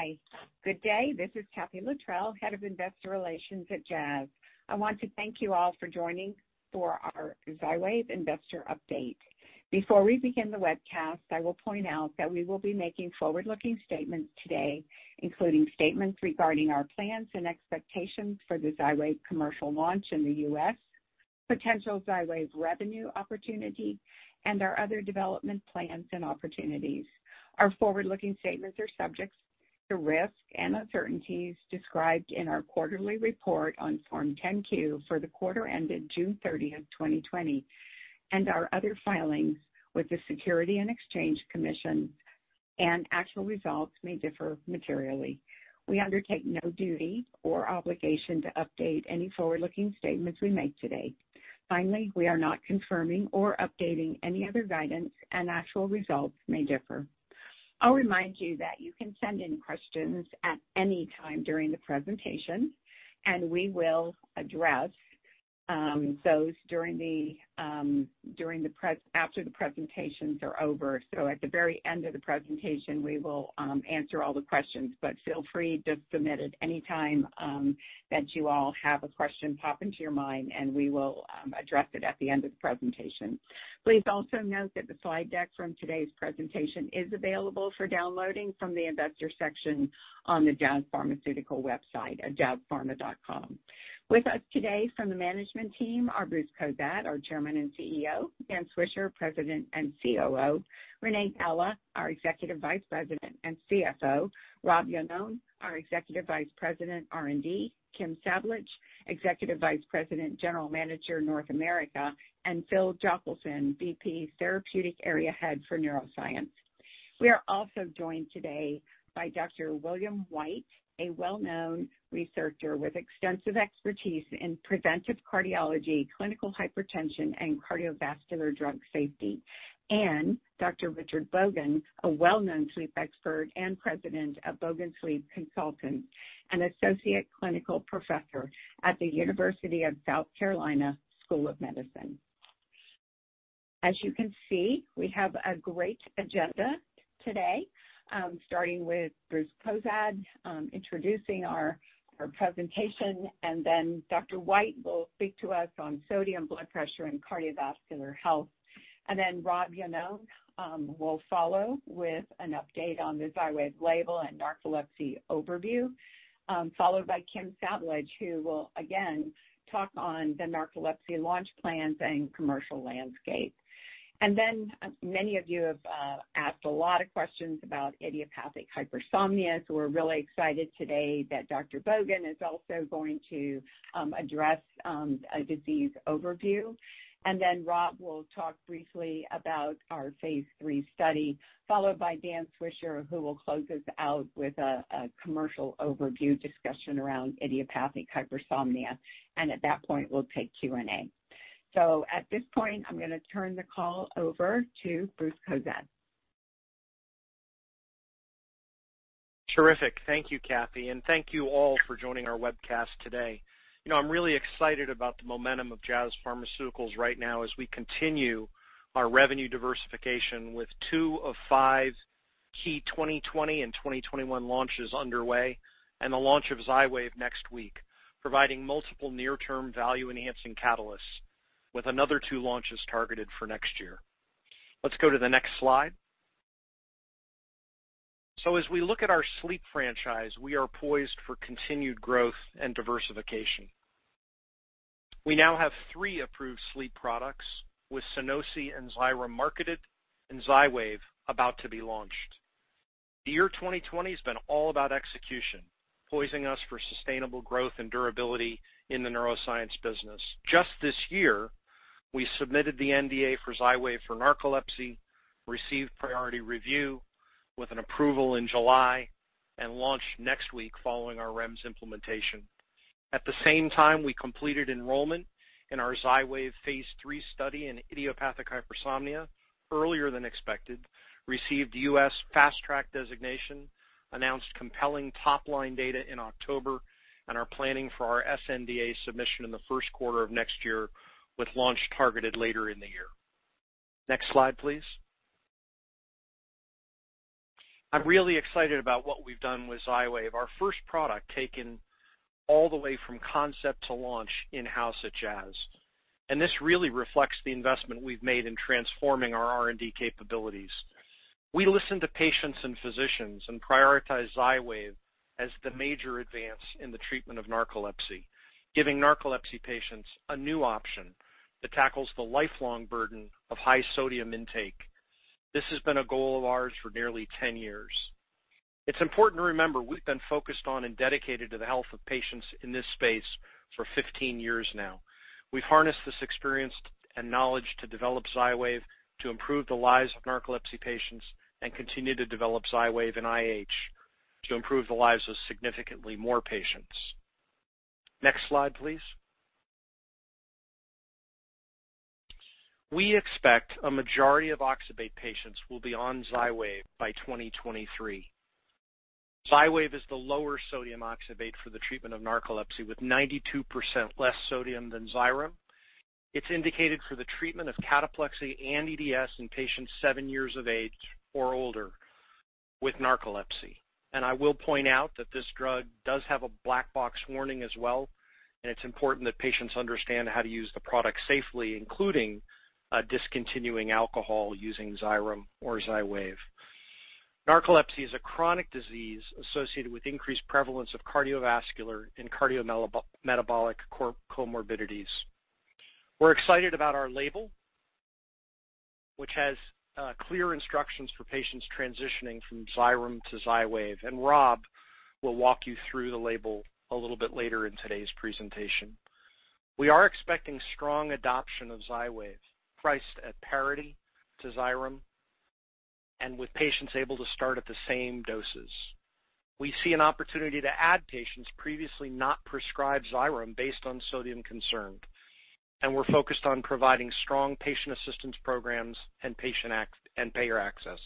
Hi. Good day. This is Kathee Littrell, Head of Investor Relations at Jazz. I want to thank you all for joining for our Xywav Investor Update. Before we begin the webcast, I will point out that we will be making forward-looking statements today, including statements regarding our plans and expectations for the Xywav commercial launch in the U.S., potential Xywav revenue opportunity, and our other development plans and opportunities. Our forward-looking statements are subject to risks and uncertainties described in our quarterly report on Form 10-Q for the quarter ended June 30, 2020, and our other filings with the Securities and Exchange Commission, and actual results may differ materially. We undertake no duty or obligation to update any forward-looking statements we make today. Finally, we are not confirming or updating any other guidance, and actual results may differ. I'll remind you that you can send in questions at any time during the presentation, and we will address those after the presentations are over. So, at the very end of the presentation, we will answer all the questions, but feel free to submit at any time that you all have a question pop into your mind, and we will address it at the end of the presentation. Please also note that the slide deck from today's presentation is available for downloading from the investor section on the Jazz Pharmaceuticals website, at jazzpharma.com. With us today from the management team are Bruce Cozadd, our Chairman and CEO, Dan Swisher, President and COO, Renée Gala, our Executive Vice President and CFO, Rob Iannone, our Executive Vice President, R&D, Kim Sablich, Executive Vice President, General Manager, North America, and Phil Jochelson, VP, Therapeutic Area Head for Neuroscience. We are also joined today by Dr. William White, a well-known researcher with extensive expertise in preventive cardiology, clinical hypertension, and cardiovascular drug safety, and Dr. Richard Bogan, a well-known sleep expert and President of Bogan Sleep Consultants and Associate Clinical Professor at the University of South Carolina School of Medicine. As you can see, we have a great agenda today, starting with Bruce Cozadd introducing our presentation, and then Dr. White will speak to us on sodium, blood pressure, and cardiovascular health, and then Rob Iannone will follow with an update on the Xywav label and narcolepsy overview, followed by Kim Sablich, who will again talk on the narcolepsy launch plans and commercial landscape, and then many of you have asked a lot of questions about idiopathic hypersomnia, so we're really excited today that Dr. Bogan is also going to address a disease overview. And then Rob will talk briefly about our phase III study, followed by Dan Swisher, who will close us out with a commercial overview discussion around idiopathic hypersomnia. And at that point, we'll take Q&A. So, at this point, I'm going to turn the call over to Bruce Cozadd. Terrific. Thank you, Kathee, and thank you all for joining our webcast today. You know, I'm really excited about the momentum of Jazz Pharmaceuticals right now as we continue our revenue diversification with two of five key 2020 and 2021 launches underway and the launch of Xywav next week, providing multiple near-term value-enhancing catalysts, with another two launches targeted for next year. Let's go to the next slide. So, as we look at our sleep franchise, we are poised for continued growth and diversification. We now have three approved sleep products, with Sunosi and Xyrem marketed, and Xywav about to be launched. The year 2020 has been all about execution, positioning us for sustainable growth and durability in the neuroscience business. Just this year, we submitted the NDA for Xywav for narcolepsy, received Priority Review with an approval in July, and launched next week following our REMS implementation. At the same time, we completed enrollment in our Xywav phase III study in idiopathic hypersomnia earlier than expected, received U.S. Fast Track designation, announced compelling top-line data in October, and are planning for our sNDA submission in the first quarter of next year, with launch targeted later in the year. Next slide, please. I'm really excited about what we've done with Xywav, our first product taken all the way from concept to launch in-house at Jazz. And this really reflects the investment we've made in transforming our R&D capabilities. We listen to patients and physicians and prioritize Xywav as the major advance in the treatment of narcolepsy, giving narcolepsy patients a new option that tackles the lifelong burden of high sodium intake. This has been a goal of ours for nearly 10 years. It's important to remember we've been focused on and dedicated to the health of patients in this space for 15 years now. We've harnessed this experience and knowledge to develop Xywav to improve the lives of narcolepsy patients and continue to develop Xywav and IH to improve the lives of significantly more patients. Next slide, please. We expect a majority of oxybate patients will be on Xywav by 2023. Xywav is the lower sodium oxybate for the treatment of narcolepsy, with 92% less sodium than Xyrem. It's indicated for the treatment of cataplexy and EDS in patients seven years of age or older with narcolepsy. And I will point out that this drug does have a black box warning as well, and it's important that patients understand how to use the product safely, including discontinuing alcohol using Xyrem or Xywav. Narcolepsy is a chronic disease associated with increased prevalence of cardiovascular and cardiometabolic comorbidities. We're excited about our label, which has clear instructions for patients transitioning from Xyrem to Xywav, and Rob will walk you through the label a little bit later in today's presentation. We are expecting strong adoption of Xywav, priced at parity to Xyrem, and with patients able to start at the same doses. We see an opportunity to add patients previously not prescribed Xyrem based on sodium concern, and we're focused on providing strong patient assistance programs and patient payer access.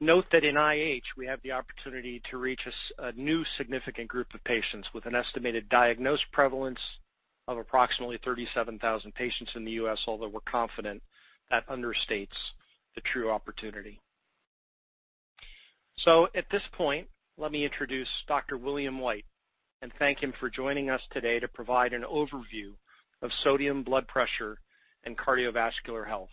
Note that in IH, we have the opportunity to reach a new significant group of patients with an estimated diagnosed prevalence of approximately 37,000 patients in the U.S., although we're confident that understates the true opportunity. At this point, let me introduce Dr. William White and thank him for joining us today to provide an overview of sodium, blood pressure, and cardiovascular health.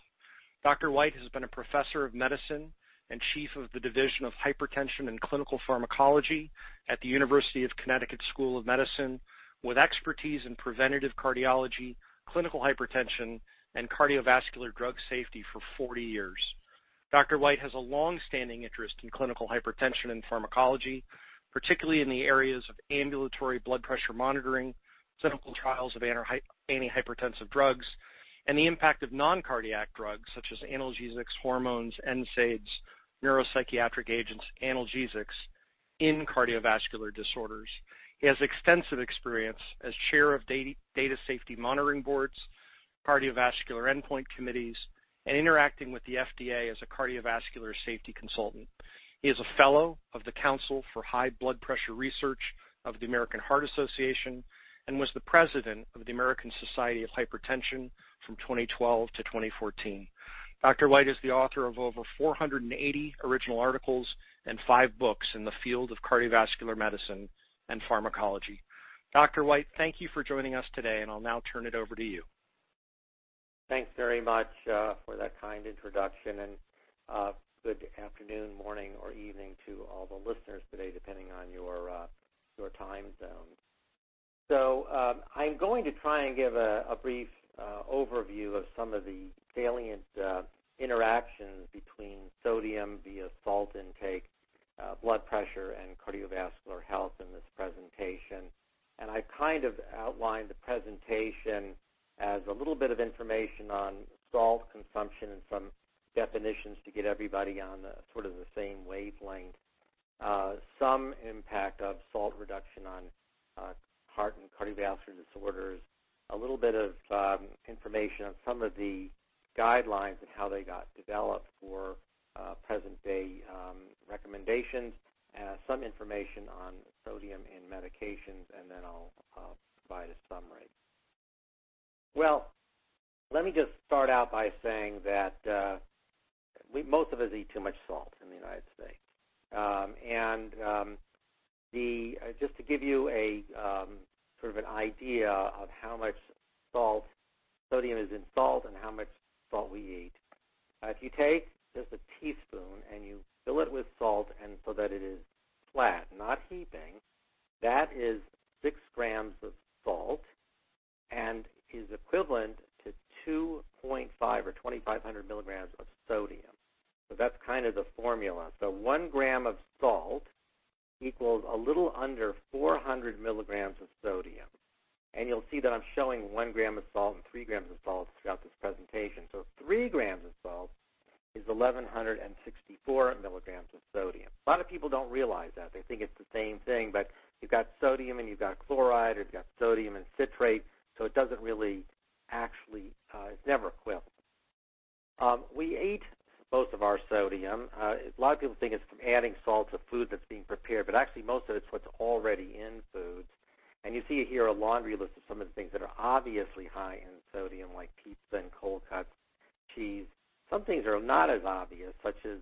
Dr. White has been a Professor of Medicine and Chief of the Division of Hypertension and Clinical Pharmacology at the University of Connecticut School of Medicine, with expertise in preventive cardiology, clinical hypertension, and cardiovascular drug safety for 40 years. Dr. White has a longstanding interest in clinical hypertension and pharmacology, particularly in the areas of ambulatory blood pressure monitoring, clinical trials of antihypertensive drugs, and the impact of non-cardiac drugs such as analgesics, hormones, NSAIDs, neuropsychiatric agents, and analgesics in cardiovascular disorders. He has extensive experience as Chair of Data Safety Monitoring Boards, cardiovascular endpoint committees, and interacting with the FDA as a cardiovascular safety consultant. He is a Fellow of the Council for High Blood Pressure Research of the American Heart Association and was the President of the American Society of Hypertension from 2012 to 2014. Dr. White is the author of over 480 original articles and five books in the field of cardiovascular medicine and pharmacology. Dr. White, thank you for joining us today, and I'll now turn it over to you. Thanks very much for that kind introduction, and good afternoon, morning, or evening to all the listeners today, depending on your time zone. I'm going to try and give a brief overview of some of the salient interactions between sodium via salt intake, blood pressure, and cardiovascular health in this presentation. I kind of outlined the presentation as a little bit of information on salt consumption and some definitions to get everybody on sort of the same wavelength. Some impact of salt reduction on heart and cardiovascular disorders, a little bit of information on some of the guidelines and how they got developed for present-day recommendations, some information on sodium in medications, and then I'll provide a summary. Let me just start out by saying that most of us eat too much salt in the United States. Just to give you sort of an idea of how much sodium is in salt and how much salt we eat, if you take just a teaspoon and you fill it with salt so that it is flat, not heaping, that is 6 g of salt and is equivalent to 2.5 or 2,500 mg of sodium. That's kind of the formula. 1 g of salt equals a little under 400 mg of sodium. You'll see that I'm showing 1 g of salt and 3 g of salt throughout this presentation. Three grams of salt is 1,164 mg of sodium. A lot of people don't realize that. They think it's the same thing, but you've got sodium and you've got chloride, or you've got sodium and citrate, so it doesn't really actually, it's never equivalent. We eat most of our sodium. A lot of people think it's from adding salt to food that's being prepared, but actually, most of it's what's already in foods, and you see here a laundry list of some of the things that are obviously high in sodium, like pizza and cold cuts, cheese. Some things are not as obvious, such as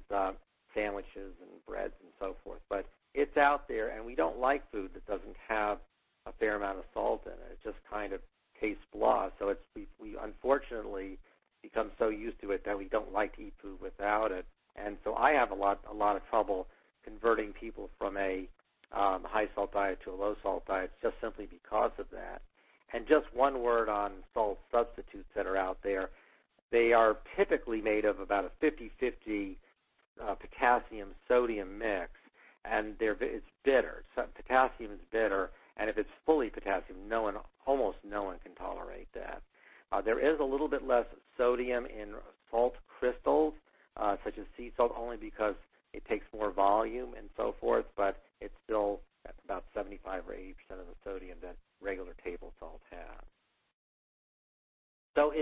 sandwiches and breads and so forth, but it's out there, and we don't like food that doesn't have a fair amount of salt in it. It just kind of tastes blah, so we unfortunately become so used to it that we don't like to eat food without it, and so I have a lot of trouble converting people from a high-salt diet to a low-salt diet just simply because of that, and just one word on salt substitutes that are out there. They are typically made of about a 50/50 potassium-sodium mix, and it's bitter. Potassium is bitter, and if it's fully potassium, almost no one can tolerate that. There is a little bit less sodium in salt crystals, such as sea salt, only because it takes more volume and so forth, but it's still about 75% or 80% of the sodium that regular table salt has. So,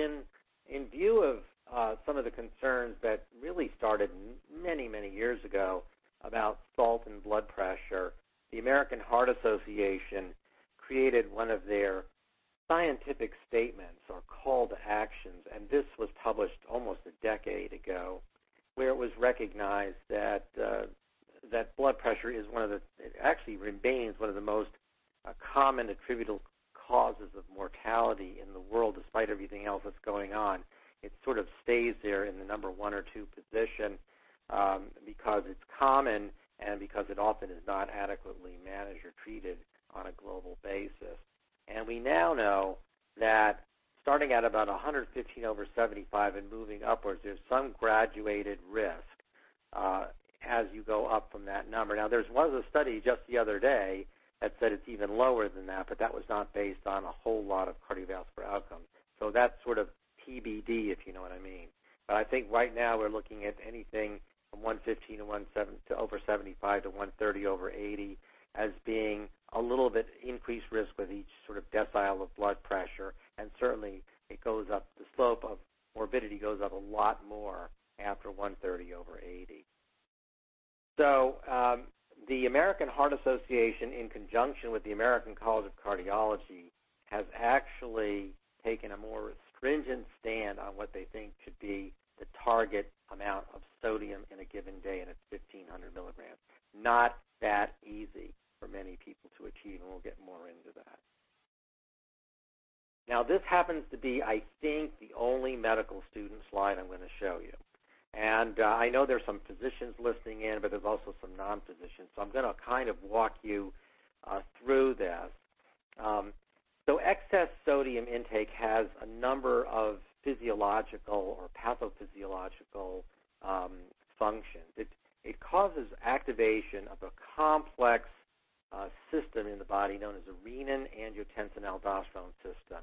in view of some of the concerns that really started many, many years ago about salt and blood pressure, the American Heart Association created one of their scientific statements or call to actions, and this was published almost a decade ago, where it was recognized that blood pressure is one of the, it actually remains one of the most common attributable causes of mortality in the world, despite everything else that's going on. It sort of stays there in the number one or two position because it's common and because it often is not adequately managed or treated on a global basis, and we now know that starting at about 115 over 75 and moving upwards, there's some graduated risk as you go up from that number. Now, there was a study just the other day that said it's even lower than that, but that was not based on a whole lot of cardiovascular outcomes, so that's sort of TBD, if you know what I mean, but I think right now we're looking at anything from 115 to over 75 to 130 over 80 as being a little bit increased risk with each sort of decile of blood pressure, and certainly it goes up, the slope of morbidity goes up a lot more after 130 over 80. The American Heart Association, in conjunction with the American College of Cardiology, has actually taken a more stringent stand on what they think should be the target amount of sodium in a given day and it's 1,500 mg. Not that easy for many people to achieve, and we'll get more into that. Now, this happens to be, I think, the only medical student slide I'm going to show you. I know there's some physicians listening in, but there's also some non-physicians, so I'm going to kind of walk you through this. Excess sodium intake has a number of physiological or pathophysiological functions. It causes activation of a complex system in the body known as the Renin-Angiotensin-Aldosterone System,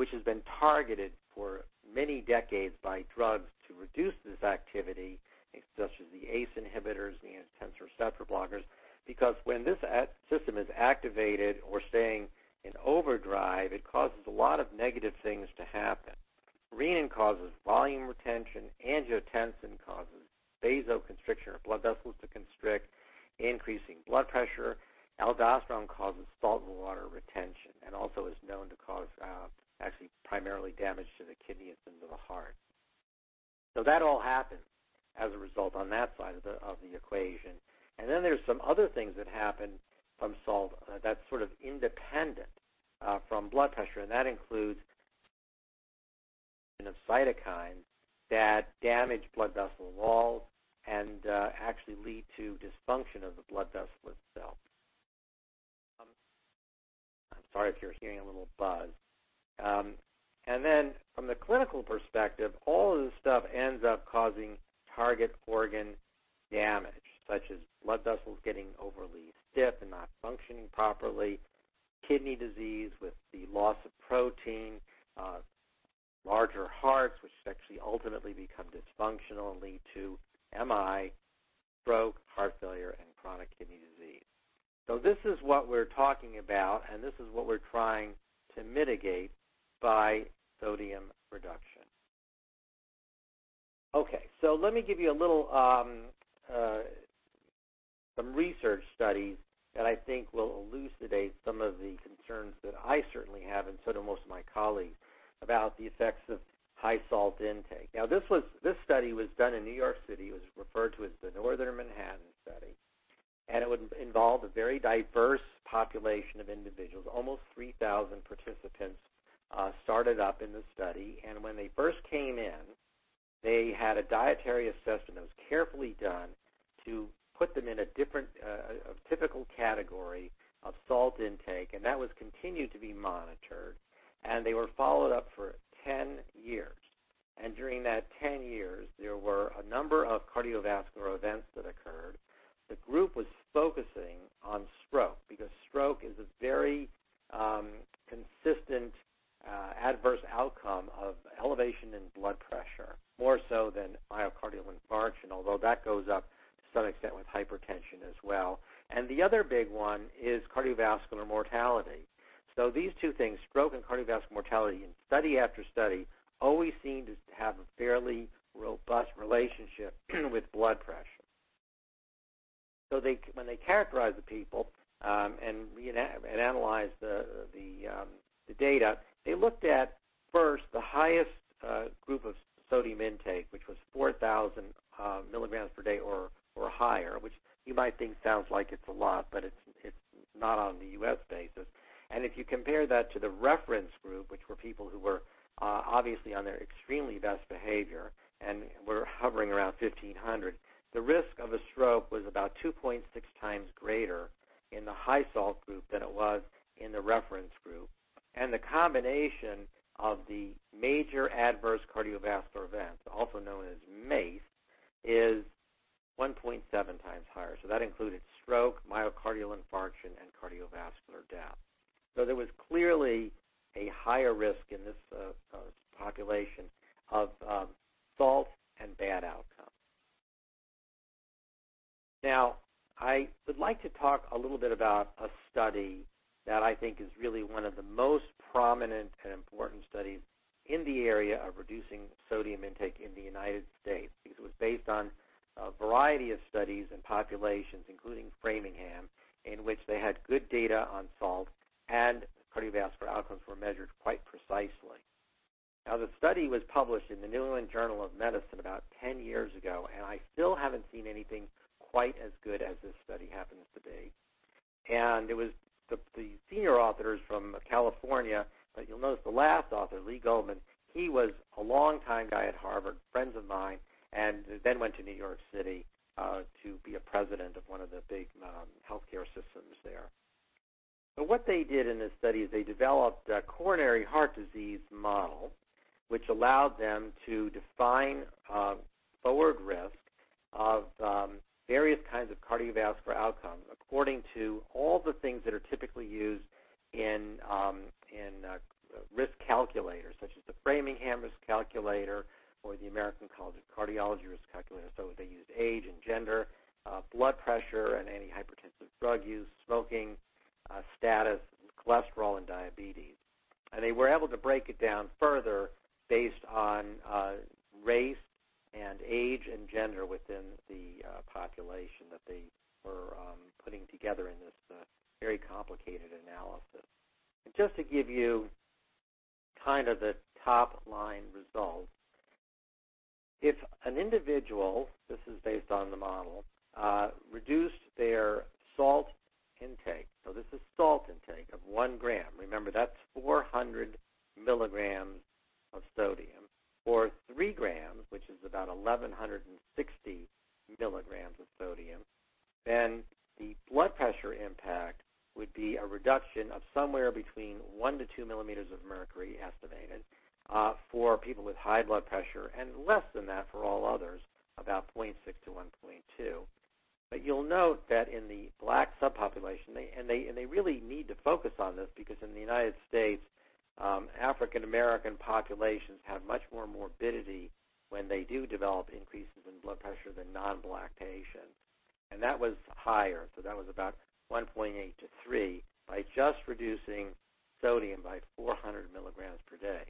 which has been targeted for many decades by drugs to reduce this activity, such as the ACE inhibitors and the angiotensin receptor blockers, because when this system is activated or staying in overdrive, it causes a lot of negative things to happen. Renin causes volume retention, angiotensin causes vasoconstriction or blood vessels to constrict, increasing blood pressure, aldosterone causes salt and water retention, and also is known to cause actually primarily damage to the kidneys and to the heart, so that all happens as a result on that side of the equation, and then there's some other things that happen from salt that's sort of independent from blood pressure, and that includes the exposure to cytokines that damage blood vessel walls and actually lead to dysfunction of the blood vessel itself. I'm sorry if you're hearing a little buzz. And then, from the clinical perspective, all of this stuff ends up causing target organ damage, such as blood vessels getting overly stiff and not functioning properly, kidney disease with the loss of protein, larger hearts, which actually ultimately become dysfunctional and lead to MI, stroke, heart failure, and chronic kidney disease. So, this is what we're talking about, and this is what we're trying to mitigate by sodium reduction. Okay, so let me give you some research studies that I think will elucidate some of the concerns that I certainly have, and so do most of my colleagues, about the effects of high salt intake. Now, this study was done in New York City. It was referred to as the Northern Manhattan Study, and it would involve a very diverse population of individuals, almost 3,000 participants started up in the study, and when they first came in, they had a dietary assessment that was carefully done to put them in a different typical category of salt intake, and that was continued to be monitored, and they were followed up for 10 years, and during that 10 years, there were a number of cardiovascular events that occurred. The group was focusing on stroke because stroke is a very consistent adverse outcome of elevation in blood pressure, more so than myocardial infarction, although that goes up to some extent with hypertension as well, and the other big one is cardiovascular mortality, so these two things, stroke and cardiovascular mortality, in study after study, always seem to have a fairly robust relationship with blood pressure. When they characterized the people and analyzed the data, they looked at first the highest group of sodium intake, which was 4,000 mg per day or higher, which you might think sounds like it's a lot, but it's not on the U.S. basis. If you compare that to the reference group, which were people who were obviously on their extremely best behavior and were hovering around 1,500, the risk of a stroke was about 2.6x greater in the high salt group than it was in the reference group. The combination of the major adverse cardiovascular events, also known as MACE, is 1.7x higher. That included stroke, myocardial infarction, and cardiovascular death. There was clearly a higher risk in this population of salt and bad outcomes. Now, I would like to talk a little bit about a study that I think is really one of the most prominent and important studies in the area of reducing sodium intake in the United States because it was based on a variety of studies and populations, including Framingham, in which they had good data on salt, and cardiovascular outcomes were measured quite precisely. Now, the study was published in the New England Journal of Medicine about 10 years ago, and I still haven't seen anything quite as good as this study happens to be, and the senior authors from California, but you'll notice the last author, Lee Goldman, he was a longtime guy at Harvard, friends of mine, and then went to New York City to be a president of one of the big healthcare systems there. What they did in this study is they developed a coronary heart disease model, which allowed them to define forward risk of various kinds of cardiovascular outcomes according to all the things that are typically used in risk calculators, such as the Framingham risk calculator or the American College of Cardiology risk calculator. They used age and gender, blood pressure and antihypertensive drug use, smoking status, cholesterol, and diabetes. They were able to break it down further based on race and age and gender within the population that they were putting together in this very complicated analysis. And just to give you kind of the top-line results, if an individual, this is based on the model, reduced their salt intake, so this is salt intake of 1 g, remember that's 400 mg of sodium, or 3 g, which is about 1,160 mg of sodium, then the blood pressure impact would be a reduction of somewhere between 1-2 mm of mercury, estimated, for people with high blood pressure, and less than that for all others, about 0.6-1.2. But you'll note that in the Black subpopulation, and they really need to focus on this because in the United States, African American populations have much more morbidity when they do develop increases in blood pressure than non-Black patients. And that was higher, so that was about 1.8-3 by just reducing sodium by 400 mg per day.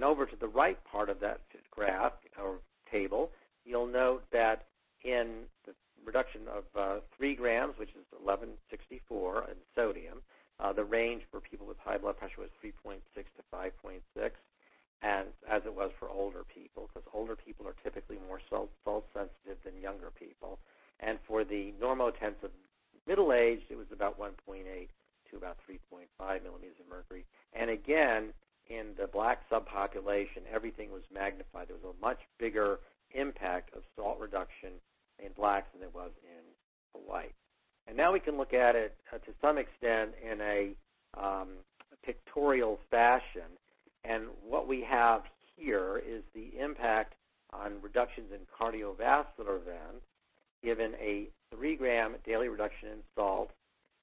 Over to the right part of that graph or table, you'll note that in the reduction of 3 g, which is 1,164 mg of sodium, the range for people with high blood pressure was 3.6-5.6, as it was for older people because older people are typically more salt-sensitive than younger people. For the normotensive middle-aged, it was about 1.8-3.5 mm of mercury. Again, in the Black subpopulation, everything was magnified. There was a much bigger impact of salt reduction in Blacks than it was in Whites. Now we can look at it to some extent in a pictorial fashion. What we have here is the impact on reductions in cardiovascular events given a 3 g daily reduction in salt.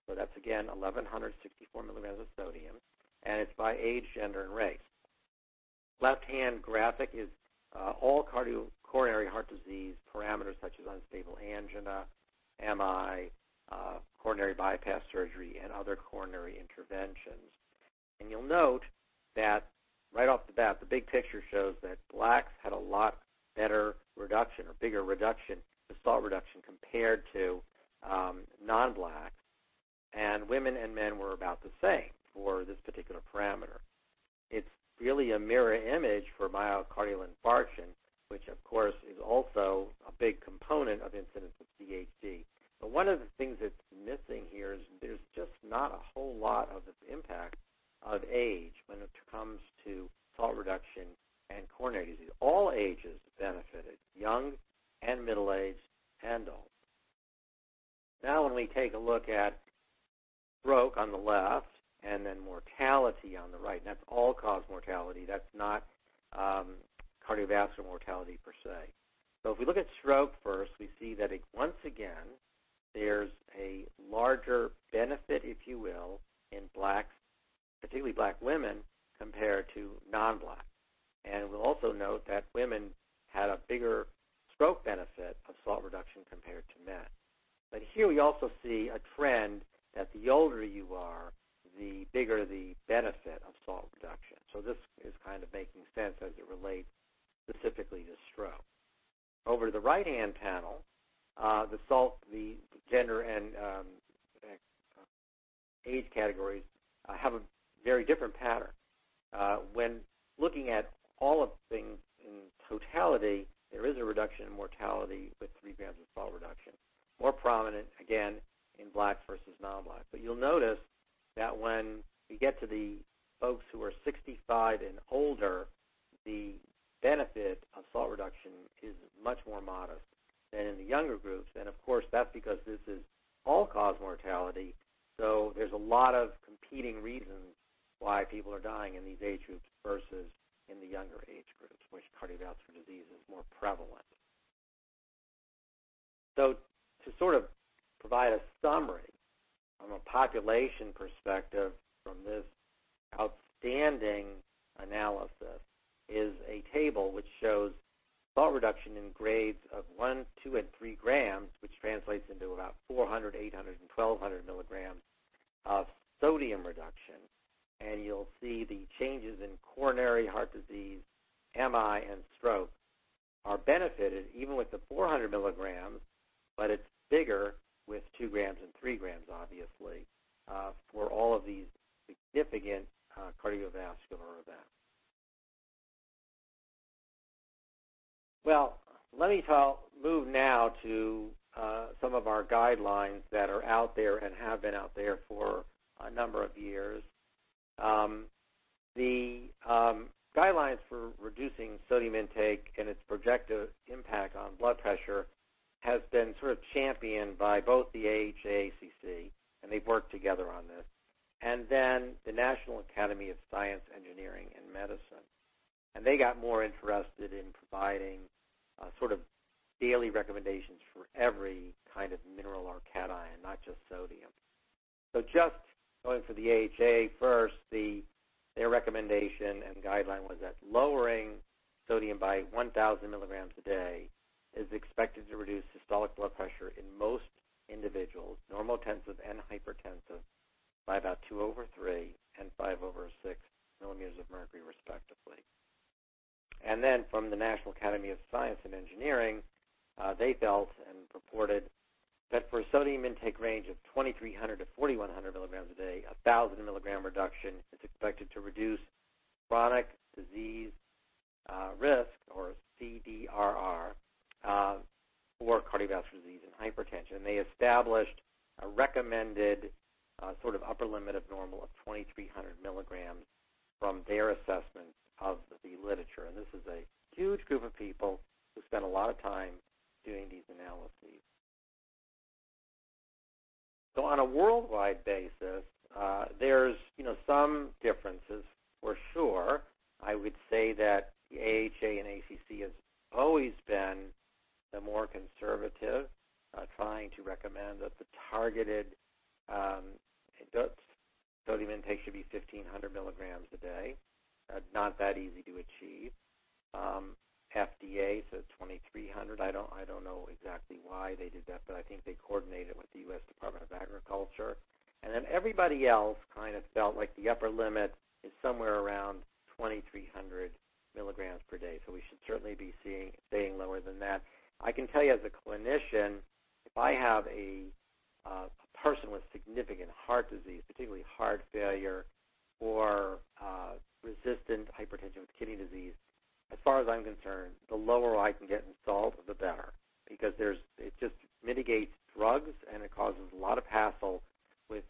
So, that's again 1,164 mg of sodium, and it's by age, gender, and race. The left-hand graphic is all coronary heart disease parameters, such as unstable angina, MI, coronary bypass surgery, and other coronary interventions. And you'll note that right off the bat, the big picture shows that Blacks had a lot better reduction or bigger reduction to salt reduction compared to non-Blacks. And women and men were about the same for this particular parameter. It's really a mirror image for myocardial infarction, which of course is also a big component of incidence of CHD. But one of the things that's missing here is there's just not a whole lot of impact of age when it comes to salt reduction and coronary disease. All ages benefited, young and middle-aged and old. Now, when we take a look at stroke on the left and then mortality on the right, and that's all-cause mortality, that's not cardiovascular mortality per se. If we look at stroke first, we see that once again there's a larger benefit, if you will, in Blacks, particularly Black women, compared to non-Blacks. We'll also note that women had a bigger stroke benefit of salt reduction compared to men. Here we also see a trend that the older you are, the bigger the benefit of salt reduction. This is kind of making sense as it relates specifically to stroke. Over to the right-hand panel, the gender and age categories have a very different pattern. When looking at all of things in totality, there is a reduction in mortality with 3 g of salt reduction, more prominent again in Blacks versus non-Blacks. You'll notice that when we get to the folks who are 65 and older, the benefit of salt reduction is much more modest than in the younger groups. Of course, that's because this is all-cause mortality, so there's a lot of competing reasons why people are dying in these age groups versus in the younger age groups, which cardiovascular disease is more prevalent. To sort of provide a summary from a population perspective from this outstanding analysis is a table which shows salt reduction in grades of 1, 2, 3 g, which translates into about 400, 800, and 1,200 mg of sodium reduction. You'll see the changes in coronary heart disease, MI, and stroke are benefited even with the 400 mg, but it's bigger with 2 g and 3 g, obviously, for all of these significant cardiovascular events. Let me move now to some of our guidelines that are out there and have been out there for a number of years. The guidelines for reducing sodium intake and its projected impact on blood pressure have been sort of championed by both the AHA/ACC, and they've worked together on this, and then the National Academy of Sciences, Engineering, and Medicine, and they got more interested in providing sort of daily recommendations for every kind of mineral or cation, not just sodium, so just going for the AHA first, their recommendation and guideline was that lowering sodium by 1,000 mg a day is expected to reduce systolic blood pressure in most individuals, normotensive and hypertensive, by about 2 over 3 and 5 over 6 mm of mercury, respectively, and then from the National Academy of Sciences, Engineering, and Medicine, they felt and reported that for a sodium intake range of 2,300-4,100 mg a day, 1,000 mg reduction is expected to reduce chronic disease risk, or CDRR, for cardiovascular disease and hypertension. They established a recommended sort of upper limit of normal of 2,300 mg from their assessment of the literature. This is a huge group of people who spent a lot of time doing these analyses. On a worldwide basis, there are some differences, for sure. I would say that the AHA and ACC have always been the more conservative, trying to recommend that the targeted sodium intake should be 1,500 mg a day, not that easy to achieve. The FDA said 2,300 mg. I do not know exactly why they did that, but I think they coordinated with the U.S. Department of Agriculture. Everybody else kind of felt like the upper limit is somewhere around 2,300 mg per day. We should certainly be seeing it staying lower than that. I can tell you, as a clinician, if I have a person with significant heart disease, particularly heart failure or resistant hypertension with kidney disease, as far as I'm concerned, the lower I can get in salt, the better because it just mitigates drugs and it causes a lot of hassle with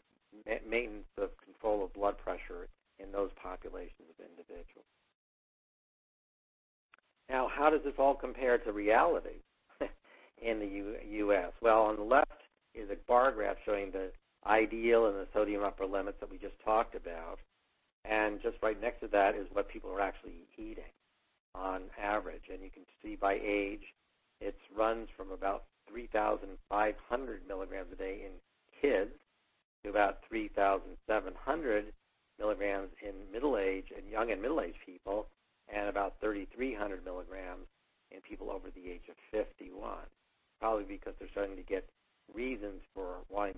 maintenance of control of blood pressure in those populations of individuals. Now, how does this all compare to reality in the U.S.? Well, on the left is a bar graph showing the ideal and the sodium upper limits that we just talked about. And just right next to that is what people are actually eating on average. You can see by age, it runs from about 3,500 mg a day in kids to about 3,700 mg in middle-aged and young and middle-aged people, and about 3,300 mg in people over the age of 51, probably because they're starting to get reasons for why.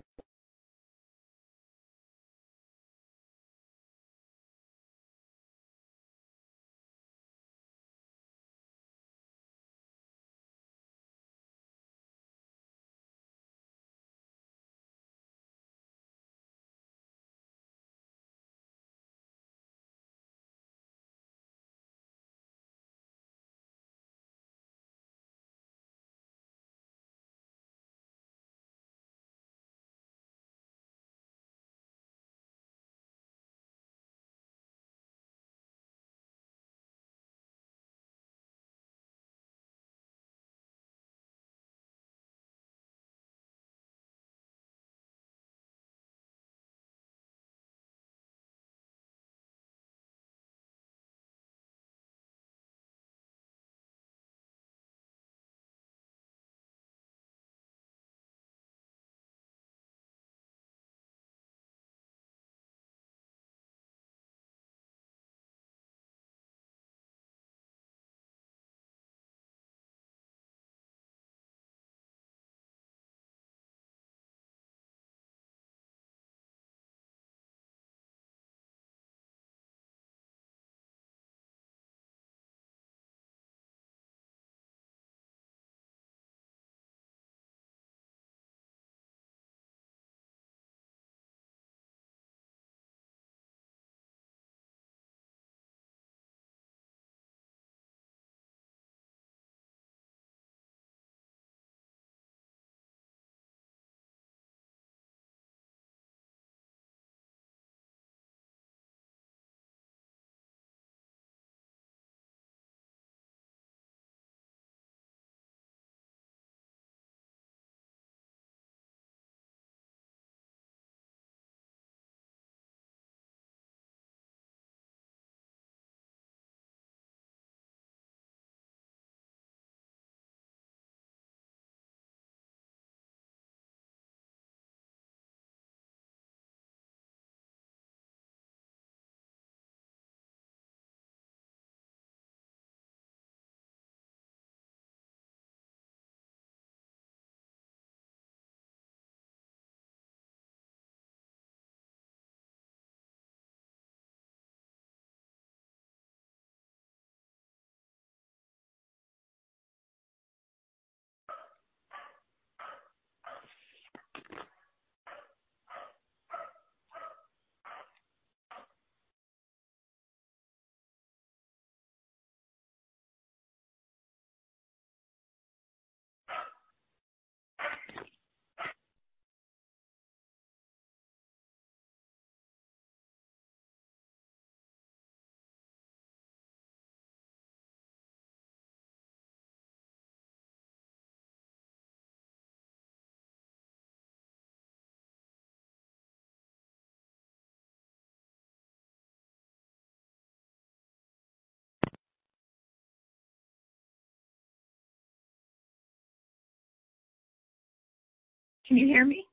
Can you hear me?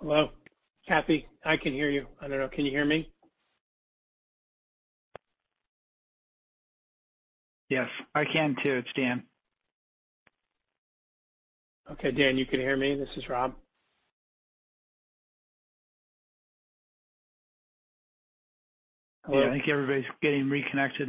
Hello, Kathee, I can hear you. I don't know, can you hear me? Yes, I can too. It's Dan. Okay, Dan, you can hear me. This is Rob. Hello. Yeah, I think everybody's getting reconnected.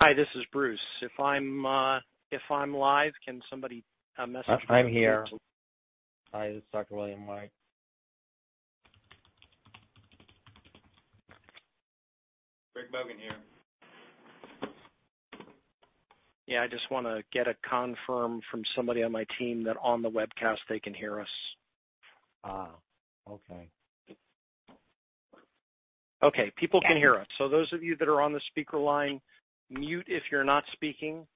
Hi, this is Bruce. If I'm live, can somebody message me? I'm here. Hi, this is Dr. William White. Rick Bogan here. Yeah, I just want to get a confirm from somebody on my team that on the webcast they can hear us. Okay. Okay, people can hear us. So those of you that are on the speaker line, mute if you're not speaking.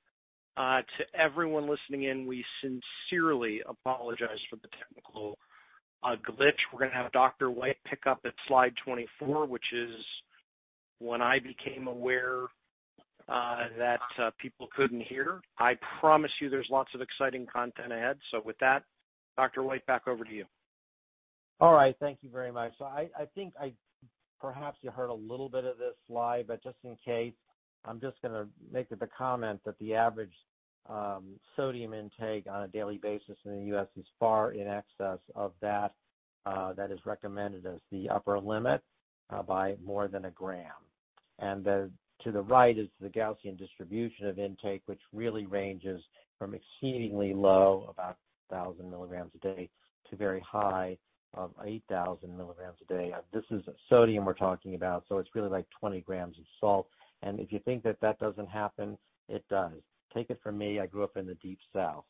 To everyone listening in, we sincerely apologize for the technical glitch. We're going to have Dr. White pick up at slide 24, which is when I became aware that people couldn't hear. I promise you there's lots of exciting content ahead. So with that, Dr. White, back over to you. All right, thank you very much. So I think perhaps you heard a little bit of this slide, but just in case, I'm just going to make the comment that the average sodium intake on a daily basis in the U.S. is far in excess of that that is recommended as the upper limit by more than 1 g. And to the right is the Gaussian distribution of intake, which really ranges from exceedingly low, about 1,000 mg a day, to very high of 8,000 mg a day. This is sodium we're talking about, so it's really like 20 g of salt. And if you think that that doesn't happen, it does. Take it from me, I grew up in the Deep South.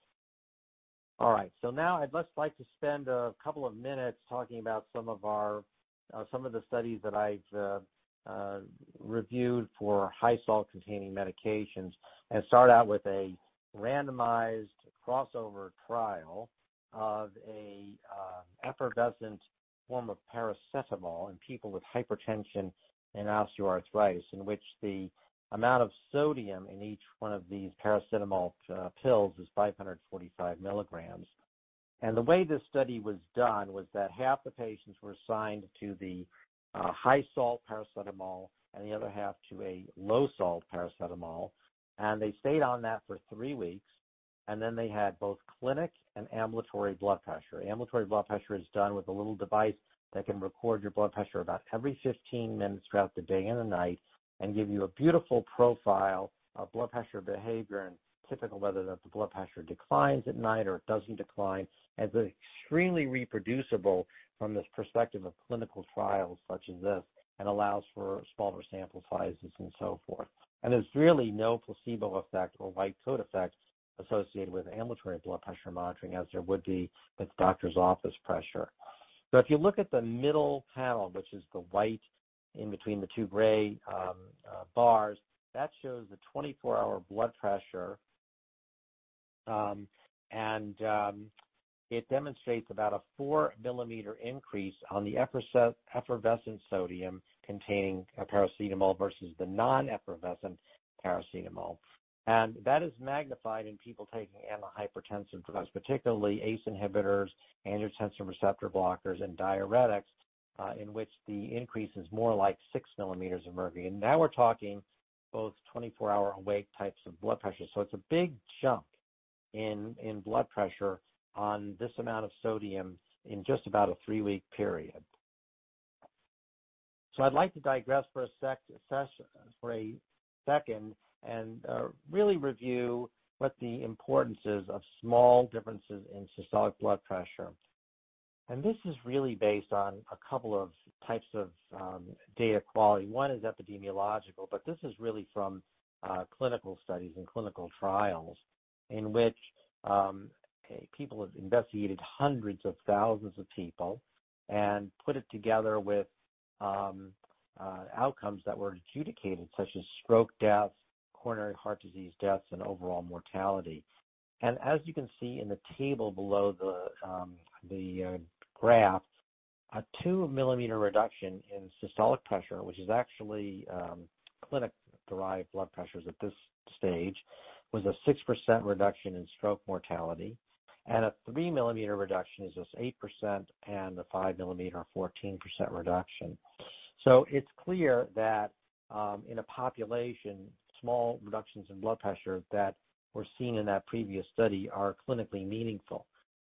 All right, so now I'd just like to spend a couple of minutes talking about some of the studies that I've reviewed for high-salt-containing medications and start out with a randomized crossover trial of an effervescent form of paracetamol in people with hypertension and osteoarthritis, in which the amount of sodium in each one of these paracetamol pills is 545 mg. And the way this study was done was that half the patients were assigned to the high-salt paracetamol and the other half to a low-salt paracetamol. And they stayed on that for three weeks, and then they had both clinic and ambulatory blood pressure. Ambulatory blood pressure is done with a little device that can record your blood pressure about every 15 minutes throughout the day and the night and give you a beautiful profile of blood pressure behavior and typical whether or not the blood pressure declines at night or it doesn't decline. And it's extremely reproducible from this perspective of clinical trials such as this and allows for smaller sample sizes and so forth. And there's really no placebo effect or white coat effect associated with ambulatory blood pressure monitoring as there would be with doctor's office pressure. So if you look at the middle panel, which is the white in between the two gray bars, that shows the 24-hour blood pressure, and it demonstrates about a 4 mm increase on the effervescent sodium containing paracetamol versus the non-effervescent paracetamol. And that is magnified in people taking antihypertensive drugs, particularly ACE inhibitors, angiotensin receptor blockers, and diuretics, in which the increase is more like 6 mm of mercury. And now we're talking both 24-hour awake types of blood pressure, so it's a big jump in blood pressure on this amount of sodium in just about a three-week period. So I'd like to digress for a second and really review what the importance is of small differences in systolic blood pressure. And this is really based on a couple of types of data quality. One is epidemiological, but this is really from clinical studies and clinical trials in which people have investigated hundreds of thousands of people and put it together with outcomes that were adjudicated, such as stroke deaths, coronary heart disease deaths, and overall mortality. As you can see in the table below the graph, a 2 mm reduction in systolic pressure, which is actually clinic-derived blood pressures at this stage, was a 6% reduction in stroke mortality, and a 3 mm reduction is just 8%, and the 5 mm or a 14% reduction. It's clear that in a population, small reductions in blood pressure that were seen in that previous study are clinically meaningful.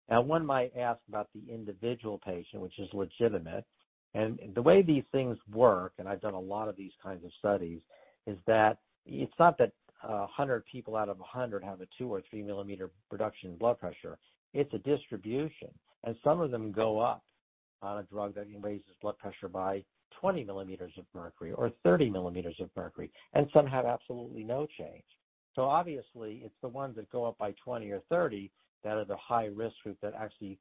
Now, one might ask about the individual patient, which is legitimate. The way these things work, and I've done a lot of these kinds of studies, is that it's not that 100 people out of 100 have a 2 or 3 mm reduction in blood pressure. It's a distribution, and some of them go up on a drug that raises blood pressure by 20 mm of mercury or 30 mm of mercury, and some have absolutely no change. So obviously, it's the ones that go up by 20 or 30 that are the high-risk group that actually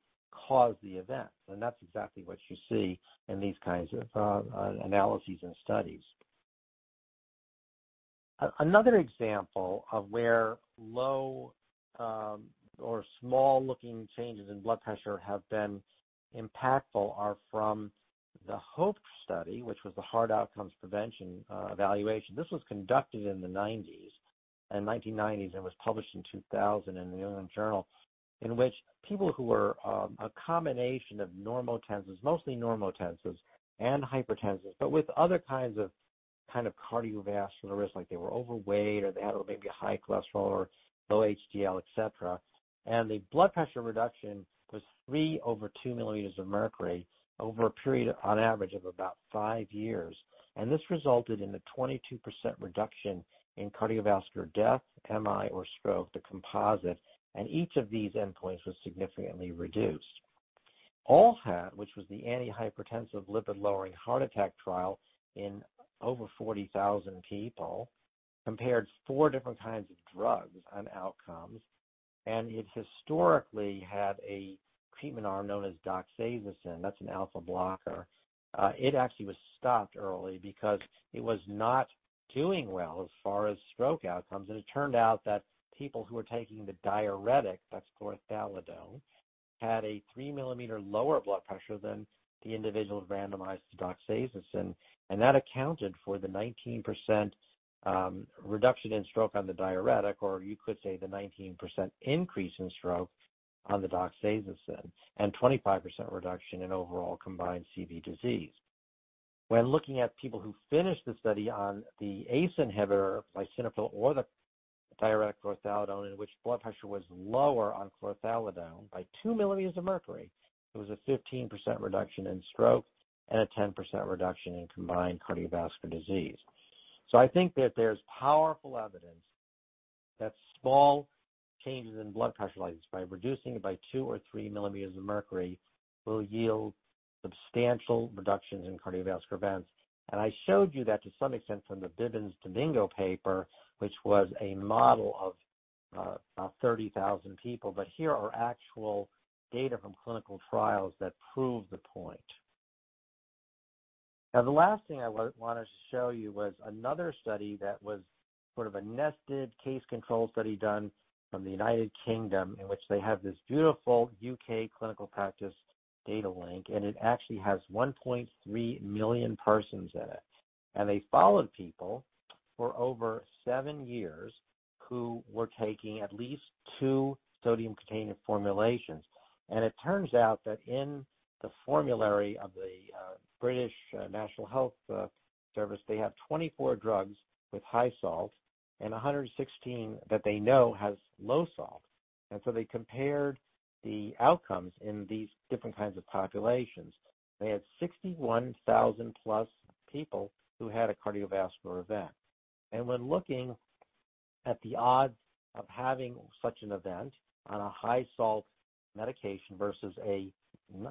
cause the event, and that's exactly what you see in these kinds of analyses and studies. Another example of where low or small-looking changes in blood pressure have been impactful are from the HOPE study, which was the Heart Outcomes Prevention Evaluation. This was conducted in the 1990s, and in the 1990s, and was published in 2000 in The New England Journal, in which people who were a combination of normotensives, mostly normotensives, and hypertensives, but with other kinds of cardiovascular risk, like they were overweight or they had maybe a high cholesterol or low HDL, etc., and the blood pressure reduction was 3 over 2 mm of mercury over a period on average of about five years. This resulted in a 22% reduction in cardiovascular death, MI, or stroke, the composite, and each of these endpoints was significantly reduced. ALLHAT, which was the Antihypertensive and Lipid-Lowering Treatment to Prevent Heart Attack Trial in over 40,000 people, compared four different kinds of drugs on outcomes, and it historically had a treatment arm known as doxazosin. That's an alpha blocker. It actually was stopped early because it was not doing well as far as stroke outcomes, and it turned out that people who were taking the diuretic, that's chlorthalidone, had a 3 mm lower blood pressure than the individual randomized to doxazosin, and that accounted for the 19% reduction in stroke on the diuretic, or you could say the 19% increase in stroke on the doxazosin, and 25% reduction in overall combined CV disease. When looking at people who finished the study on the ACE inhibitor, lisinopril, or the diuretic chlorthalidone, in which blood pressure was lower on chlorthalidone by 2 mm of mercury, it was a 15% reduction in stroke and a 10% reduction in combined cardiovascular disease. So I think that there's powerful evidence that small changes in blood pressure, like by reducing it by 2 or 3 mm of mercury, will yield substantial reductions in cardiovascular events. And I showed you that to some extent from the Bibbins-Domingo paper, which was a model of about 30,000 people, but here are actual data from clinical trials that prove the point. Now, the last thing I wanted to show you was another study that was sort of a nested case control study done from the United Kingdom, in which they have this beautiful U.K. Clinical Practice Datalink, and it actually has 1.3 million persons in it, and they followed people for over seven years who were taking at least two sodium-containing formulations, and it turns out that in the formulary of the British National Health Service, they have 24 drugs with high salt and 116 that they know have low salt, and so they compared the outcomes in these different kinds of populations. They had 61,000+ people who had a cardiovascular event, and when looking at the odds of having such an event on a high-salt medication versus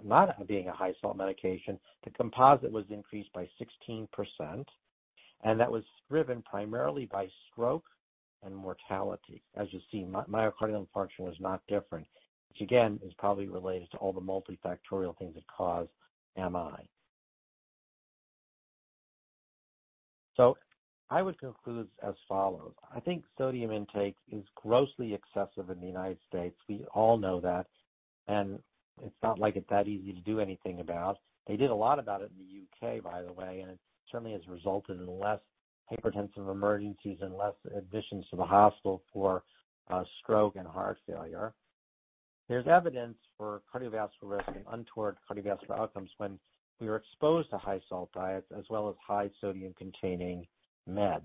not being a high-salt medication, the composite was increased by 16%, and that was driven primarily by stroke and mortality. As you see, myocardial infarction was not different, which again is probably related to all the multifactorial things that cause MI. So I would conclude as follows. I think sodium intake is grossly excessive in the United States. We all know that, and it's not like it's that easy to do anything about. They did a lot about it in the U.K., by the way, and it certainly has resulted in less hypertensive emergencies and less admissions to the hospital for stroke and heart failure. There's evidence for cardiovascular risk and untoward cardiovascular outcomes when we are exposed to high-salt diets as well as high-sodium-containing meds.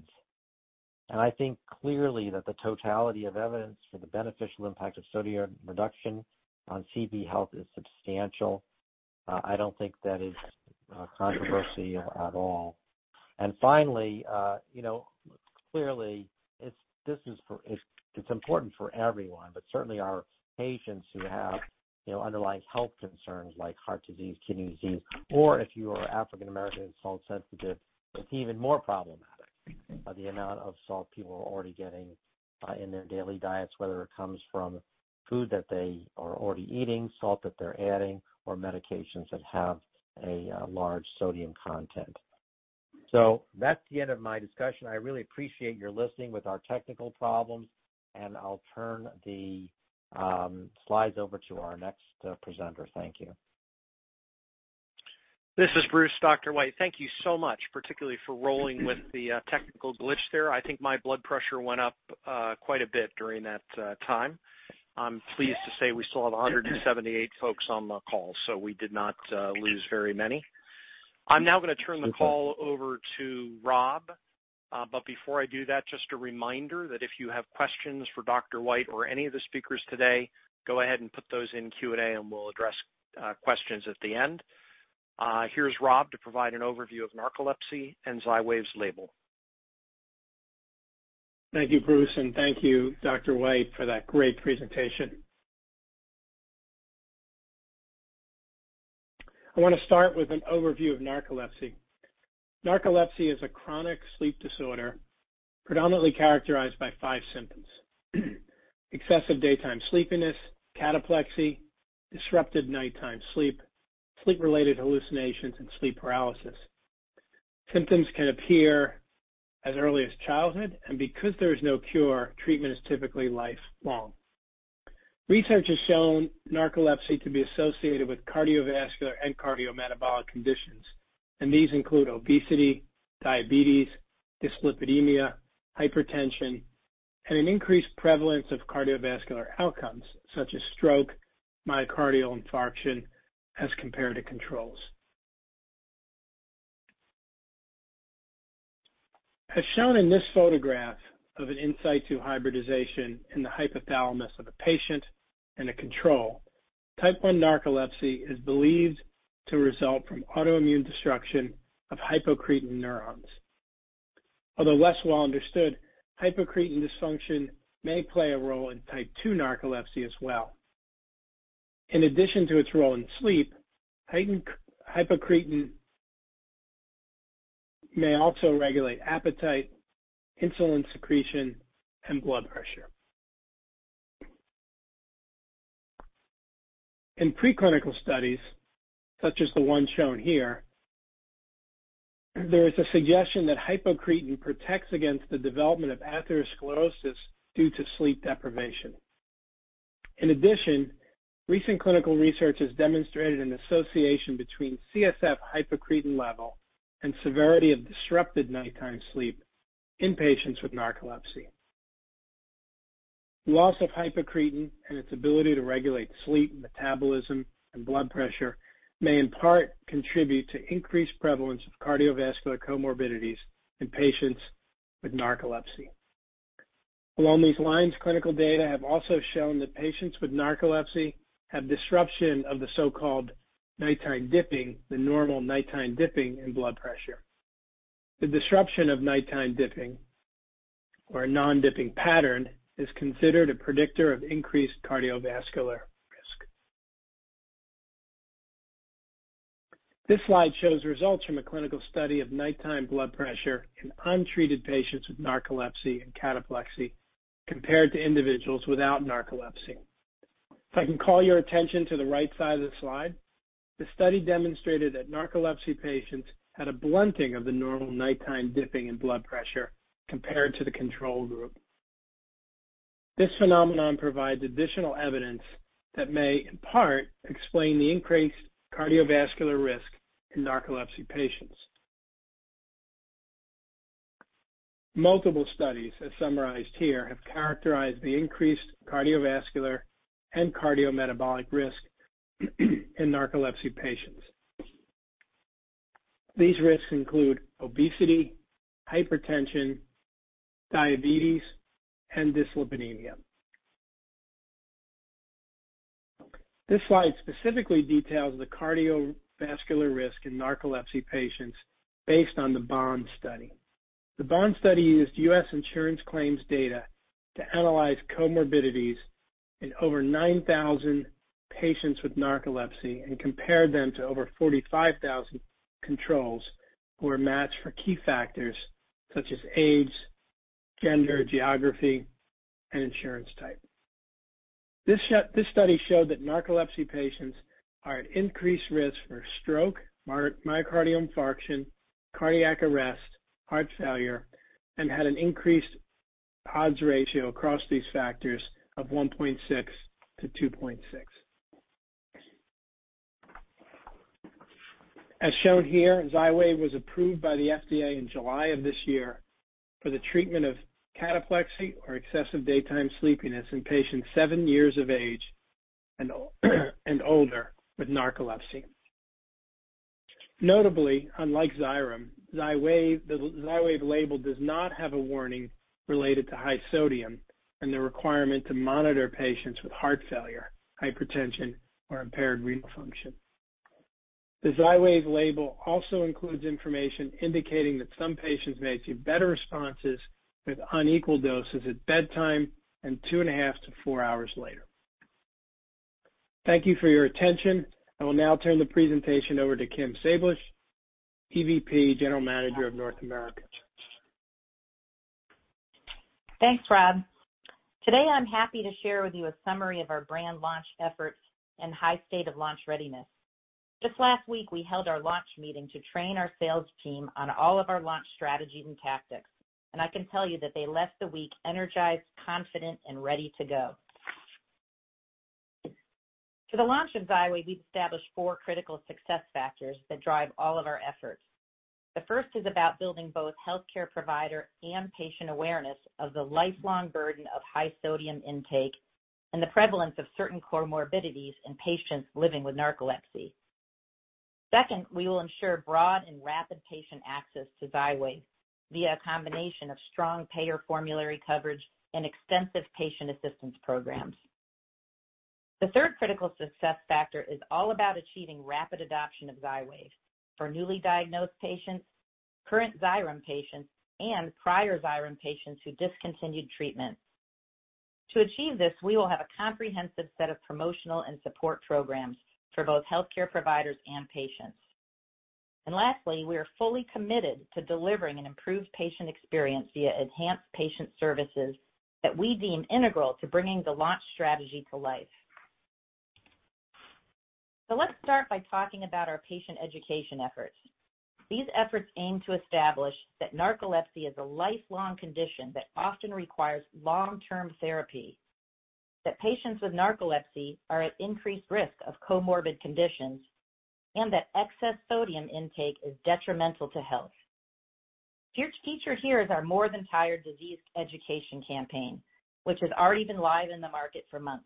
And I think clearly that the totality of evidence for the beneficial impact of sodium reduction on CV health is substantial. I don't think that is controversial at all. And finally, clearly, it's important for everyone, but certainly our patients who have underlying health concerns like heart disease, kidney disease, or if you are African American and salt-sensitive, it's even more problematic. The amount of salt people are already getting in their daily diets, whether it comes from food that they are already eating, salt that they're adding, or medications that have a large sodium content. So that's the end of my discussion. I really appreciate your listening with our technical problems, and I'll turn the slides over to our next presenter. Thank you. This is Bruce, Dr. White. Thank you so much, particularly for rolling with the technical glitch there. I think my blood pressure went up quite a bit during that time. I'm pleased to say we still have 178 folks on the call, so we did not lose very many. I'm now going to turn the call over to Rob, but before I do that, just a reminder that if you have questions for Dr. White or any of the speakers today, go ahead and put those in Q&A, and we'll address questions at the end. Here's Rob to provide an overview of narcolepsy and Xywav's label. Thank you, Bruce, and thank you, Dr. White, for that great presentation. I want to start with an overview of narcolepsy. Narcolepsy is a chronic sleep disorder predominantly characterized by five symptoms: excessive daytime sleepiness, cataplexy, disrupted nighttime sleep, sleep-related hallucinations, and sleep paralysis. Symptoms can appear as early as childhood, and because there is no cure, treatment is typically lifelong. Research has shown narcolepsy to be associated with cardiovascular and cardiometabolic conditions, and these include obesity, diabetes, dyslipidemia, hypertension, and an increased prevalence of cardiovascular outcomes such as stroke, myocardial infarction as compared to controls. As shown in this photograph of an in situ hybridization in the hypothalamus of a patient and a control, Type 1 narcolepsy is believed to result from autoimmune destruction of hypocretin neurons. Although less well-understood, hypocretin dysfunction may play a role in Type 2 narcolepsy as well. In addition to its role in sleep, hypocretin may also regulate appetite, insulin secretion, and blood pressure. In preclinical studies, such as the one shown here, there is a suggestion that hypocretin protects against the development of atherosclerosis due to sleep deprivation. In addition, recent clinical research has demonstrated an association between CSF hypocretin level and severity of disrupted nighttime sleep in patients with narcolepsy. Loss of hypocretin and its ability to regulate sleep, metabolism, and blood pressure may in part contribute to increased prevalence of cardiovascular comorbidities in patients with narcolepsy. Along these lines, clinical data have also shown that patients with narcolepsy have disruption of the so-called nighttime dipping, the normal nighttime dipping in blood pressure. The disruption of nighttime dipping or non-dipping pattern is considered a predictor of increased cardiovascular risk. This slide shows results from a clinical study of nighttime blood pressure in untreated patients with narcolepsy and cataplexy compared to individuals without narcolepsy. If I can call your attention to the right side of the slide, the study demonstrated that narcolepsy patients had a blunting of the normal nighttime dipping in blood pressure compared to the control group. This phenomenon provides additional evidence that may in part explain the increased cardiovascular risk in narcolepsy patients. Multiple studies, as summarized here, have characterized the increased cardiovascular and cardiometabolic risk in narcolepsy patients. These risks include obesity, hypertension, diabetes, and dyslipidemia. This slide specifically details the cardiovascular risk in narcolepsy patients based on the BOND Study. The BOND Study used U.S. insurance claims data to analyze comorbidities in over 9,000 patients with narcolepsy and compared them to over 45,000 controls who were matched for key factors such as age, gender, geography, and insurance type. This study showed that narcolepsy patients are at increased risk for stroke, myocardial infarction, cardiac arrest, heart failure, and had an increased odds ratio across these factors of 1.6-2.6. As shown here, Xywav was approved by the FDA in July of this year for the treatment of cataplexy or excessive daytime sleepiness in patients seven years of age and older with narcolepsy. Notably, unlike Xyrem, the Xywav label does not have a warning related to high sodium and the requirement to monitor patients with heart failure, hypertension, or impaired renal function. The Xywav label also includes information indicating that some patients may see better responses with unequal doses at bedtime and two and a half to four hours later. Thank you for your attention. I will now turn the presentation over to Kim Sablich, EVP, General Manager of North America. Thanks, Rob. Today, I'm happy to share with you a summary of our brand launch efforts and high state of launch readiness. Just last week, we held our launch meeting to train our sales team on all of our launch strategies and tactics, and I can tell you that they left the week energized, confident, and ready to go. For the launch of Xywav, we've established four critical success factors that drive all of our efforts. The first is about building both healthcare provider and patient awareness of the lifelong burden of high sodium intake and the prevalence of certain comorbidities in patients living with narcolepsy. Second, we will ensure broad and rapid patient access to Xywav via a combination of strong payer formulary coverage and extensive patient assistance programs. The third critical success factor is all about achieving rapid adoption of Xywav for newly diagnosed patients, current Xyrem patients, and prior Xyrem patients who discontinued treatment. To achieve this, we will have a comprehensive set of promotional and support programs for both healthcare providers and patients. And lastly, we are fully committed to delivering an improved patient experience via enhanced patient services that we deem integral to bringing the launch strategy to life. So let's start by talking about our patient education efforts. These efforts aim to establish that narcolepsy is a lifelong condition that often requires long-term therapy, that patients with narcolepsy are at increased risk of comorbid conditions, and that excess sodium intake is detrimental to health. Featured here is our More Than Tired disease education campaign, which has already been live in the market for months.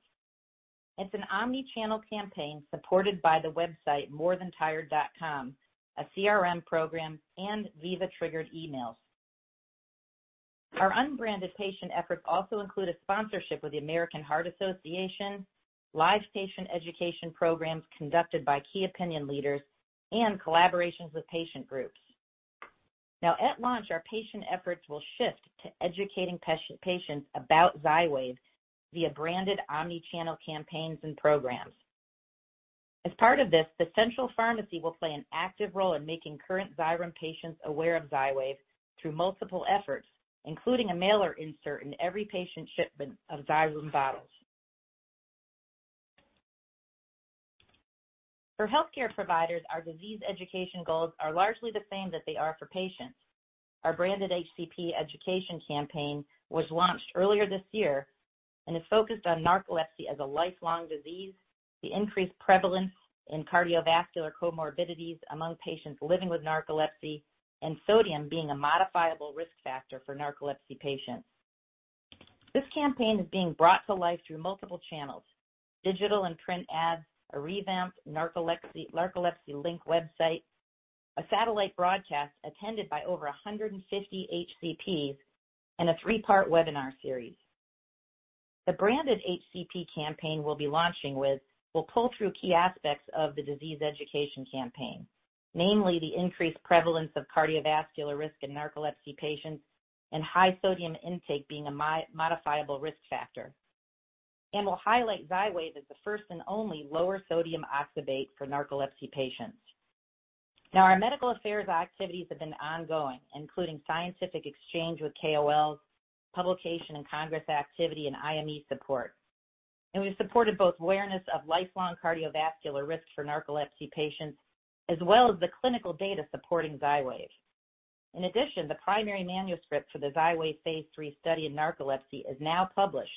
It's an omnichannel campaign supported by the website morethantired.com, a CRM program, and Veeva triggered emails. Our unbranded patient efforts also include a sponsorship with the American Heart Association, live patient education programs conducted by key opinion leaders, and collaborations with patient groups. Now, at launch, our patient efforts will shift to educating patients about Xywav via branded omnichannel campaigns and programs. As part of this, the Central Pharmacy will play an active role in making current Xyrem patients aware of Xywav through multiple efforts, including a mailer insert in every patient shipment of Xyrem bottles. For healthcare providers, our disease education goals are largely the same that they are for patients. Our branded HCP education campaign was launched earlier this year and is focused on narcolepsy as a lifelong disease, the increased prevalence in cardiovascular comorbidities among patients living with narcolepsy, and sodium being a modifiable risk factor for narcolepsy patients. This campaign is being brought to life through multiple channels: digital and print ads, a revamped Narcolepsy Link website, a satellite broadcast attended by over 150 HCPs, and a three-part webinar series. The branded HCP campaign we'll be launching with will pull through key aspects of the disease education campaign, namely the increased prevalence of cardiovascular risk in narcolepsy patients and high sodium intake being a modifiable risk factor, and will highlight Xywav as the first and only lower sodium oxybate for narcolepsy patients. Now, our medical affairs activities have been ongoing, including scientific exchange with KOLs, publication and Congress activity, and IME support, and we've supported both awareness of lifelong cardiovascular risk for narcolepsy patients as well as the clinical data supporting Xywav. In addition, the primary manuscript for the Xywav phase III study in narcolepsy is now published,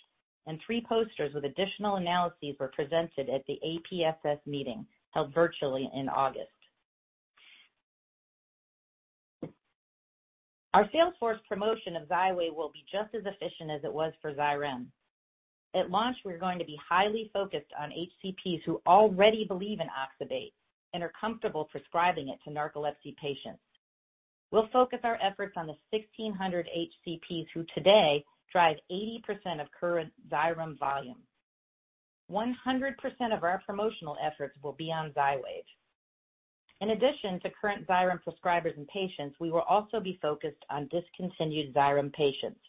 and three posters with additional analyses were presented at the APSS meeting held virtually in August. Our sales force promotion of Xywav will be just as efficient as it was for Xyrem. At launch, we're going to be highly focused on HCPs who already believe in oxybate and are comfortable prescribing it to narcolepsy patients. We'll focus our efforts on the 1,600 HCPs who today drive 80% of current Xyrem volume. 100% of our promotional efforts will be on Xywav. In addition to current Xyrem prescribers and patients, we will also be focused on discontinued Xyrem patients,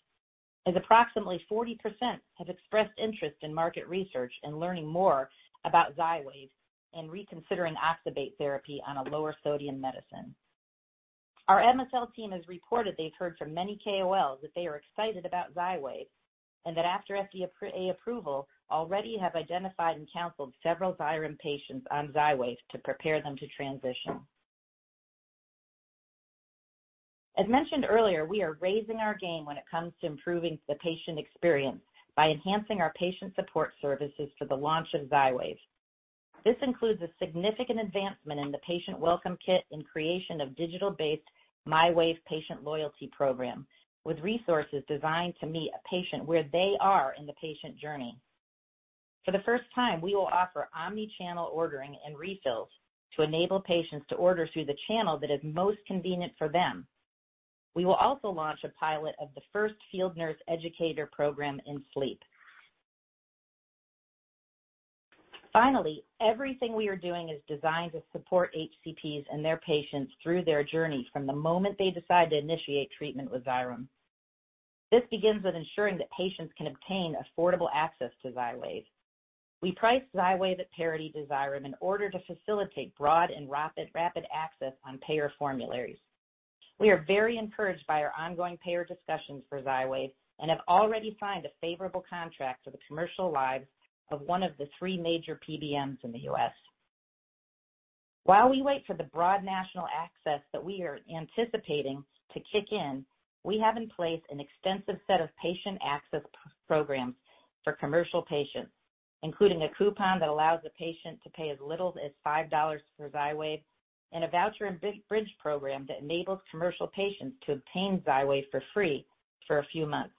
as approximately 40% have expressed interest in market research and learning more about Xywav and reconsidering oxybate therapy on a lower sodium medicine. Our MSL team has reported they've heard from many KOLs that they are excited about Xywav and that after FDA approval, already have identified and counseled several Xyrem patients on Xywav to prepare them to transition. As mentioned earlier, we are raising our game when it comes to improving the patient experience by enhancing our patient support services for the launch of Xywav. This includes a significant advancement in the patient welcome kit and creation of a digital-based myWAV with resources designed to meet a patient where they are in the patient journey. For the first time, we will offer omnichannel ordering and refills to enable patients to order through the channel that is most convenient for them. We will also launch a pilot of the first field nurse educator program in sleep. Finally, everything we are doing is designed to support HCPs and their patients through their journey from the moment they decide to initiate treatment with Xyrem. This begins with ensuring that patients can obtain affordable access to Xywav. We price Xywav at parity to Xyrem in order to facilitate broad and rapid access on payer formularies. We are very encouraged by our ongoing payer discussions for Xywav and have already signed a favorable contract for the commercial lives of one of the three major PBMs in the U.S. While we wait for the broad national access that we are anticipating to kick in, we have in place an extensive set of patient access programs for commercial patients, including a coupon that allows a patient to pay as little as $5 for Xywav and a voucher and bridge program that enables commercial patients to obtain Xywav for free for a few months.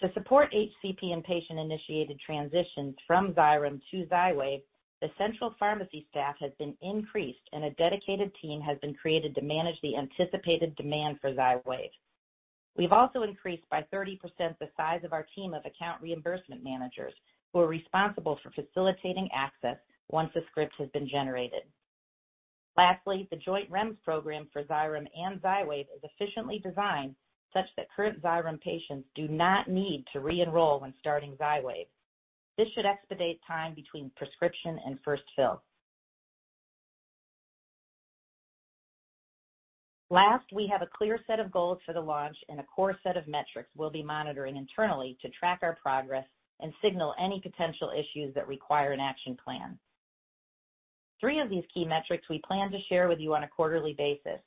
To support HCP and patient-initiated transitions from Xyrem to Xywav, the Central Pharmacy staff has been increased, and a dedicated team has been created to manage the anticipated demand for Xywav. We've also increased by 30% the size of our team of account reimbursement managers who are responsible for facilitating access once a script has been generated. Lastly, the joint REMS program for Xyrem and Xywav is efficiently designed such that current Xyrem patients do not need to re-enroll when starting Xywav. This should expedite time between prescription and first fill. Last, we have a clear set of goals for the launch and a core set of metrics we'll be monitoring internally to track our progress and signal any potential issues that require an action plan. Three of these key metrics we plan to share with you on a quarterly basis: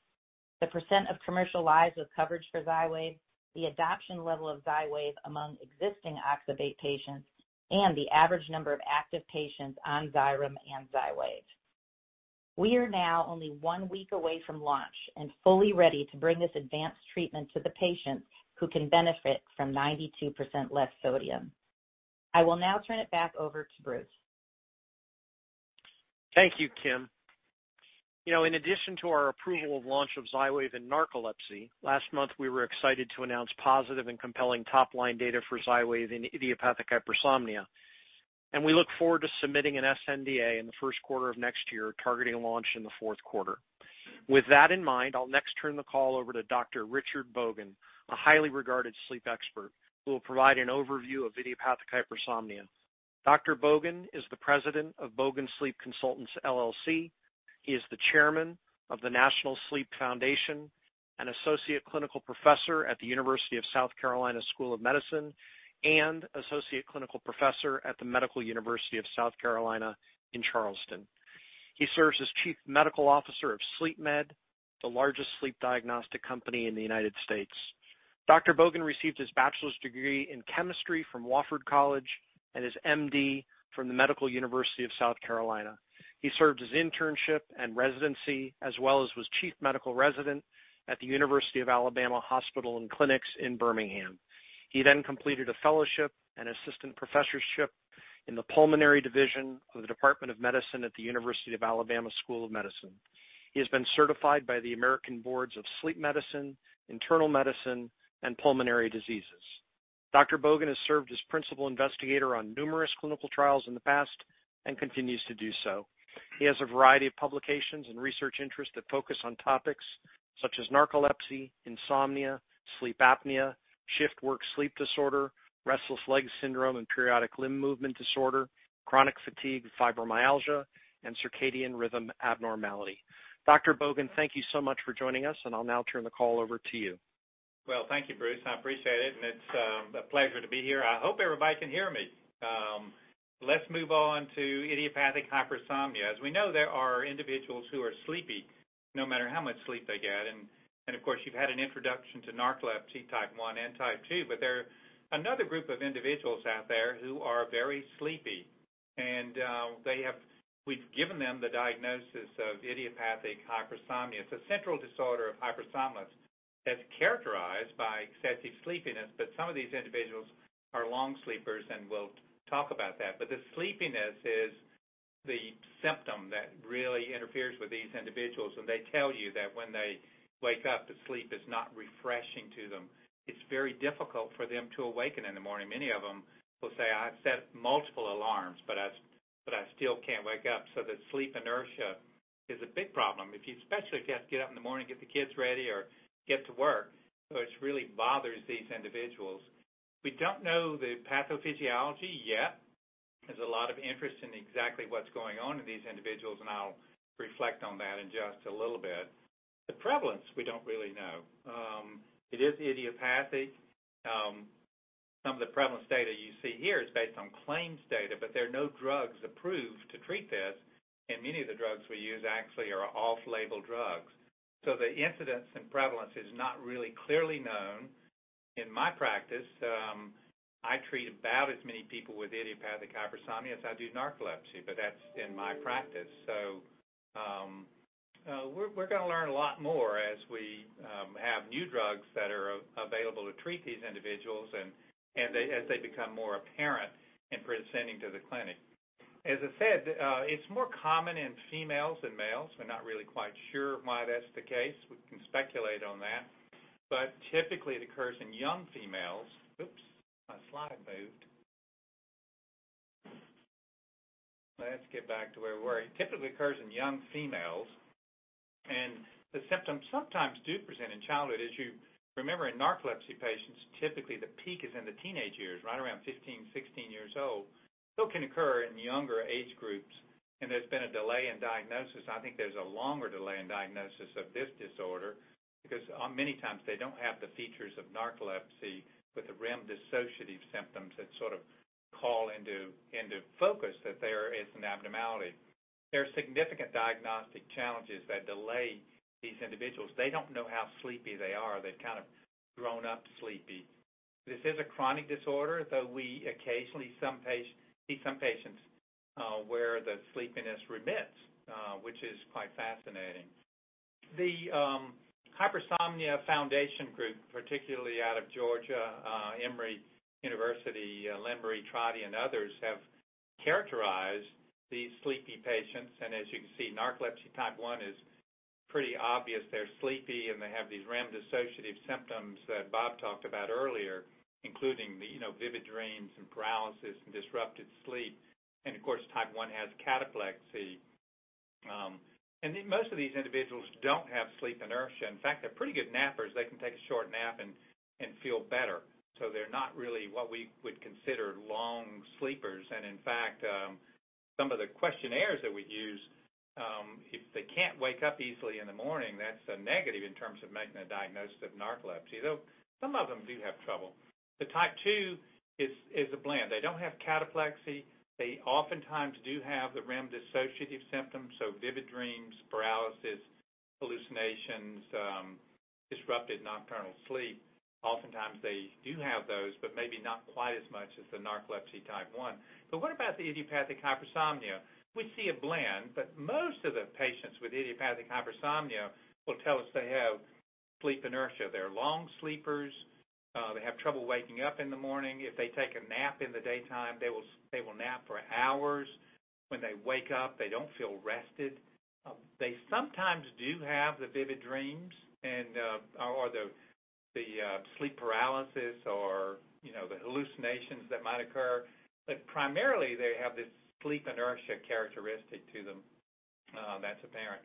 the percent of commercial lives with coverage for Xywav, the adoption level of Xywav among existing oxybate patients, and the average number of active patients on Xyrem and Xywav. We are now only one week away from launch and fully ready to bring this advanced treatment to the patients who can benefit from 92% less sodium. I will now turn it back over to Bruce. Thank you, Kim. You know, in addition to our approval of launch of Xywav in narcolepsy, last month we were excited to announce positive and compelling top-line data for Xywav in idiopathic hypersomnia, and we look forward to submitting an sNDA in the first quarter of next year, targeting launch in the fourth quarter. With that in mind, I'll next turn the call over to Dr. Richard Bogan, a highly regarded sleep expert who will provide an overview of idiopathic hypersomnia. Dr. Bogan is the President of Bogan Sleep Consultants, LLC. He is the Chairman of the National Sleep Foundation, an Associate Clinical Professor at the University of South Carolina School of Medicine, and Associate Clinical Professor at the Medical University of South Carolina in Charleston. He serves as Chief Medical Officer of SleepMed, the largest sleep diagnostic company in the United States. Dr. Bogan received his bachelor's degree in chemistry from Wofford College and his MD from the Medical University of South Carolina. He served his internship and residency as well as was Chief Medical Resident at the University of Alabama Hospital and Clinics in Birmingham. He then completed a fellowship and assistant professorship in the pulmonary division of the Department of Medicine at the University of Alabama School of Medicine. He has been certified by the American Board of Sleep Medicine, American Board of Internal Medicine, and American Board of Pulmonary Disease. Dr. Bogan has served as principal investigator on numerous clinical trials in the past and continues to do so. He has a variety of publications and research interests that focus on topics such as narcolepsy, insomnia, sleep apnea, shift work sleep disorder, restless leg syndrome and periodic limb movement disorder, chronic fatigue, fibromyalgia, and circadian rhythm abnormality. Dr. Bogan, thank you so much for joining us, and I'll now turn the call over to you. Thank you, Bruce. I appreciate it, and it's a pleasure to be here. I hope everybody can hear me. Let's move on to idiopathic hypersomnia. As we know, there are individuals who are sleepy no matter how much sleep they get. Of course, you've had an introduction to narcolepsy Type 1 and Type 2, but there are another group of individuals out there who are very sleepy, and we've given them the diagnosis of idiopathic hypersomnia. It's a central disorder of hypersomnolence that's characterized by excessive sleepiness, but some of these individuals are long sleepers and we'll talk about that. The sleepiness is the symptom that really interferes with these individuals, and they tell you that when they wake up, the sleep is not refreshing to them. It's very difficult for them to awaken in the morning. Many of them will say, "I've set multiple alarms, but I still can't wake up," so the sleep inertia is a big problem, especially if you have to get up in the morning, get the kids ready, or get to work. It really bothers these individuals. We don't know the pathophysiology yet. There's a lot of interest in exactly what's going on in these individuals, and I'll reflect on that in just a little bit. The prevalence, we don't really know. It is idiopathic. Some of the prevalence data you see here is based on claims data, but there are no drugs approved to treat this, and many of the drugs we use actually are off-label drugs. So the incidence and prevalence is not really clearly known. In my practice, I treat about as many people with idiopathic hypersomnia as I do narcolepsy, but that's in my practice. So we're going to learn a lot more as we have new drugs that are available to treat these individuals and as they become more apparent in presenting to the clinic. As I said, it's more common in females than males. We're not really quite sure why that's the case. We can speculate on that. But typically, it occurs in young females. Oops, my slide moved. Let's get back to where we were. It typically occurs in young females, and the symptoms sometimes do present in childhood. As you remember, in narcolepsy patients, typically the peak is in the teenage years, right around 15, 16 years old. It can occur in younger age groups, and there's been a delay in diagnosis. I think there's a longer delay in diagnosis of this disorder because many times they don't have the features of narcolepsy with the REM dissociative symptoms that sort of call into focus that there is an abnormality. There are significant diagnostic challenges that delay these individuals. They don't know how sleepy they are. They've kind of grown up sleepy. This is a chronic disorder, though we occasionally see some patients where the sleepiness remits, which is quite fascinating. The Hypersomnia Foundation group, particularly out of Georgia, Emory University, Lynn Marie Trotti, and others have characterized these sleepy patients. And as you can see, narcolepsy Type 1 is pretty obvious. They're sleepy, and they have these REM dissociative symptoms that Bob talked about earlier, including vivid dreams and paralysis and disrupted sleep. And of course, Type 1 has cataplexy. And most of these individuals don't have sleep inertia. In fact, they're pretty good nappers. They can take a short nap and feel better. So they're not really what we would consider long sleepers. And in fact, some of the questionnaires that we use, if they can't wake up easily in the morning, that's a negative in terms of making a diagnosis of narcolepsy, though some of them do have trouble. The Type 2 is a blend. They don't have cataplexy. They oftentimes do have the REM dissociative symptoms, so vivid dreams, paralysis, hallucinations, disrupted nocturnal sleep. Oftentimes, they do have those, but maybe not quite as much as the narcolepsy Type 1. But what about the idiopathic hypersomnia? We see a blend, but most of the patients with idiopathic hypersomnia will tell us they have sleep inertia. They're long sleepers. They have trouble waking up in the morning. If they take a nap in the daytime, they will nap for hours. When they wake up, they don't feel rested. They sometimes do have the vivid dreams or the sleep paralysis or the hallucinations that might occur, but primarily, they have this sleep inertia characteristic to them that's apparent.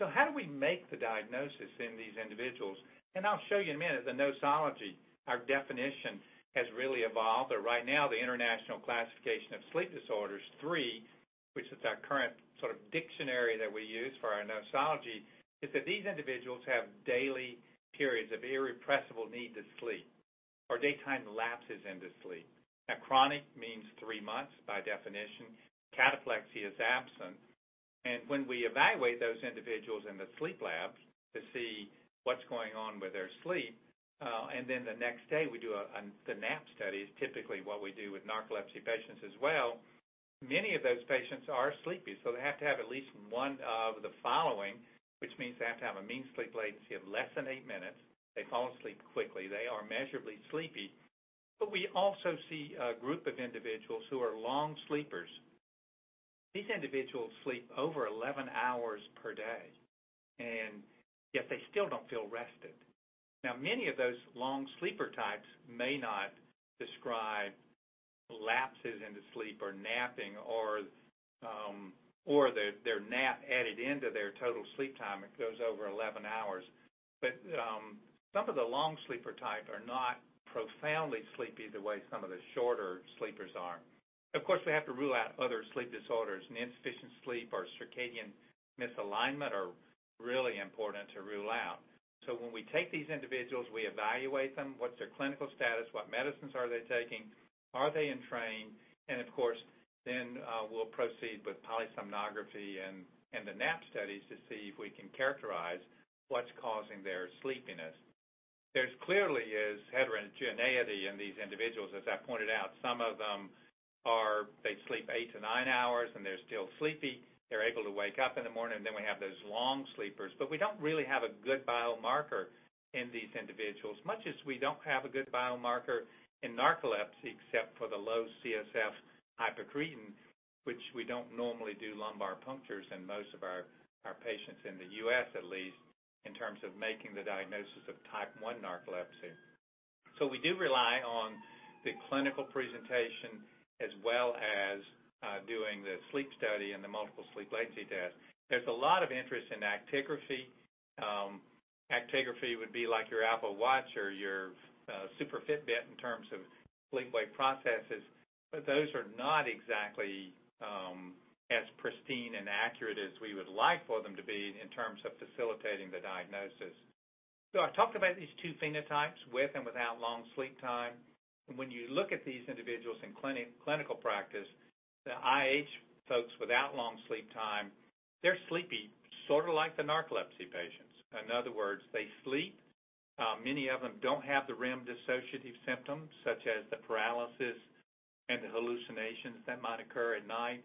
So how do we make the diagnosis in these individuals? I'll show you in a minute the nosology. Our definition has really evolved. Right now, the International Classification of Sleep Disorders III, which is our current sort of dictionary that we use for our nosology, is that these individuals have daily periods of irrepressible need to sleep or daytime lapses into sleep. Now, chronic means three months by definition. Cataplexy is absent. When we evaluate those individuals in the sleep lab to see what's going on with their sleep, and then the next day we do the nap studies, typically what we do with narcolepsy patients as well, many of those patients are sleepy. So they have to have at least one of the following, which means they have to have a mean sleep latency of less than eight minutes. They fall asleep quickly. They are measurably sleepy. But we also see a group of individuals who are long sleepers. These individuals sleep over 11 hours per day, and yet they still don't feel rested. Now, many of those long sleeper types may not describe lapses into sleep or napping or their nap added into their total sleep time. It goes over 11 hours. But some of the long sleeper types are not profoundly sleepy the way some of the shorter sleepers are. Of course, we have to rule out other sleep disorders. Insufficient sleep or circadian misalignment are really important to rule out. So when we take these individuals, we evaluate them. What's their clinical status? What medicines are they taking? Are they in training? And of course, then we'll proceed with polysomnography and the nap studies to see if we can characterize what's causing their sleepiness. There clearly is heterogeneity in these individuals. As I pointed out, some of them, they sleep eight to nine hours, and they're still sleepy. They're able to wake up in the morning. Then we have those long sleepers. But we don't really have a good biomarker in these individuals, much as we don't have a good biomarker in narcolepsy except for the low CSF hypocretin, which we don't normally do lumbar punctures in most of our patients in the U.S., at least, in terms of making the diagnosis of Type 1 narcolepsy. So we do rely on the clinical presentation as well as doing the sleep study and the Multiple Sleep Latency Test. There's a lot of interest in actigraphy. Actigraphy would be like your Apple Watch or your super Fitbit in terms of sleep-wake processes, but those are not exactly as pristine and accurate as we would like for them to be in terms of facilitating the diagnosis. So I talked about these two phenotypes, with and without long sleep time. And when you look at these individuals in clinical practice, the IH folks without long sleep time, they're sleepy sort of like the narcolepsy patients. In other words, they sleep. Many of them don't have the REM dissociative symptoms such as the paralysis and the hallucinations that might occur at night,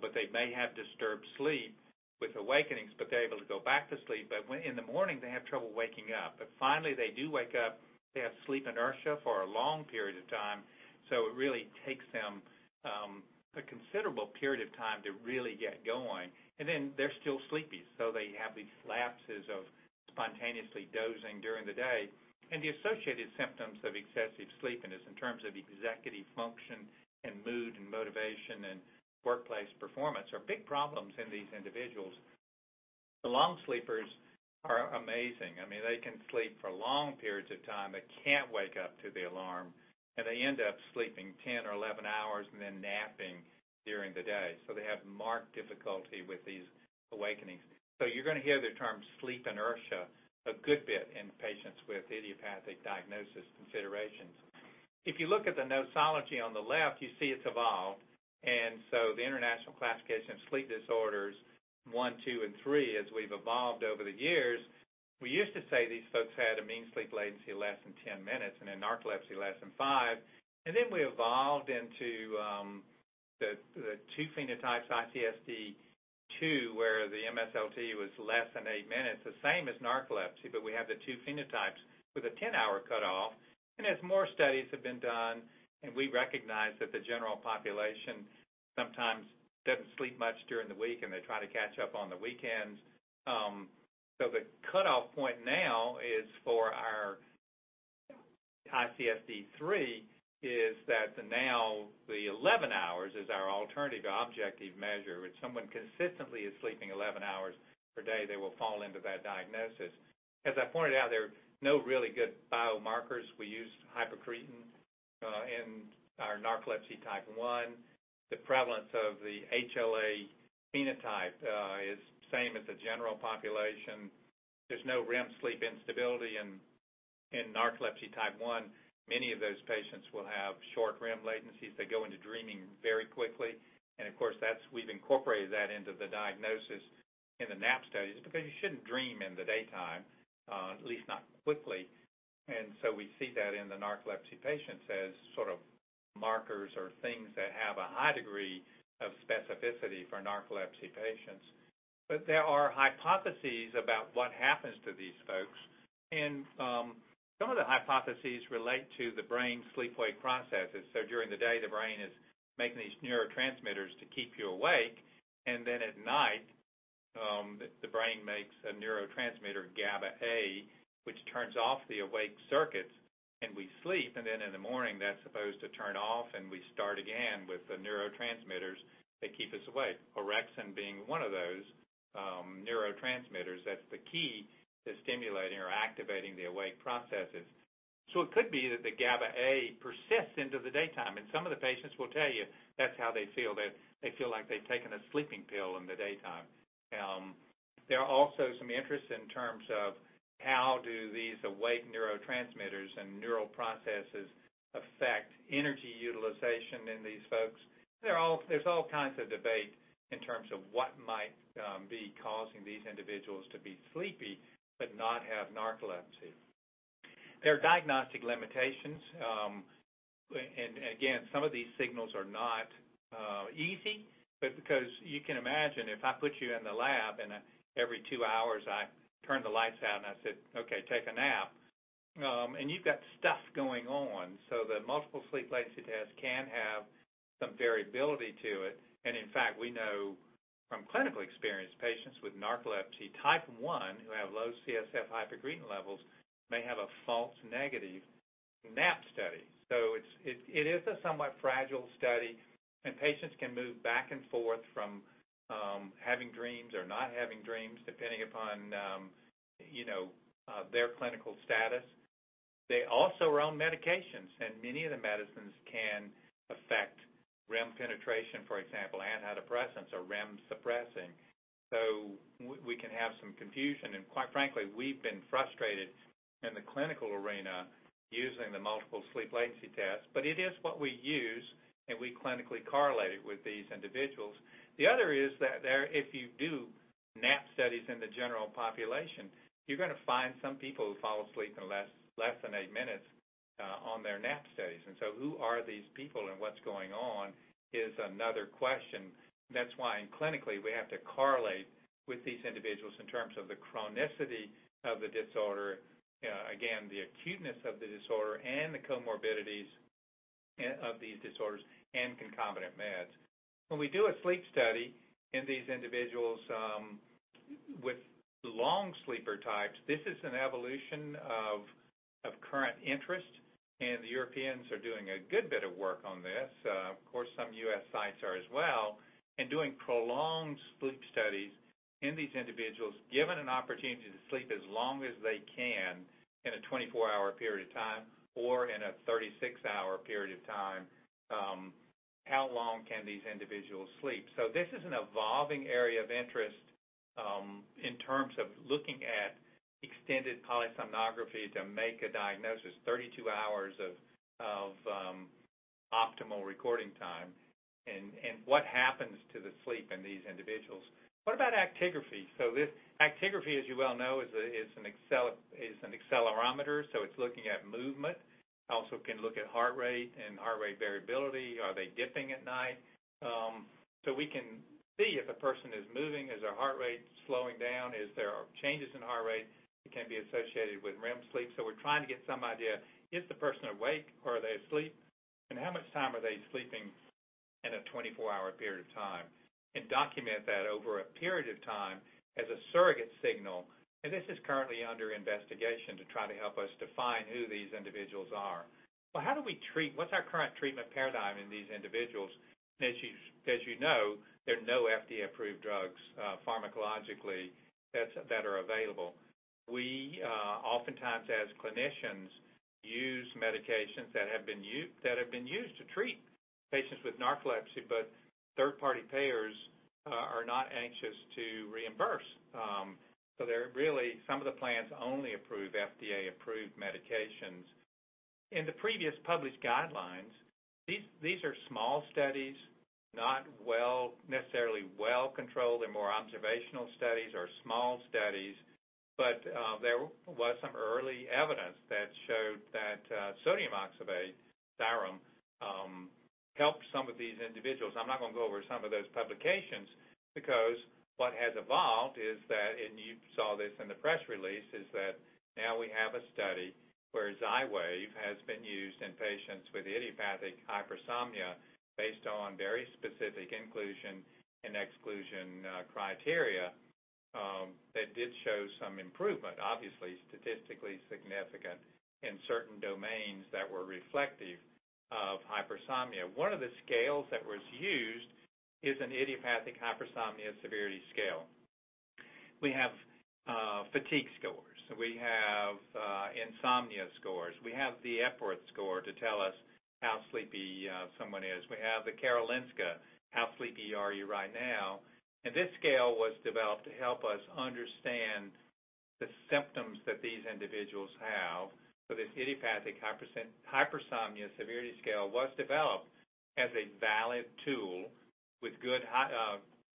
but they may have disturbed sleep with awakenings, but they're able to go back to sleep. But in the morning, they have trouble waking up. But finally, they do wake up. They have sleep inertia for a long period of time, so it really takes them a considerable period of time to really get going. And then they're still sleepy, so they have these lapses of spontaneously dozing during the day. And the associated symptoms of excessive sleepiness in terms of executive function and mood and motivation and workplace performance are big problems in these individuals. The long sleepers are amazing. I mean, they can sleep for long periods of time but can't wake up to the alarm, and they end up sleeping 10 or 11 hours and then napping during the day. So they have marked difficulty with these awakenings. So you're going to hear the term sleep inertia a good bit in patients with idiopathic diagnosis considerations. If you look at the nosology on the left, you see it's evolved. The International Classification of Sleep Disorders I, II, and III, as we've evolved over the years, we used to say these folks had a mean sleep latency of less than 10 minutes and in narcolepsy less than five. We evolved into the two phenotypes, ICSD II, where the MSLT was less than eight minutes, the same as narcolepsy, but we have the two phenotypes with a 10-hour cutoff. As more studies have been done, and we recognize that the general population sometimes doesn't sleep much during the week, and they try to catch up on the weekends. The cutoff point now is for our ICSD-3 is that now the 11 hours is our alternative objective measure. If someone consistently is sleeping 11 hours per day, they will fall into that diagnosis. As I pointed out, there are no really good biomarkers. We use hypocretin in our narcolepsy Type 1. The prevalence of the HLA phenotype is the same as the general population. There's no REM sleep instability in narcolepsy Type 1. Many of those patients will have short REM latencies. They go into dreaming very quickly, and of course, we've incorporated that into the diagnosis in the nap studies because you shouldn't dream in the daytime, at least not quickly, and so we see that in the narcolepsy patients as sort of markers or things that have a high degree of specificity for narcolepsy patients, but there are hypotheses about what happens to these folks, and some of the hypotheses relate to the brain sleep-wake processes, so during the day, the brain is making these neurotransmitters to keep you awake, and then at night, the brain makes a neurotransmitter, GABA-A, which turns off the awake circuits, and we sleep. And then in the morning, that's supposed to turn off, and we start again with the neurotransmitters that keep us awake, orexin being one of those neurotransmitters that's the key to stimulating or activating the awake processes. So it could be that the GABA-A persists into the daytime. And some of the patients will tell you that's how they feel, that they feel like they've taken a sleeping pill in the daytime. There are also some interests in terms of how do these awake neurotransmitters and neural processes affect energy utilization in these folks. There's all kinds of debate in terms of what might be causing these individuals to be sleepy but not have narcolepsy. There are diagnostic limitations. And again, some of these signals are not easy, but because you can imagine if I put you in the lab and every two hours I turn the lights out and I said, "Okay, take a nap," and you've got stuff going on. So the Multiple Sleep Latency Test can have some variability to it. And in fact, we know from clinical experience, patients with narcolepsy Type 1 who have low CSF hypocretin levels may have a false negative nap study. So it is a somewhat fragile study, and patients can move back and forth from having dreams or not having dreams depending upon their clinical status. They also are on medications, and many of the medicines can affect REM penetration, for example, antidepressants or REM suppressing. So we can have some confusion. And quite frankly, we've been frustrated in the clinical arena using the Multiple Sleep Latency Tests, but it is what we use, and we clinically correlate it with these individuals. The other is that if you do nap studies in the general population, you're going to find some people who fall asleep in less than eight minutes on their nap studies. And so who are these people and what's going on is another question. That's why clinically we have to correlate with these individuals in terms of the chronicity of the disorder, again, the acuteness of the disorder, and the comorbidities of these disorders, and concomitant meds. When we do a sleep study in these individuals with long sleeper types, this is an evolution of current interest. And the Europeans are doing a good bit of work on this. Of course, some U.S. sites are as well. And doing prolonged sleep studies in these individuals, given an opportunity to sleep as long as they can in a 24-hour period of time or in a 36-hour period of time, how long can these individuals sleep? So this is an evolving area of interest in terms of looking at extended polysomnography to make a diagnosis, 32 hours of optimal recording time, and what happens to the sleep in these individuals. What about actigraphy? So actigraphy, as you well know, is an accelerometer. So it's looking at movement. It also can look at heart rate and heart rate variability. Are they dipping at night? So we can see if a person is moving. Is their heart rate slowing down? Is there changes in heart rate? It can be associated with REM sleep. So we're trying to get some idea. Is the person awake? Are they asleep? And how much time are they sleeping in a 24-hour period of time? And document that over a period of time as a surrogate signal. And this is currently under investigation to try to help us define who these individuals are. Well, how do we treat? What's our current treatment paradigm in these individuals? And as you know, there are no FDA-approved drugs pharmacologically that are available. We oftentimes, as clinicians, use medications that have been used to treat patients with narcolepsy, but third-party payers are not anxious to reimburse. So really, some of the plans only approve FDA-approved medications. In the previous published guidelines, these are small studies, not necessarily well-controlled. They're more observational studies or small studies, but there was some early evidence that showed that sodium oxybate helped some of these individuals. I'm not going to go over some of those publications because what has evolved is that, and you saw this in the press release, is that now we have a study where Xywav has been used in patients with idiopathic hypersomnia based on very specific inclusion and exclusion criteria that did show some improvement, obviously statistically significant in certain domains that were reflective of hypersomnia. One of the scales that was used is an Idiopathic Hypersomnia Severity Scale. We have fatigue scores. We have insomnia scores. We have the Epworth score to tell us how sleepy someone is. We have the Karolinska, how sleepy are you right now? And this scale was developed to help us understand the symptoms that these individuals have. So this Idiopathic Hypersomnia Severity Scale was developed as a valid tool with good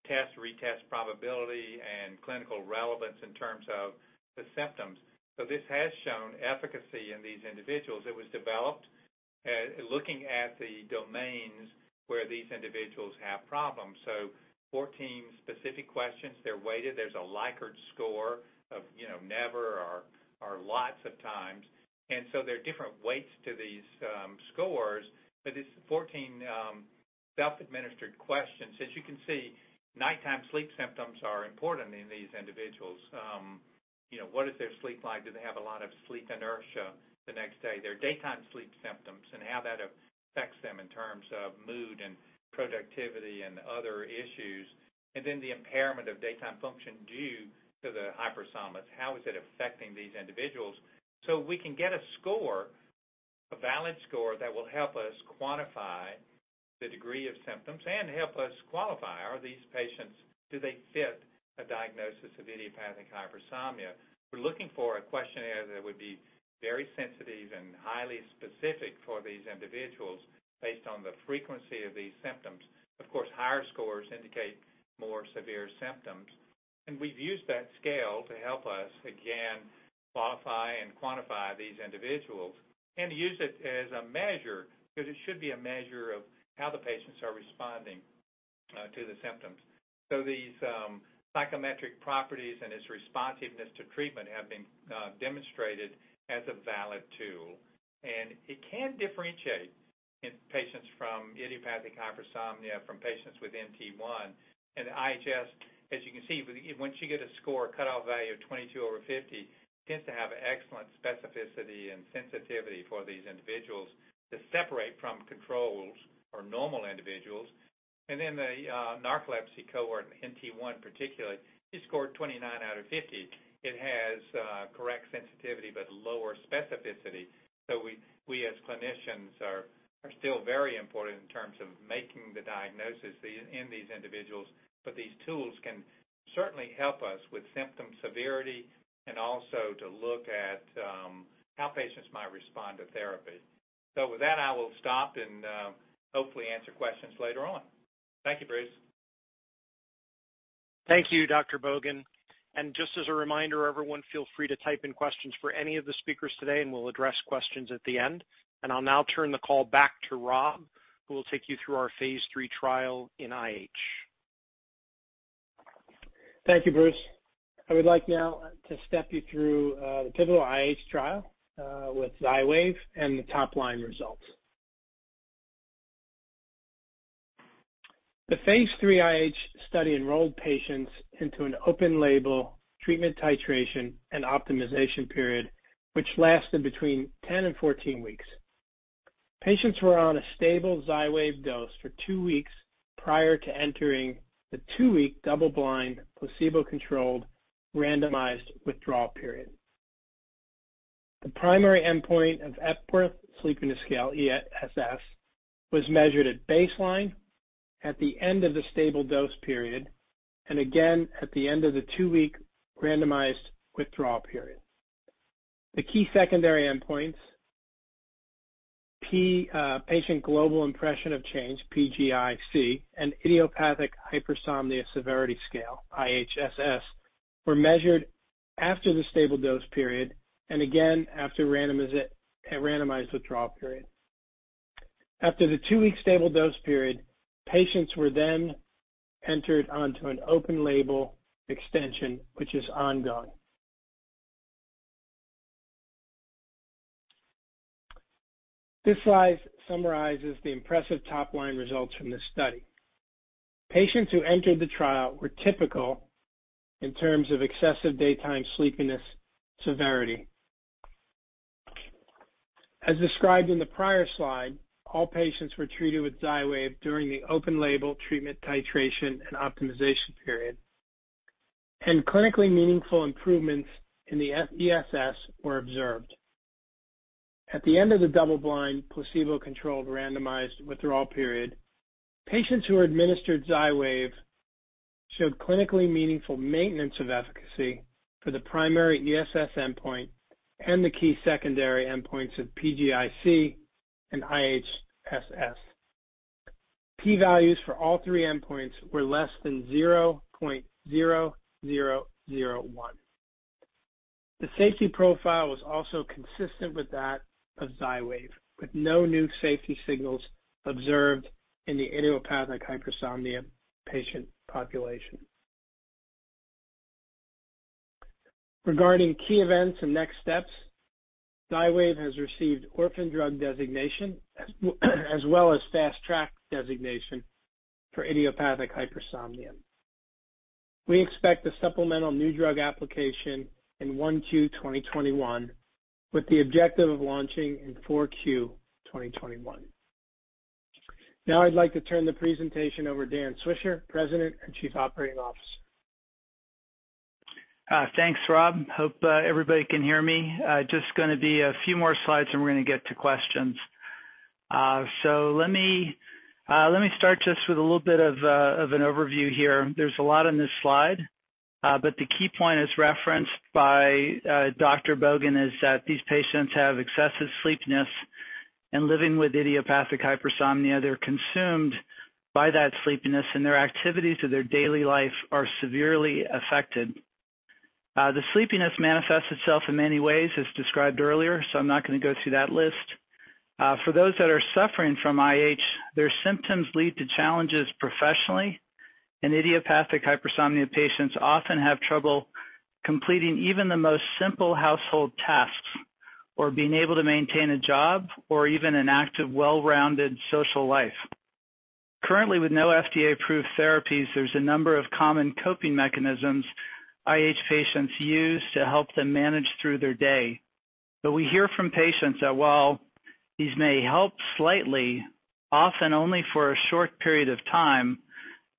test, retest probability, and clinical relevance in terms of the symptoms. This has shown efficacy in these individuals. It was developed looking at the domains where these individuals have problems. 14 specific questions. They're weighted. There's a Likert score of never or lots of times. There are different weights to these scores, but it's 14 self-administered questions. As you can see, nighttime sleep symptoms are important in these individuals. What is their sleep like? Do they have a lot of sleep inertia the next day? Their daytime sleep symptoms and how that affects them in terms of mood and productivity and other issues. The impairment of daytime function due to the hypersomnia. How is it affecting these individuals? We can get a score, a valid score that will help us quantify the degree of symptoms and help us qualify. Are these patients, do they fit a diagnosis of idiopathic hypersomnia? We're looking for a questionnaire that would be very sensitive and highly specific for these individuals based on the frequency of these symptoms. Of course, higher scores indicate more severe symptoms, and we've used that scale to help us, again, qualify and quantify these individuals and use it as a measure because it should be a measure of how the patients are responding to the symptoms, so these psychometric properties and its responsiveness to treatment have been demonstrated as a valid tool, and it can differentiate patients with idiopathic hypersomnia from patients with NT1. And the IHSS, as you can see, once you get a score, cutoff value of 22 over 50, tends to have excellent specificity and sensitivity for these individuals to separate from controls or normal individuals, and then the narcolepsy cohort, NT1 particularly, it scored 29 out of 50. It has correct sensitivity but lower specificity. So we, as clinicians, are still very important in terms of making the diagnosis in these individuals, but these tools can certainly help us with symptom severity and also to look at how patients might respond to therapy. So with that, I will stop and hopefully answer questions later on. Thank you, Bruce. Thank you, Dr. Bogan. And just as a reminder, everyone, feel free to type in questions for any of the speakers today, and we'll address questions at the end. And I'll now turn the call back to Rob, who will take you through our phase III trial in IH. Thank you, Bruce. I would like now to step you through the pivotal IH trial with Xywav and the top-line results. The phase III IH study enrolled patients into an open-label treatment titration and optimization period, which lasted between 10 and 14 weeks. Patients were on a stable Xywav dose for two weeks prior to entering the two-week double-blind placebo-controlled randomized withdrawal period. The primary endpoint of Epworth Sleepiness Scale, ESS, was measured at baseline, at the end of the stable dose period, and again at the end of the two-week randomized withdrawal period. The key secondary endpoints, Patient Global Impression of Change, PGIC, and Idiopathic Hypersomnia Severity Scale, IHSS, were measured after the stable dose period and again after randomized withdrawal period. After the two-week stable dose period, patients were then entered onto an open-label extension, which is ongoing. This slide summarizes the impressive top-line results from this study. Patients who entered the trial were typical in terms of excessive daytime sleepiness severity. As described in the prior slide, all patients were treated with Xywav during the open-label treatment titration and optimization period, and clinically meaningful improvements in the ESS were observed. At the end of the double-blind placebo-controlled randomized withdrawal period, patients who were administered Xywav showed clinically meaningful maintenance of efficacy for the primary ESS endpoint and the key secondary endpoints of PGIC and IHSS. P-values for all three endpoints were less than 0.0001. The safety profile was also consistent with that of Xywav, with no new safety signals observed in the idiopathic hypersomnia patient population. Regarding key events and next steps, Xywav has received orphan drug designation as well as fast-track designation for idiopathic hypersomnia. We expect a supplemental new drug application in 1Q 2021 with the objective of launching in 4Q 2021. Now I'd like to turn the presentation over to Dan Swisher, President and Chief Operating Officer. Thanks, Rob. Hope everybody can hear me. Just going to be a few more slides, and we're going to get to questions. So let me start just with a little bit of an overview here. There's a lot on this slide, but the key point as referenced by Dr. Bogan is that these patients have excessive sleepiness and living with idiopathic hypersomnia. They're consumed by that sleepiness, and their activities of their daily life are severely affected. The sleepiness manifests itself in many ways, as described earlier, so I'm not going to go through that list. For those that are suffering from IH, their symptoms lead to challenges professionally, and idiopathic hypersomnia patients often have trouble completing even the most simple household tasks or being able to maintain a job or even an active, well-rounded social life. Currently, with no FDA-approved therapies, there's a number of common coping mechanisms IH patients use to help them manage through their day, but we hear from patients that while these may help slightly, often only for a short period of time,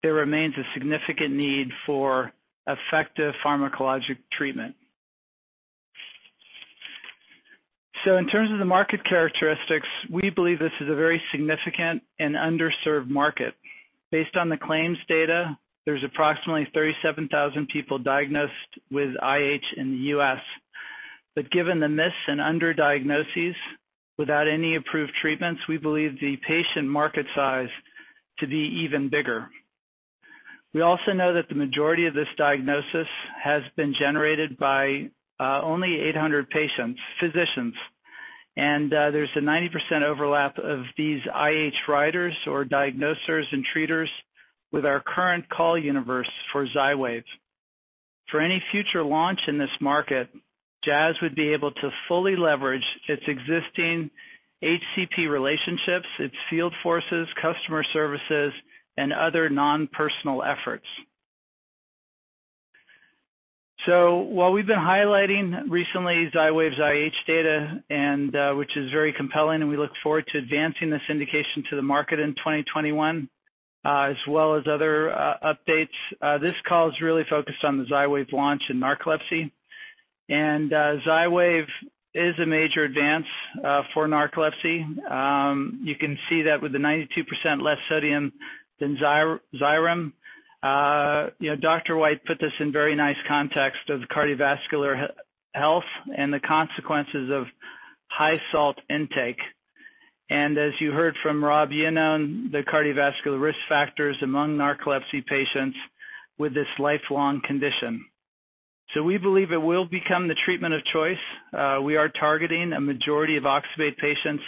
there remains a significant need for effective pharmacologic treatment, so in terms of the market characteristics, we believe this is a very significant and underserved market. Based on the claims data, there's approximately 37,000 people diagnosed with IH in the U.S., but given the mis and underdiagnoses without any approved treatments, we believe the patient market size to be even bigger. We also know that the majority of this diagnosis has been generated by only 800 prescribing physicians, and there's a 90% overlap of these IH prescribers or diagnosers and treaters with our current call universe for Xywav. For any future launch in this market, Jazz would be able to fully leverage its existing HCP relationships, its field forces, customer services, and other non-personal efforts. While we've been highlighting recently Xywav's IH data, which is very compelling, and we look forward to advancing this indication to the market in 2021, as well as other updates, this call is really focused on the Xywav launch in narcolepsy, and Xywav is a major advance for narcolepsy. You can see that with the 92% less sodium than Xyrem. Dr. White put this in very nice context of cardiovascular health and the consequences of high salt intake, and as you heard from Rob Iannone, the cardiovascular risk factors among narcolepsy patients with this lifelong condition, so we believe it will become the treatment of choice. We are targeting a majority of oxybate patients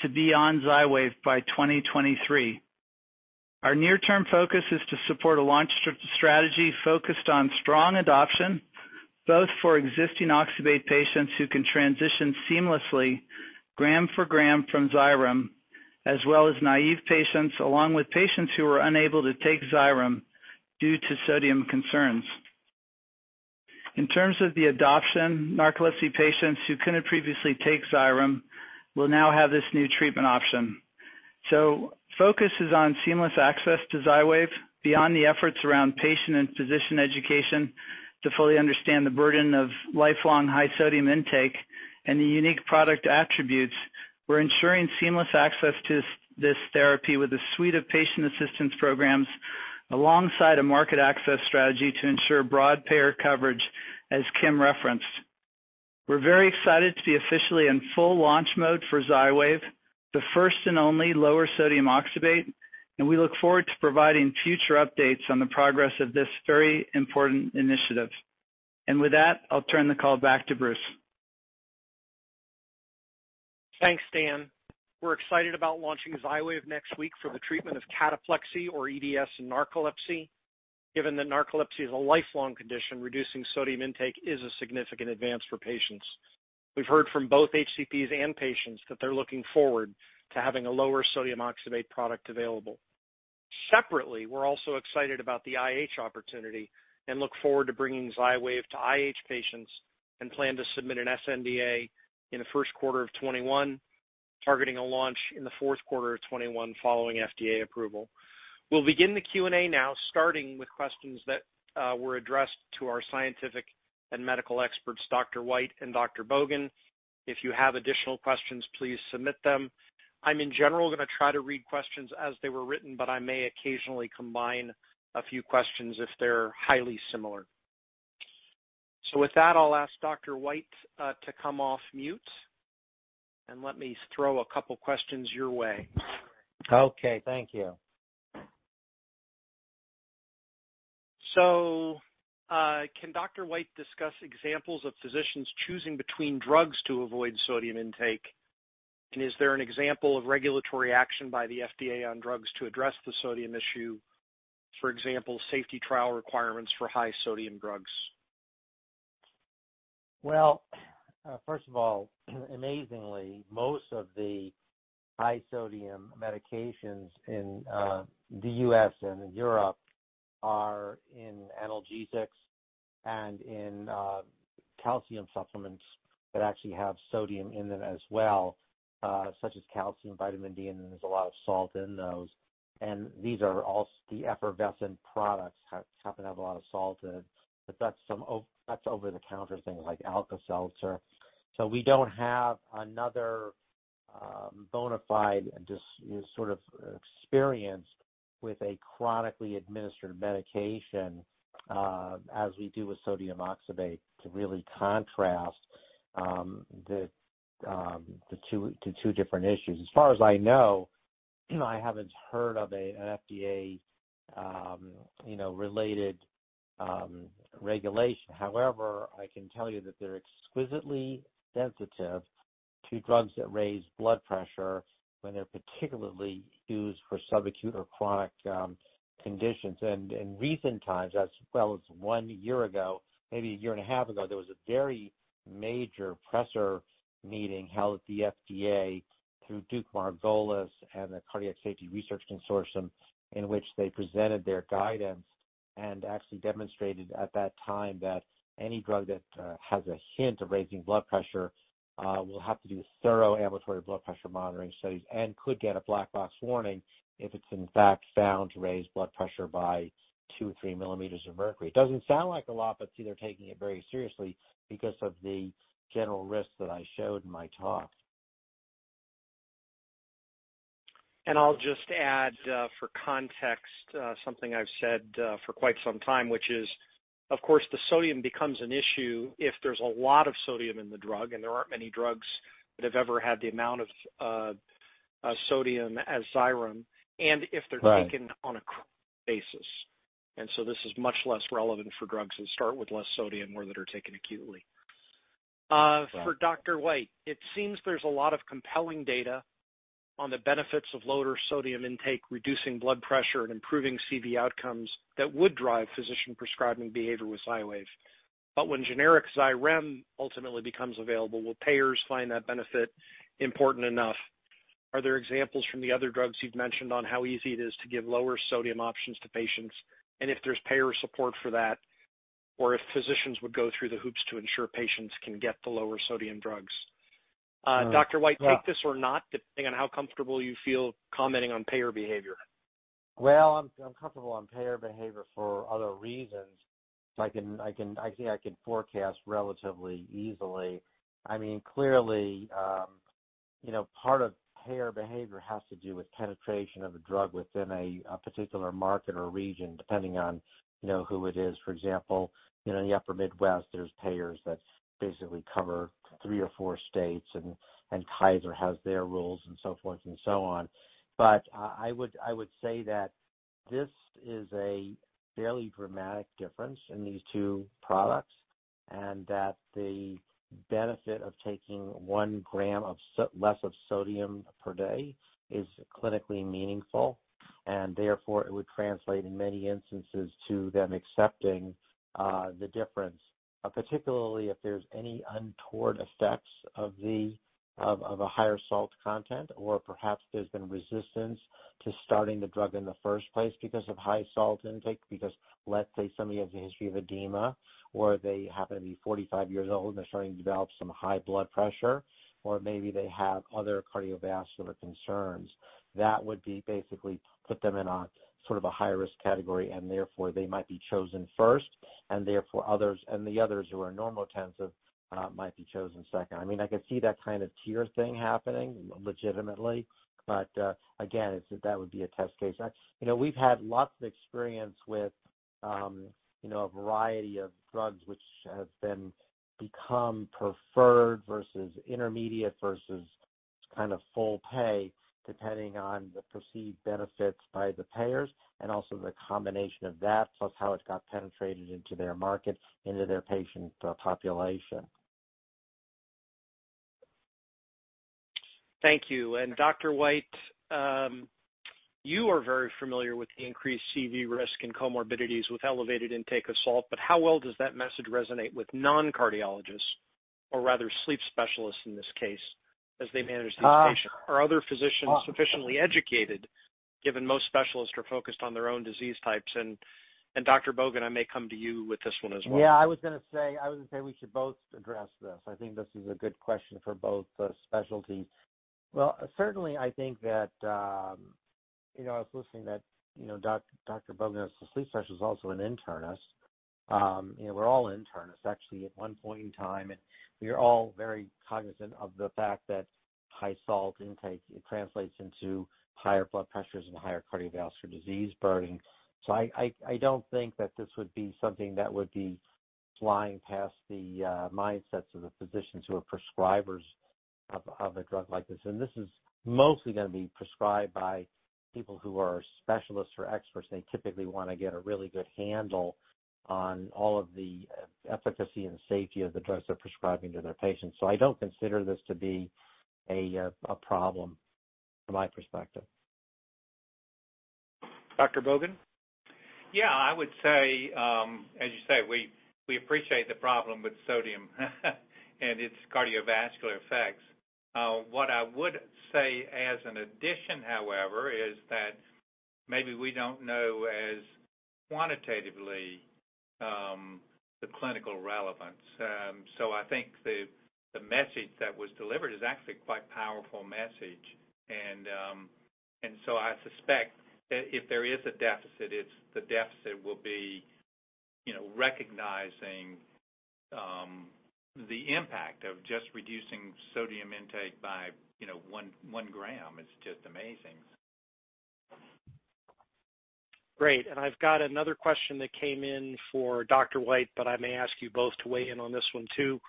to be on Xywav by 2023. Our near-term focus is to support a launch strategy focused on strong adoption, both for existing oxybate patients who can transition seamlessly gram for gram from Xyrem, as well as naive patients, along with patients who are unable to take Xyrem due to sodium concerns. In terms of the adoption, narcolepsy patients who couldn't previously take Xyrem will now have this new treatment option. So focus is on seamless access to Xywav beyond the efforts around patient and physician education to fully understand the burden of lifelong high sodium intake and the unique product attributes. We're ensuring seamless access to this therapy with a suite of patient assistance programs alongside a market access strategy to ensure broad payer coverage, as Kim referenced. We're very excited to be officially in full launch mode for Xywav, the first and only lower sodium oxybate, and we look forward to providing future updates on the progress of this very important initiative, and with that, I'll turn the call back to Bruce. Thanks, Dan. We're excited about launching Xywav next week for the treatment of cataplexy or EDS in narcolepsy. Given that narcolepsy is a lifelong condition, reducing sodium intake is a significant advance for patients. We've heard from both HCPs and patients that they're looking forward to having a lower sodium oxybate product available. Separately, we're also excited about the IH opportunity and look forward to bringing Xywav to IH patients and plan to submit an sNDA in the first quarter of 2021, targeting a launch in the fourth quarter of 2021 following FDA approval. We'll begin the Q&A now, starting with questions that were addressed to our scientific and medical experts, Dr. White and Dr. Bogan. If you have additional questions, please submit them. I'm, in general, going to try to read questions as they were written, but I may occasionally combine a few questions if they're highly similar. So with that, I'll ask Dr. White to come off mute and let me throw a couple of questions your way. Okay. Thank you. Can Dr. White discuss examples of physicians choosing between drugs to avoid sodium intake? And is there an example of regulatory action by the FDA on drugs to address the sodium issue, for example, safety trial requirements for high sodium drugs? First of all, amazingly, most of the high sodium medications in the U.S. and in Europe are in analgesics and in calcium supplements that actually have sodium in them as well, such as calcium, vitamin D, and there's a lot of salt in those. And these are all the effervescent products that happen to have a lot of salt in, but that's over-the-counter things like Alka-Seltzer. So we don't have another bona fide sort of experience with a chronically administered medication as we do with sodium oxybate to really contrast the two different issues. As far as I know, I haven't heard of an FDA-related regulation. However, I can tell you that they're exquisitely sensitive to drugs that raise blood pressure when they're particularly used for subacute or chronic conditions. In recent times, as well as one year ago, maybe a year and a half ago, there was a very major presser meeting held at the FDA through Duke-Margolis and the Cardiac Safety Research Consortium, in which they presented their guidance and actually demonstrated at that time that any drug that has a hint of raising blood pressure will have to do thorough ambulatory blood pressure monitoring studies and could get a black box warning if it's, in fact, found to raise blood pressure by 2 or 3 mm of mercury. It doesn't sound like a lot, but they're taking it very seriously because of the general risks that I showed in my talk. And I'll just add, for context, something I've said for quite some time, which is, of course, the sodium becomes an issue if there's a lot of sodium in the drug, and there aren't many drugs that have ever had the amount of sodium as Xyrem, and if they're taken on a basis. And so this is much less relevant for drugs that start with less sodium or that are taken acutely. For Dr. White, it seems there's a lot of compelling data on the benefits of lower sodium intake, reducing blood pressure, and improving CV outcomes that would drive physician prescribing behavior with Xywav. But when generic Xyrem ultimately becomes available, will payers find that benefit important enough? Are there examples from the other drugs you've mentioned on how easy it is to give lower sodium options to patients and if there's payer support for that, or if physicians would go through the hoops to ensure patients can get the lower sodium drugs? Dr. White, take this or not, depending on how comfortable you feel commenting on payer behavior. I'm comfortable on payer behavior for other reasons. I think I can forecast relatively easily. I mean, clearly, part of payer behavior has to do with penetration of a drug within a particular market or region, depending on who it is. For example, in the upper Midwest, there's payers that basically cover three or four states, and Kaiser has their rules and so forth and so on. But I would say that this is a fairly dramatic difference in these two products and that the benefit of taking 1 g less of sodium per day is clinically meaningful. And therefore, it would translate in many instances to them accepting the difference, particularly if there's any untoward effects of a higher salt content, or perhaps there's been resistance to starting the drug in the first place because of high salt intake, because, let's say, somebody has a history of edema or they happen to be 45 years old and they're starting to develop some high blood pressure, or maybe they have other cardiovascular concerns. That would basically put them in sort of a high-risk category, and therefore, they might be chosen first, and therefore, the others who are normotensive might be chosen second. I mean, I could see that kind of tier thing happening legitimately, but again, that would be a test case. We've had lots of experience with a variety of drugs which have become preferred versus intermediate versus kind of full pay, depending on the perceived benefits by the payers and also the combination of that, plus how it got penetrated into their market, into their patient population. Thank you. And Dr. White, you are very familiar with the increased CV risk and comorbidities with elevated intake of salt, but how well does that message resonate with non-cardiologists, or rather sleep specialists in this case, as they manage these patients? Are other physicians sufficiently educated, given most specialists are focused on their own disease types? And Dr. Bogan, I may come to you with this one as well. Yeah, I was going to say we should both address this. I think this is a good question for both specialties. Well, certainly, I think that I was listening that Dr. Bogan is a sleep specialist, also an internist. We're all internists, actually, at one point in time, and we are all very cognizant of the fact that high salt intake translates into higher blood pressures and higher cardiovascular disease burden. So I don't think that this would be something that would be flying past the mindsets of the physicians who are prescribers of a drug like this, and this is mostly going to be prescribed by people who are specialists or experts, and they typically want to get a really good handle on all of the efficacy and safety of the drugs they're prescribing to their patients. I don't consider this to be a problem from my perspective. Dr. Bogan? Yeah, I would say, as you say, we appreciate the problem with sodium and its cardiovascular effects. What I would say as an addition, however, is that maybe we don't know as quantitatively the clinical relevance. So I think the message that was delivered is actually quite a powerful message, and so I suspect that if there is a deficit, the deficit will be recognizing the impact of just reducing sodium intake by 1 g. It's just amazing. Great. And I've got another question that came in for Dr. White, but I may ask you both to weigh in on this one too.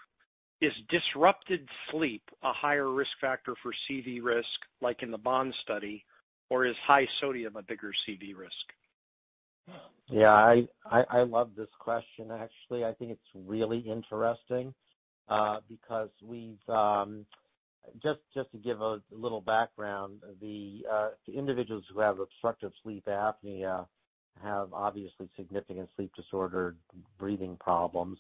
Is disrupted sleep a higher risk factor for CV risk, like in the BOND Study, or is high sodium a bigger CV risk? Yeah, I love this question, actually. I think it's really interesting because just to give a little background, the individuals who have obstructive sleep apnea have obviously significant sleep-disordered breathing problems.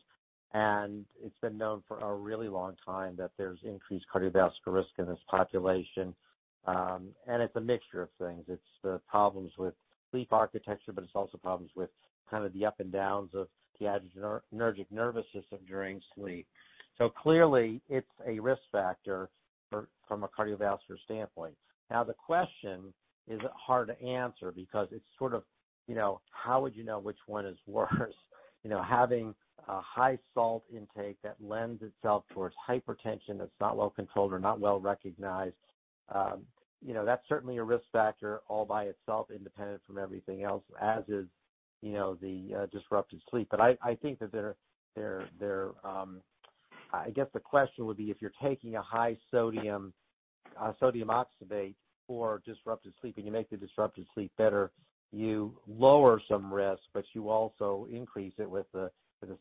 And it's been known for a really long time that there's increased cardiovascular risk in this population. And it's a mixture of things. It's the problems with sleep architecture, but it's also problems with kind of the ups and downs of the adrenergic nervous system during sleep. So clearly, it's a risk factor from a cardiovascular standpoint. Now, the question is hard to answer because it's sort of, how would you know which one is worse? Having a high salt intake that lends itself towards hypertension that's not well-controlled or not well-recognized, that's certainly a risk factor all by itself, independent from everything else, as is the disrupted sleep. But I think that they're, I guess the question would be, if you're taking a high sodium oxybate for disrupted sleep, and you make the disrupted sleep better, you lower some risk, but you also increase it with the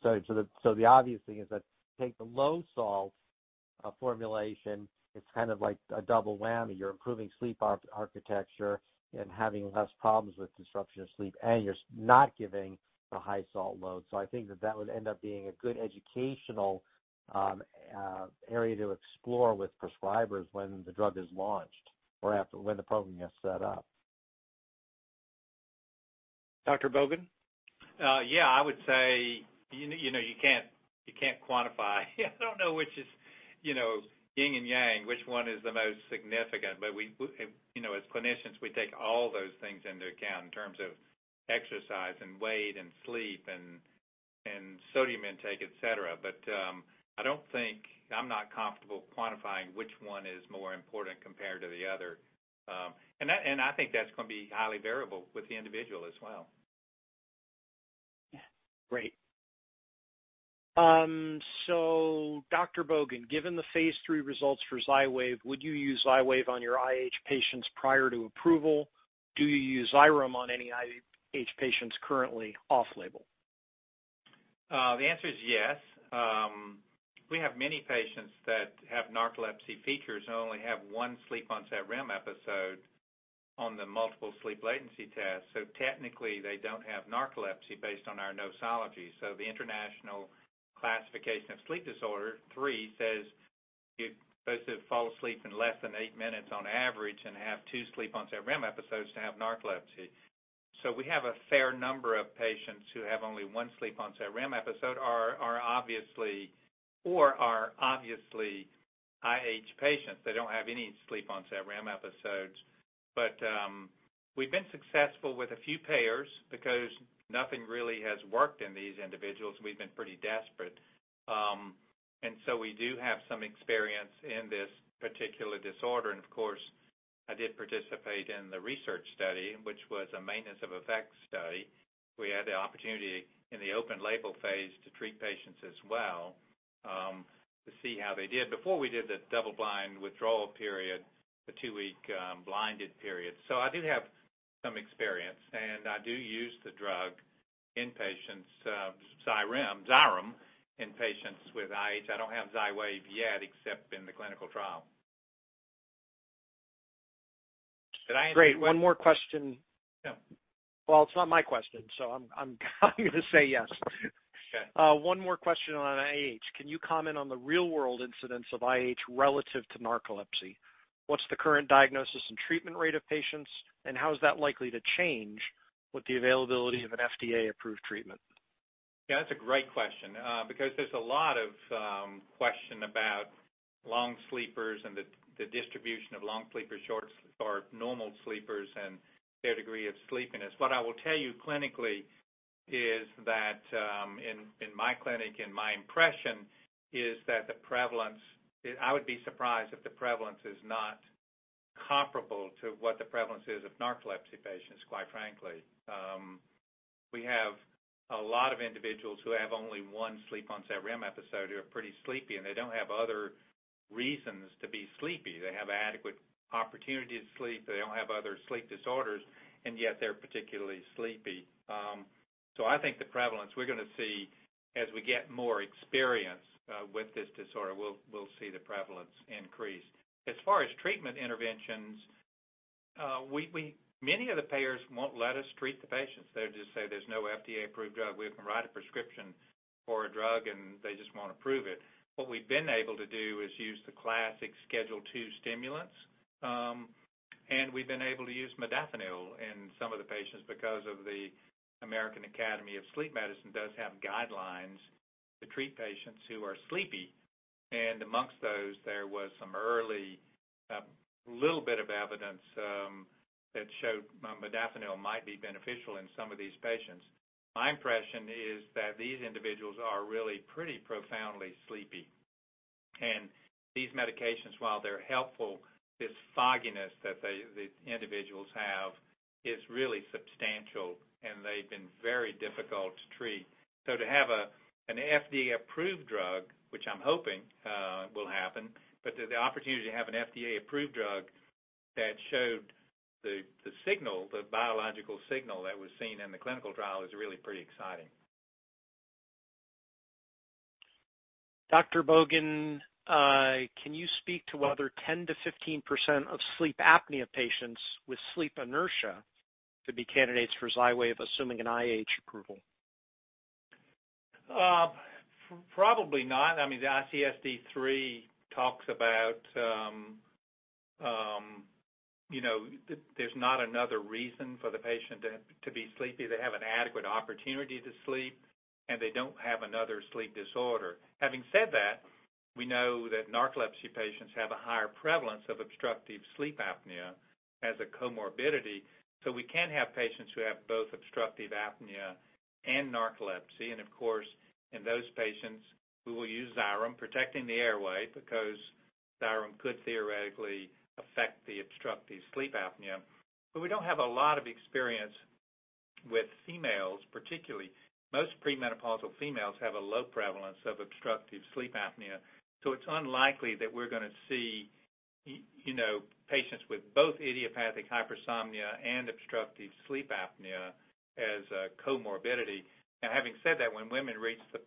sodium. So the obvious thing is that take the low salt formulation. It's kind of like a double whammy. You're improving sleep architecture and having less problems with disruption of sleep, and you're not giving a high salt load. So I think that would end up being a good educational area to explore with prescribers when the drug is launched or when the program gets set up. Dr. Bogan? Yeah, I would say you can't quantify. I don't know which is yin and yang, which one is the most significant, but as clinicians, we take all those things into account in terms of exercise and weight and sleep and sodium intake, etc., but I don't think I'm not comfortable quantifying which one is more important compared to the other, and I think that's going to be highly variable with the individual as well. Great. So Dr. Bogan, given the phase III results for Xywav, would you use Xywav on your IH patients prior to approval? Do you use Xyrem on any IH patients currently off-label? The answer is yes. We have many patients that have narcolepsy features and only have one sleep onset REM episode on the Multiple Sleep Latency Test. So technically, they don't have narcolepsy based on our nosology. So the International Classification of Sleep Disorders III says those who fall asleep in less than eight minutes on average and have two sleep onset REM episodes to have narcolepsy. So we have a fair number of patients who have only one sleep onset REM episode or are obviously IH patients. They don't have any sleep onset REM episodes. But we've been successful with a few payers because nothing really has worked in these individuals. We've been pretty desperate. And so we do have some experience in this particular disorder. And of course, I did participate in the research study, which was a maintenance of effects study. We had the opportunity in the open-label phase to treat patients as well to see how they did. Before we did the double-blind withdrawal period, the two-week blinded period. So I do have some experience, and I do use the drug in patients, Xyrem, in patients with IH. I don't have Xywav yet except in the clinical trial. Did I answer your question? Great. One more question. Well, it's not my question, so I'm going to say yes. One more question on IH. Can you comment on the real-world incidence of IH relative to narcolepsy? What's the current diagnosis and treatment rate of patients, and how is that likely to change with the availability of an FDA-approved treatment? Yeah, that's a great question because there's a lot of question about long sleepers and the distribution of long sleepers, short or normal sleepers, and their degree of sleepiness. What I will tell you clinically is that in my clinic, my impression is that the prevalence, I would be surprised if the prevalence is not comparable to what the prevalence is of narcolepsy patients, quite frankly. We have a lot of individuals who have only one sleep onset REM episode who are pretty sleepy, and they don't have other reasons to be sleepy. They have adequate opportunity to sleep. They don't have other sleep disorders, and yet they're particularly sleepy. So I think the prevalence we're going to see as we get more experience with this disorder, we'll see the prevalence increase. As far as treatment interventions, many of the payers won't let us treat the patients. They'll just say, "There's no FDA-approved drug. We can write a prescription for a drug," and they just won't approve it. What we've been able to do is use the classic Schedule II stimulants, and we've been able to use modafinil in some of the patients because the American Academy of Sleep Medicine does have guidelines to treat patients who are sleepy, and amongst those, there was some early little bit of evidence that showed modafinil might be beneficial in some of these patients. My impression is that these individuals are really pretty profoundly sleepy, and these medications, while they're helpful, this fogginess that the individuals have is really substantial, and they've been very difficult to treat. So to have an FDA-approved drug, which I'm hoping will happen, but the opportunity to have an FDA-approved drug that showed the biological signal that was seen in the clinical trial is really pretty exciting. Dr. Bogan, can you speak to whether 10%-15% of sleep apnea patients with sleep inertia could be candidates for Xywav assuming an IH approval? Probably not. I mean, the ICSD-3 talks about there's not another reason for the patient to be sleepy. They have an adequate opportunity to sleep, and they don't have another sleep disorder. Having said that, we know that narcolepsy patients have a higher prevalence of obstructive sleep apnea as a comorbidity. So we can have patients who have both obstructive apnea and narcolepsy. And of course, in those patients, we will use Xyrem, protecting the airway because Xyrem could theoretically affect the obstructive sleep apnea. But we don't have a lot of experience with females, particularly. Most premenopausal females have a low prevalence of obstructive sleep apnea. So it's unlikely that we're going to see patients with both idiopathic hypersomnia and obstructive sleep apnea as a comorbidity. Now, having said that, when women reach the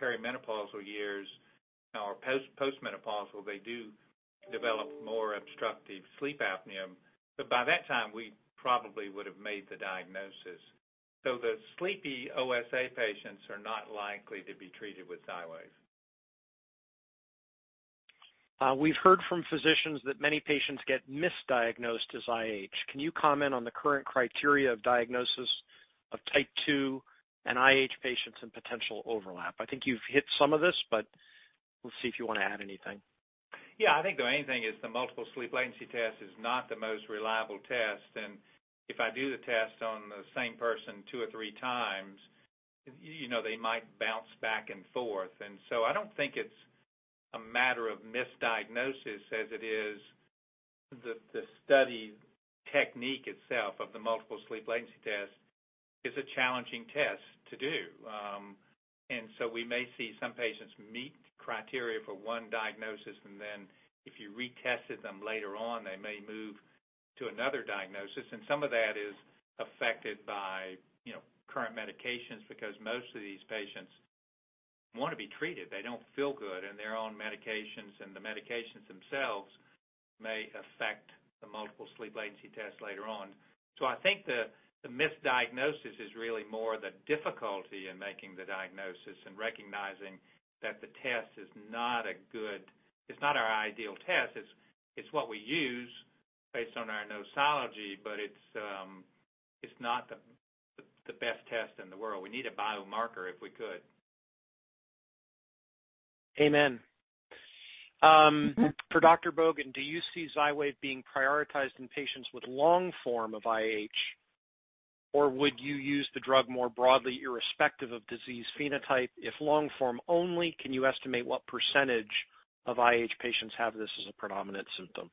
perimenopausal years or postmenopausal, they do develop more obstructive sleep apnea. But by that time, we probably would have made the diagnosis. So the sleepy OSA patients are not likely to be treated with Xywav. We've heard from physicians that many patients get misdiagnosed as IH. Can you comment on the current criteria of diagnosis of Type 2 and IH patients and potential overlap? I think you've hit some of this, but we'll see if you want to add anything. Yeah, I think the main thing is the Multiple Sleep Latency Test is not the most reliable test. And if I do the test on the same person two or three times, they might bounce back and forth. And so I don't think it's a matter of misdiagnosis as it is the study technique itself of the Multiple Sleep Latency Test is a challenging test to do. And so we may see some patients meet criteria for one diagnosis, and then if you retested them later on, they may move to another diagnosis. And some of that is affected by current medications because most of these patients want to be treated. They don't feel good, and they're on medications, and the medications themselves may affect the Multiple Sleep Latency Test later on. I think the misdiagnosis is really more the difficulty in making the diagnosis and recognizing that the test is not a good, it's not our ideal test. It's what we use based on our nosology, but it's not the best test in the world. We need a biomarker if we could. Amen. For Dr. Bogan, do you see Xywav being prioritized in patients with long-form of IH, or would you use the drug more broadly irrespective of disease phenotype? If long-form only, can you estimate what percentage of IH patients have this as a predominant symptom?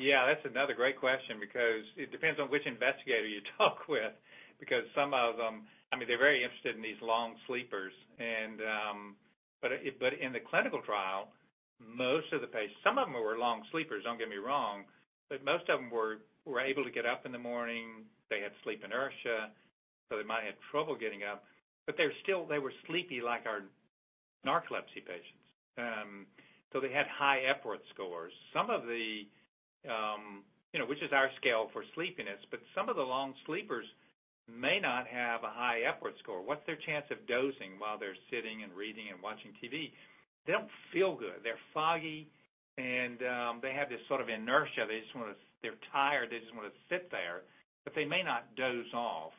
Yeah, that's another great question because it depends on which investigator you talk with because some of them. I mean, they're very interested in these long sleepers. But in the clinical trial, most of the patients. Some of them were long sleepers, don't get me wrong. But most of them were able to get up in the morning. They had sleep inertia, so they might have trouble getting up. But they were sleepy like our narcolepsy patients. So they had high Epworth scores, which is our scale for sleepiness, but some of the long sleepers may not have a high Epworth score. What's their chance of dozing while they're sitting and reading and watching TV? They don't feel good. They're foggy, and they have this sort of inertia. They just want to. They're tired. They just want to sit there, but they may not doze off.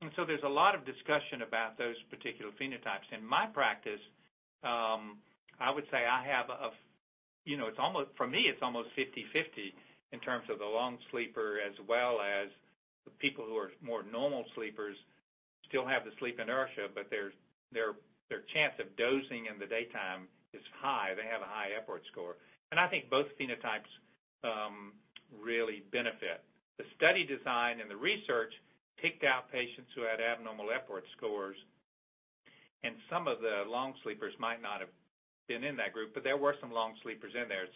There's a lot of discussion about those particular phenotypes. In my practice, I would say I have a—for me, it's almost 50/50 in terms of the long sleeper as well as the people who are more normal sleepers still have the sleep inertia, but their chance of dozing in the daytime is high. They have a high Epworth score. I think both phenotypes really benefit. The study design and the research picked out patients who had abnormal Epworth scores, and some of the long sleepers might not have been in that group, but there were some long sleepers in there.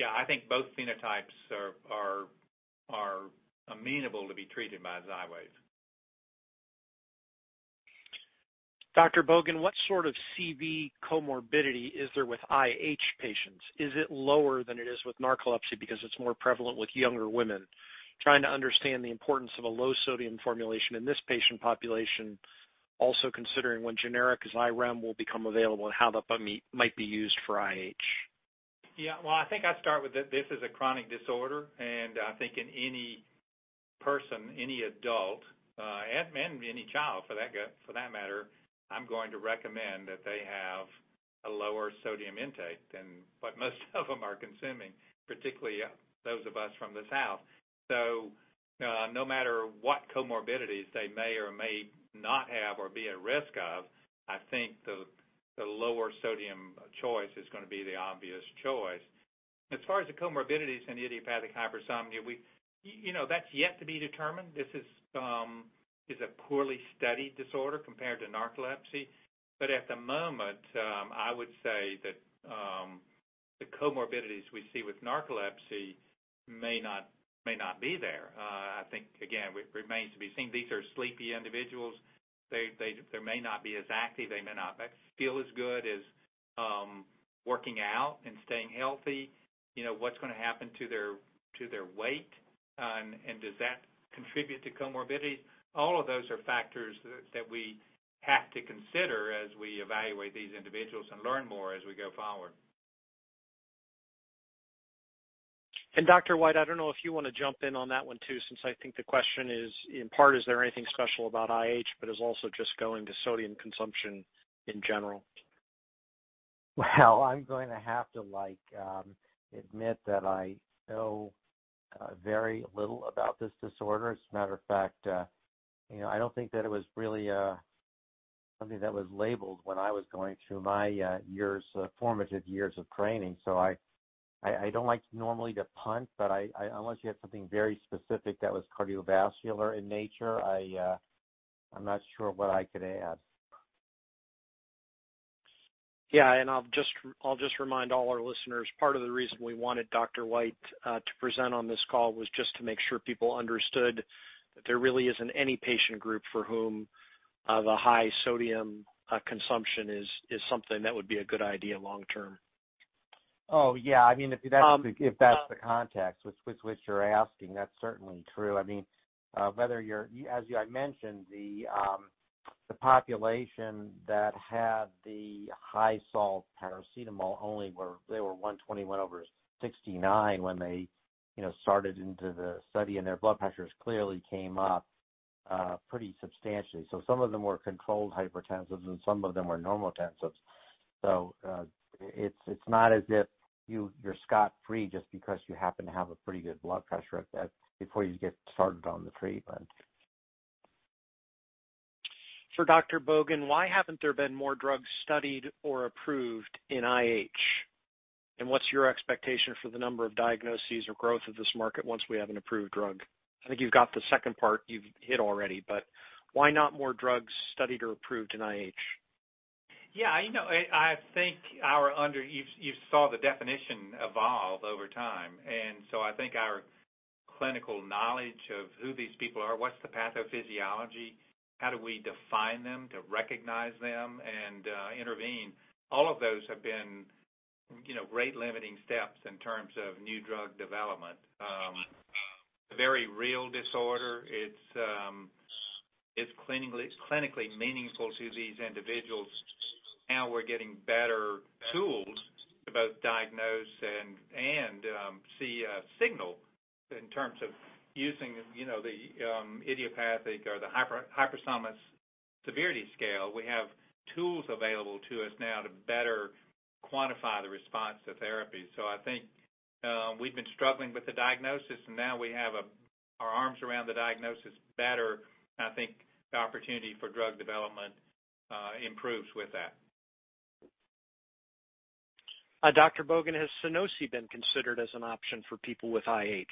Yeah, I think both phenotypes are amenable to be treated by Xywav. Dr. Bogan, what sort of CV comorbidity is there with IH patients? Is it lower than it is with narcolepsy because it's more prevalent with younger women? Trying to understand the importance of a low sodium formulation in this patient population, also considering when generic Xyrem will become available and how that might be used for IH. Yeah. Well, I think I'd start with that this is a chronic disorder, and I think in any person, any adult, and any child for that matter, I'm going to recommend that they have a lower sodium intake than what most of them are consuming, particularly those of us from the South. So no matter what comorbidities they may or may not have or be at risk of, I think the lower sodium choice is going to be the obvious choice. As far as the comorbidities and idiopathic hypersomnia, that's yet to be determined. This is a poorly studied disorder compared to narcolepsy. But at the moment, I would say that the comorbidities we see with narcolepsy may not be there. I think, again, it remains to be seen. These are sleepy individuals. They may not be as active. They may not feel as good as working out and staying healthy. What's going to happen to their weight, and does that contribute to comorbidities? All of those are factors that we have to consider as we evaluate these individuals and learn more as we go forward. Dr. White, I don't know if you want to jump in on that one too since I think the question is in part, is there anything special about IH, but it's also just going to sodium consumption in general? I'm going to have to admit that I know very little about this disorder. As a matter of fact, I don't think that it was really something that was labeled when I was going through my formative years of training. I don't like normally to punt, but unless you had something very specific that was cardiovascular in nature, I'm not sure what I could add. Yeah. And I'll just remind all our listeners, part of the reason we wanted Dr. White to present on this call was just to make sure people understood that there really isn't any patient group for whom the high sodium consumption is something that would be a good idea long-term. Oh, yeah. I mean, if that's the context with which you're asking, that's certainly true. I mean, as I mentioned, the population that had the high-salt paracetamol only, they were 121 over 69 when they started into the study, and their blood pressures clearly came up pretty substantially. So some of them were controlled hypertensives, and some of them were normotensives. So it's not as if you're scot-free just because you happen to have a pretty good blood pressure before you get started on the treatment. For Dr. Bogan, why haven't there been more drugs studied or approved in IH? And what's your expectation for the number of diagnoses or growth of this market once we have an approved drug? I think you've got the second part you've hit already, but why not more drugs studied or approved in IH? Yeah. I think you saw the definition evolve over time. And so I think our clinical knowledge of who these people are, what's the pathophysiology, how do we define them to recognize them and intervene? All of those have been rate-limiting steps in terms of new drug development. It's a very real disorder. It's clinically meaningful to these individuals. Now we're getting better tools to both diagnose and see a signal in terms of using the Idiopathic Hypersomnia Severity Scale. We have tools available to us now to better quantify the response to therapy. So I think we've been struggling with the diagnosis, and now we have our arms around the diagnosis better. I think the opportunity for drug development improves with that. Dr. Bogan, has Sunosi been considered as an option for people with IH?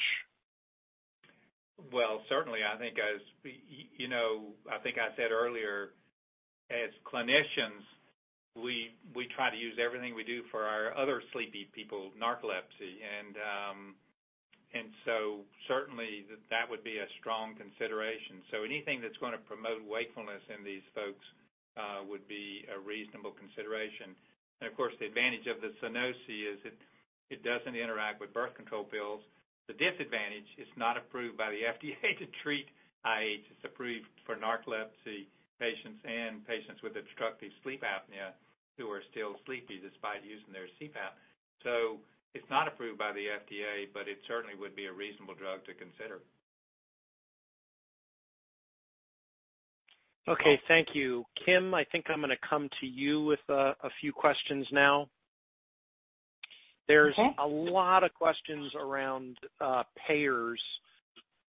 Certainly. I think as I think I said earlier, as clinicians, we try to use everything we do for our other sleepy people, narcolepsy. And so certainly, that would be a strong consideration. So anything that's going to promote wakefulness in these folks would be a reasonable consideration. And of course, the advantage of the Sunosi is it doesn't interact with birth control pills. The disadvantage is it's not approved by the FDA to treat IH. It's approved for narcolepsy patients and patients with obstructive sleep apnea who are still sleepy despite using their CPAP. So it's not approved by the FDA, but it certainly would be a reasonable drug to consider. Okay. Thank you. Kim, I think I'm going to come to you with a few questions now. There's a lot of questions around payers.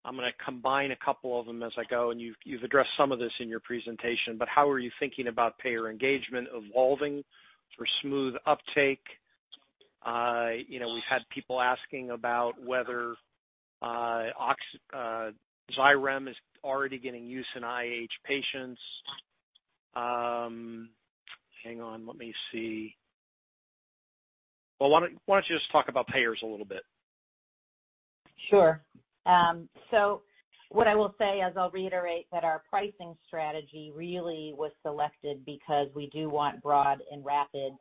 I'm going to combine a couple of them as I go, and you've addressed some of this in your presentation. But how are you thinking about payer engagement evolving for smooth uptake? We've had people asking about whether Xyrem is already getting use in IH patients. Hang on. Let me see. Well, why don't you just talk about payers a little bit? Sure. So what I will say, as I'll reiterate, that our pricing strategy really was selected because we do want broad and rapid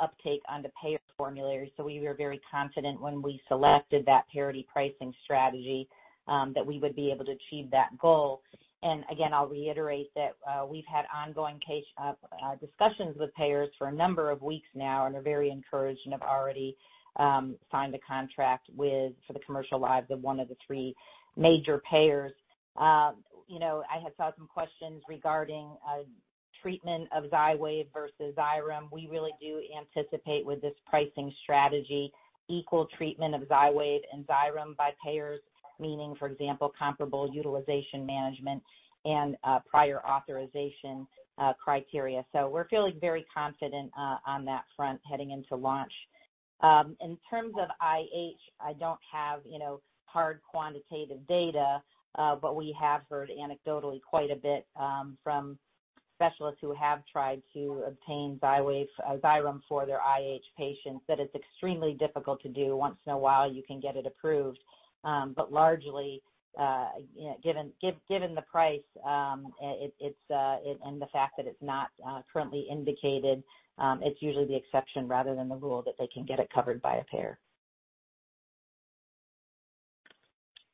uptake on the payer formulary. So we were very confident when we selected that parity pricing strategy that we would be able to achieve that goal. And again, I'll reiterate that we've had ongoing discussions with payers for a number of weeks now and are very encouraged and have already signed a contract for the commercial lives of one of the three major payers. I had thought some questions regarding treatment of Xywav versus Xyrem. We really do anticipate with this pricing strategy equal treatment of Xywav and Xyrem by payers, meaning, for example, comparable utilization management and prior authorization criteria. So we're feeling very confident on that front heading into launch. In terms of IH, I don't have hard quantitative data, but we have heard anecdotally quite a bit from specialists who have tried to obtain Xyrem for their IH patients that it's extremely difficult to do. Once in a while, you can get it approved. But largely, given the price and the fact that it's not currently indicated, it's usually the exception rather than the rule that they can get it covered by a payer.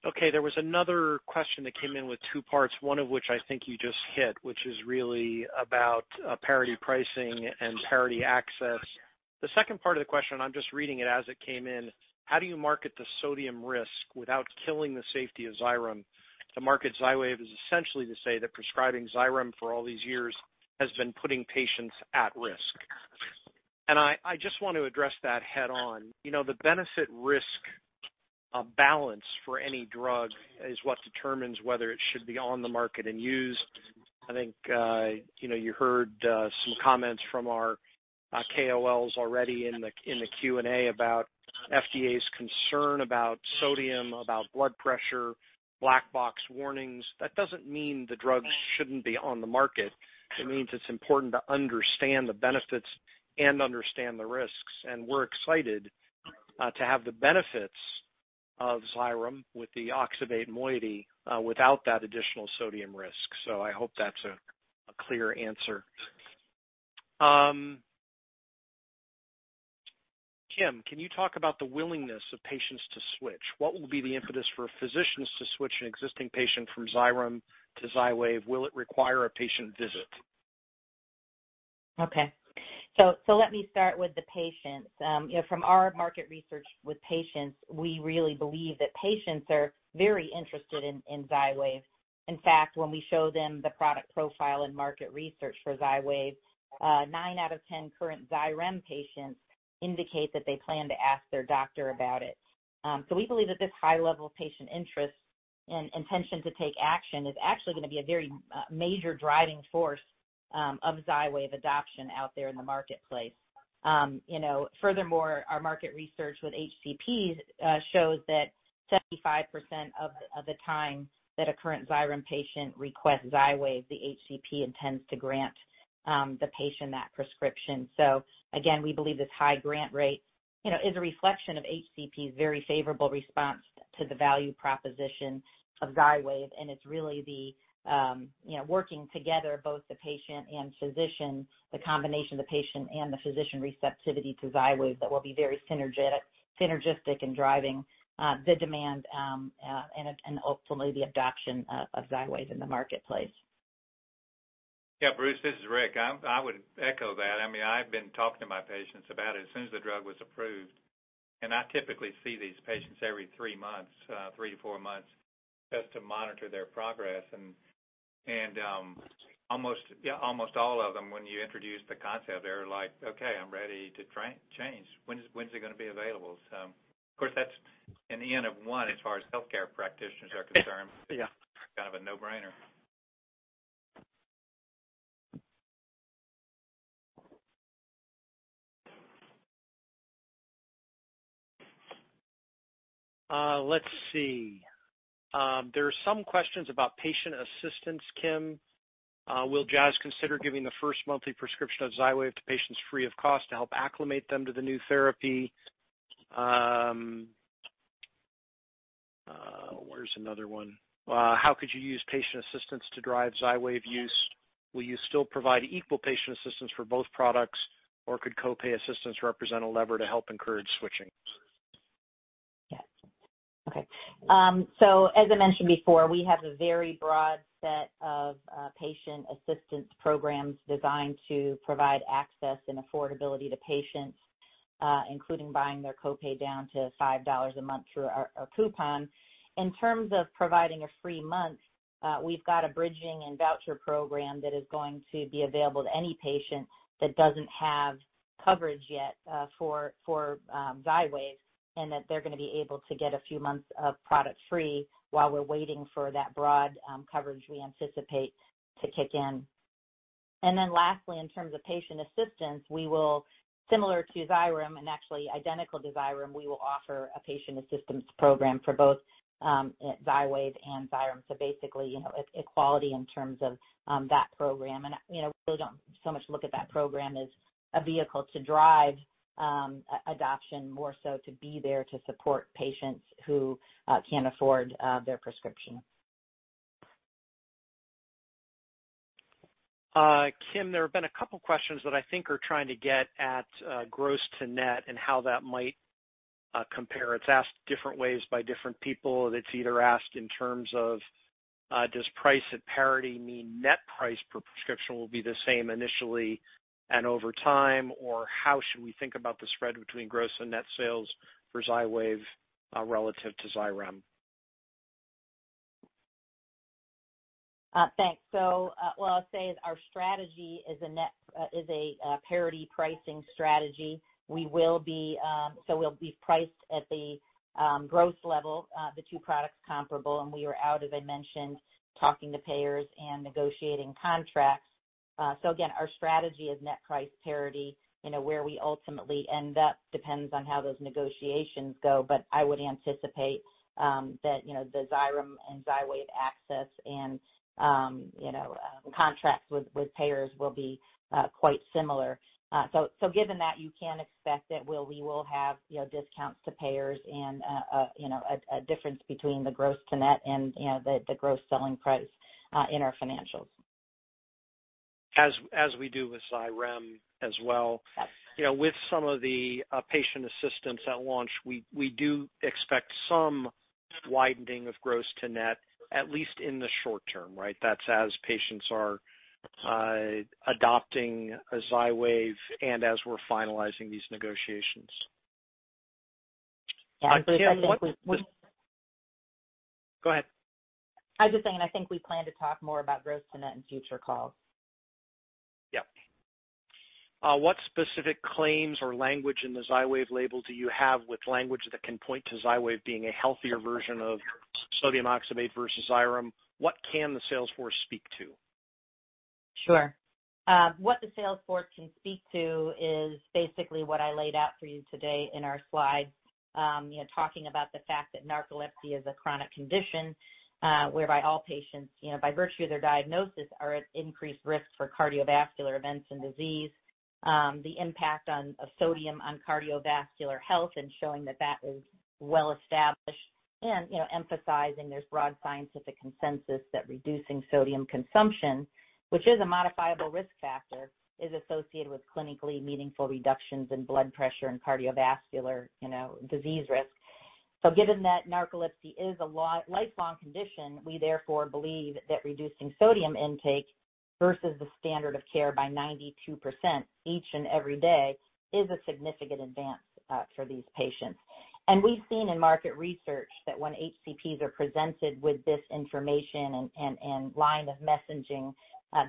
Okay. There was another question that came in with two parts, one of which I think you just hit, which is really about parity pricing and parity access. The second part of the question, I'm just reading it as it came in, how do you market the sodium risk without killing the safety of Xyrem? To market Xywav is essentially to say that prescribing Xyrem for all these years has been putting patients at risk, and I just want to address that head-on. The benefit-risk balance for any drug is what determines whether it should be on the market and used. I think you heard some comments from our KOLs already in the Q&A about FDA's concern about sodium, about blood pressure, black box warnings. That doesn't mean the drug shouldn't be on the market. It means it's important to understand the benefits and understand the risks. We're excited to have the benefits of Xyrem with the oxybate moiety without that additional sodium risk. So I hope that's a clear answer. Kim, can you talk about the willingness of patients to switch? What will be the impetus for physicians to switch an existing patient from Xyrem to Xywav? Will it require a patient visit? Okay. So let me start with the patients. From our market research with patients, we really believe that patients are very interested in Xywav. In fact, when we show them the product profile and market research for Xywav, nine out of 10 current Xyrem patients indicate that they plan to ask their doctor about it. So we believe that this high-level patient interest and intention to take action is actually going to be a very major driving force of Xywav adoption out there in the marketplace. Furthermore, our market research with HCP shows that 75% of the time that a current Xyrem patient requests Xywav, the HCP intends to grant the patient that prescription. So again, we believe this high grant rate is a reflection of HCP's very favorable response to the value proposition of Xywav. It's really the working together, both the patient and physician, the combination of the patient and the physician receptivity to Xywav that will be very synergistic in driving the demand and ultimately the adoption of Xywav in the marketplace. Yeah. Bruce, this is Rick. I would echo that. I mean, I've been talking to my patients about it as soon as the drug was approved. And I typically see these patients every three months, three to four months, just to monitor their progress. And almost all of them, when you introduce the concept, they're like, "Okay. I'm ready to change. When's it going to be available?" So of course, that's an N of 1 as far as healthcare practitioners are concerned. Kind of a no-brainer. Let's see. There are some questions about patient assistance, Kim. Will Jazz consider giving the first monthly prescription of Xywav to patients free of cost to help acclimate them to the new therapy? Where's another one? How could you use patient assistance to drive Xywav use? Will you still provide equal patient assistance for both products, or could copay assistance represent a lever to help encourage switching? Yes. Okay. So as I mentioned before, we have a very broad set of patient assistance programs designed to provide access and affordability to patients, including buying their copay down to $5 a month through our coupon. In terms of providing a free month, we've got a bridging and voucher program that is going to be available to any patient that doesn't have coverage yet for Xywav and that they're going to be able to get a few months of product free while we're waiting for that broad coverage we anticipate to kick in. And then lastly, in terms of patient assistance, similar to Xyrem and actually identical to Xyrem, we will offer a patient assistance program for both Xywav and Xyrem. So basically, equality in terms of that program. We don't so much look at that program as a vehicle to drive adoption, more so to be there to support patients who can't afford their prescription. Kim, there have been a couple of questions that I think are trying to get at gross to net and how that might compare. It's asked different ways by different people. It's either asked in terms of, does price at parity mean net price per prescription will be the same initially and over time, or how should we think about the spread between gross and net sales for Xywav relative to Xyrem? Thanks. So what I'll say is our strategy is a parity pricing strategy. So we'll be priced at the gross level, the two products comparable. And we were out, as I mentioned, talking to payers and negotiating contracts. So again, our strategy is net price parity. Where we ultimately end up depends on how those negotiations go. But I would anticipate that the Xyrem and Xywav access and contracts with payers will be quite similar. So given that, you can expect that we will have discounts to payers and a difference between the gross-to-net and the gross selling price in our financials. As we do with Xyrem as well. With some of the patient assistance at launch, we do expect some widening of gross to net, at least in the short-term, right? That's as patients are adopting Xywav and as we're finalizing these negotiations. Yeah. Kim, what? Go ahead. I was just saying I think we plan to talk more about gross to net in future calls. Yep. What specific claims or language in the Xywav label do you have with language that can point to Xywav being a healthier version of sodium oxybate versus Xyrem? What can the sales force speak to? Sure. What the sales force can speak to is basically what I laid out for you today in our slides, talking about the fact that narcolepsy is a chronic condition whereby all patients, by virtue of their diagnosis, are at increased risk for cardiovascular events and disease, the impact of sodium on cardiovascular health, and showing that that is well-established, and emphasizing there's broad scientific consensus that reducing sodium consumption, which is a modifiable risk factor, is associated with clinically meaningful reductions in blood pressure and cardiovascular disease risk. So given that narcolepsy is a lifelong condition, we therefore believe that reducing sodium intake versus the standard of care by 92% each and every day is a significant advance for these patients. We've seen in market research that when HCPs are presented with this information and line of messaging,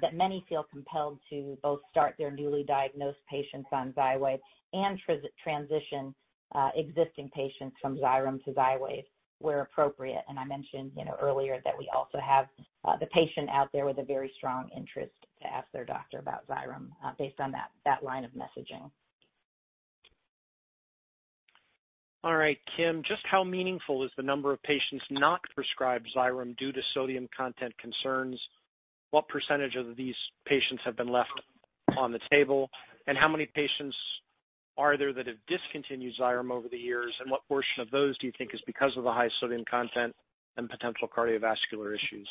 that many feel compelled to both start their newly diagnosed patients on Xywav and transition existing patients from Xyrem to Xywav where appropriate. I mentioned earlier that we also have the patients out there with a very strong interest to ask their doctor about Xyrem based on that line of messaging. All right. Kim, just how meaningful is the number of patients not prescribed Xyrem due to sodium content concerns? What percentage of these patients have been left on the table? And how many patients are there that have discontinued Xyrem over the years? And what portion of those do you think is because of the high sodium content and potential cardiovascular issues?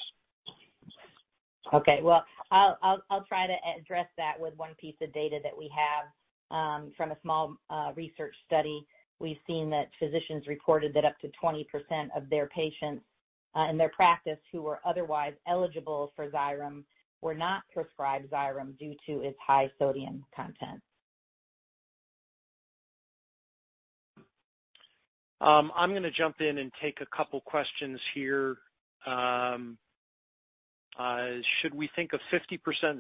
Okay. I'll try to address that with one piece of data that we have from a small research study. We've seen that physicians reported that up to 20% of their patients in their practice who were otherwise eligible for Xyrem were not prescribed Xyrem due to its high sodium content. I'm going to jump in and take a couple of questions here. Should we think of 50%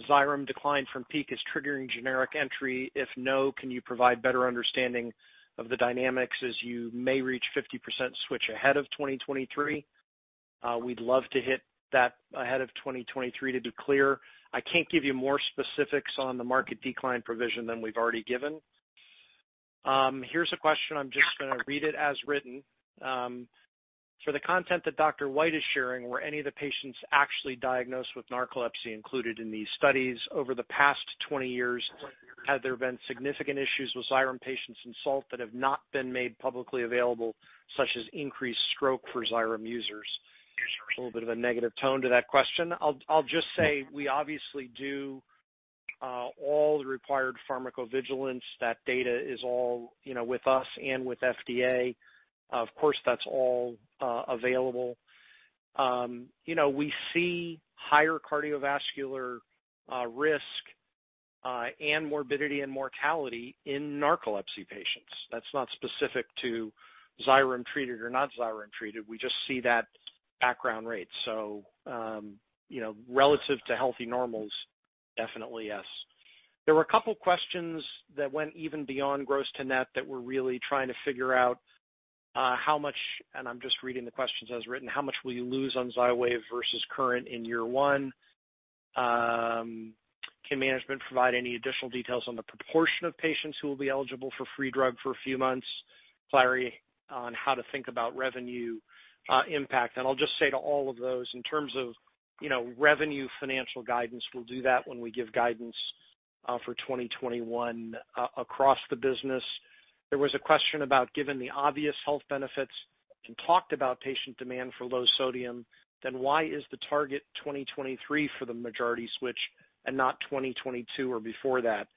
Xyrem decline from peak as triggering generic entry? If no, can you provide better understanding of the dynamics as you may reach 50% switch ahead of 2023? We'd love to hit that ahead of 2023 to be clear. I can't give you more specifics on the market decline provision than we've already given. Here's a question. I'm just going to read it as written. For the content that Dr. White is sharing, were any of the patients actually diagnosed with narcolepsy included in these studies? Over the past 20 years, have there been significant issues with Xyrem patients and salt that have not been made publicly available, such as increased stroke for Xyrem users? A little bit of a negative tone to that question. I'll just say we obviously do all the required pharmacovigilance. That data is all with us and with FDA. Of course, that's all available. We see higher cardiovascular risk and morbidity and mortality in narcolepsy patients. That's not specific to Xyrem treated or not Xyrem treated. We just see that background rate. So relative to healthy normals, definitely yes. There were a couple of questions that went even beyond gross to net that were really trying to figure out how much—and I'm just reading the questions as written—how much will you lose on Xywav versus current in year one? Can management provide any additional details on the proportion of patients who will be eligible for free drug for a few months? Clarity on how to think about revenue impact. I'll just say to all of those, in terms of revenue financial guidance, we'll do that when we give guidance for 2021 across the business. There was a question about, given the obvious health benefits and talked about patient demand for low sodium, then why is the target 2023 for the majority switch and not 2022 or before that?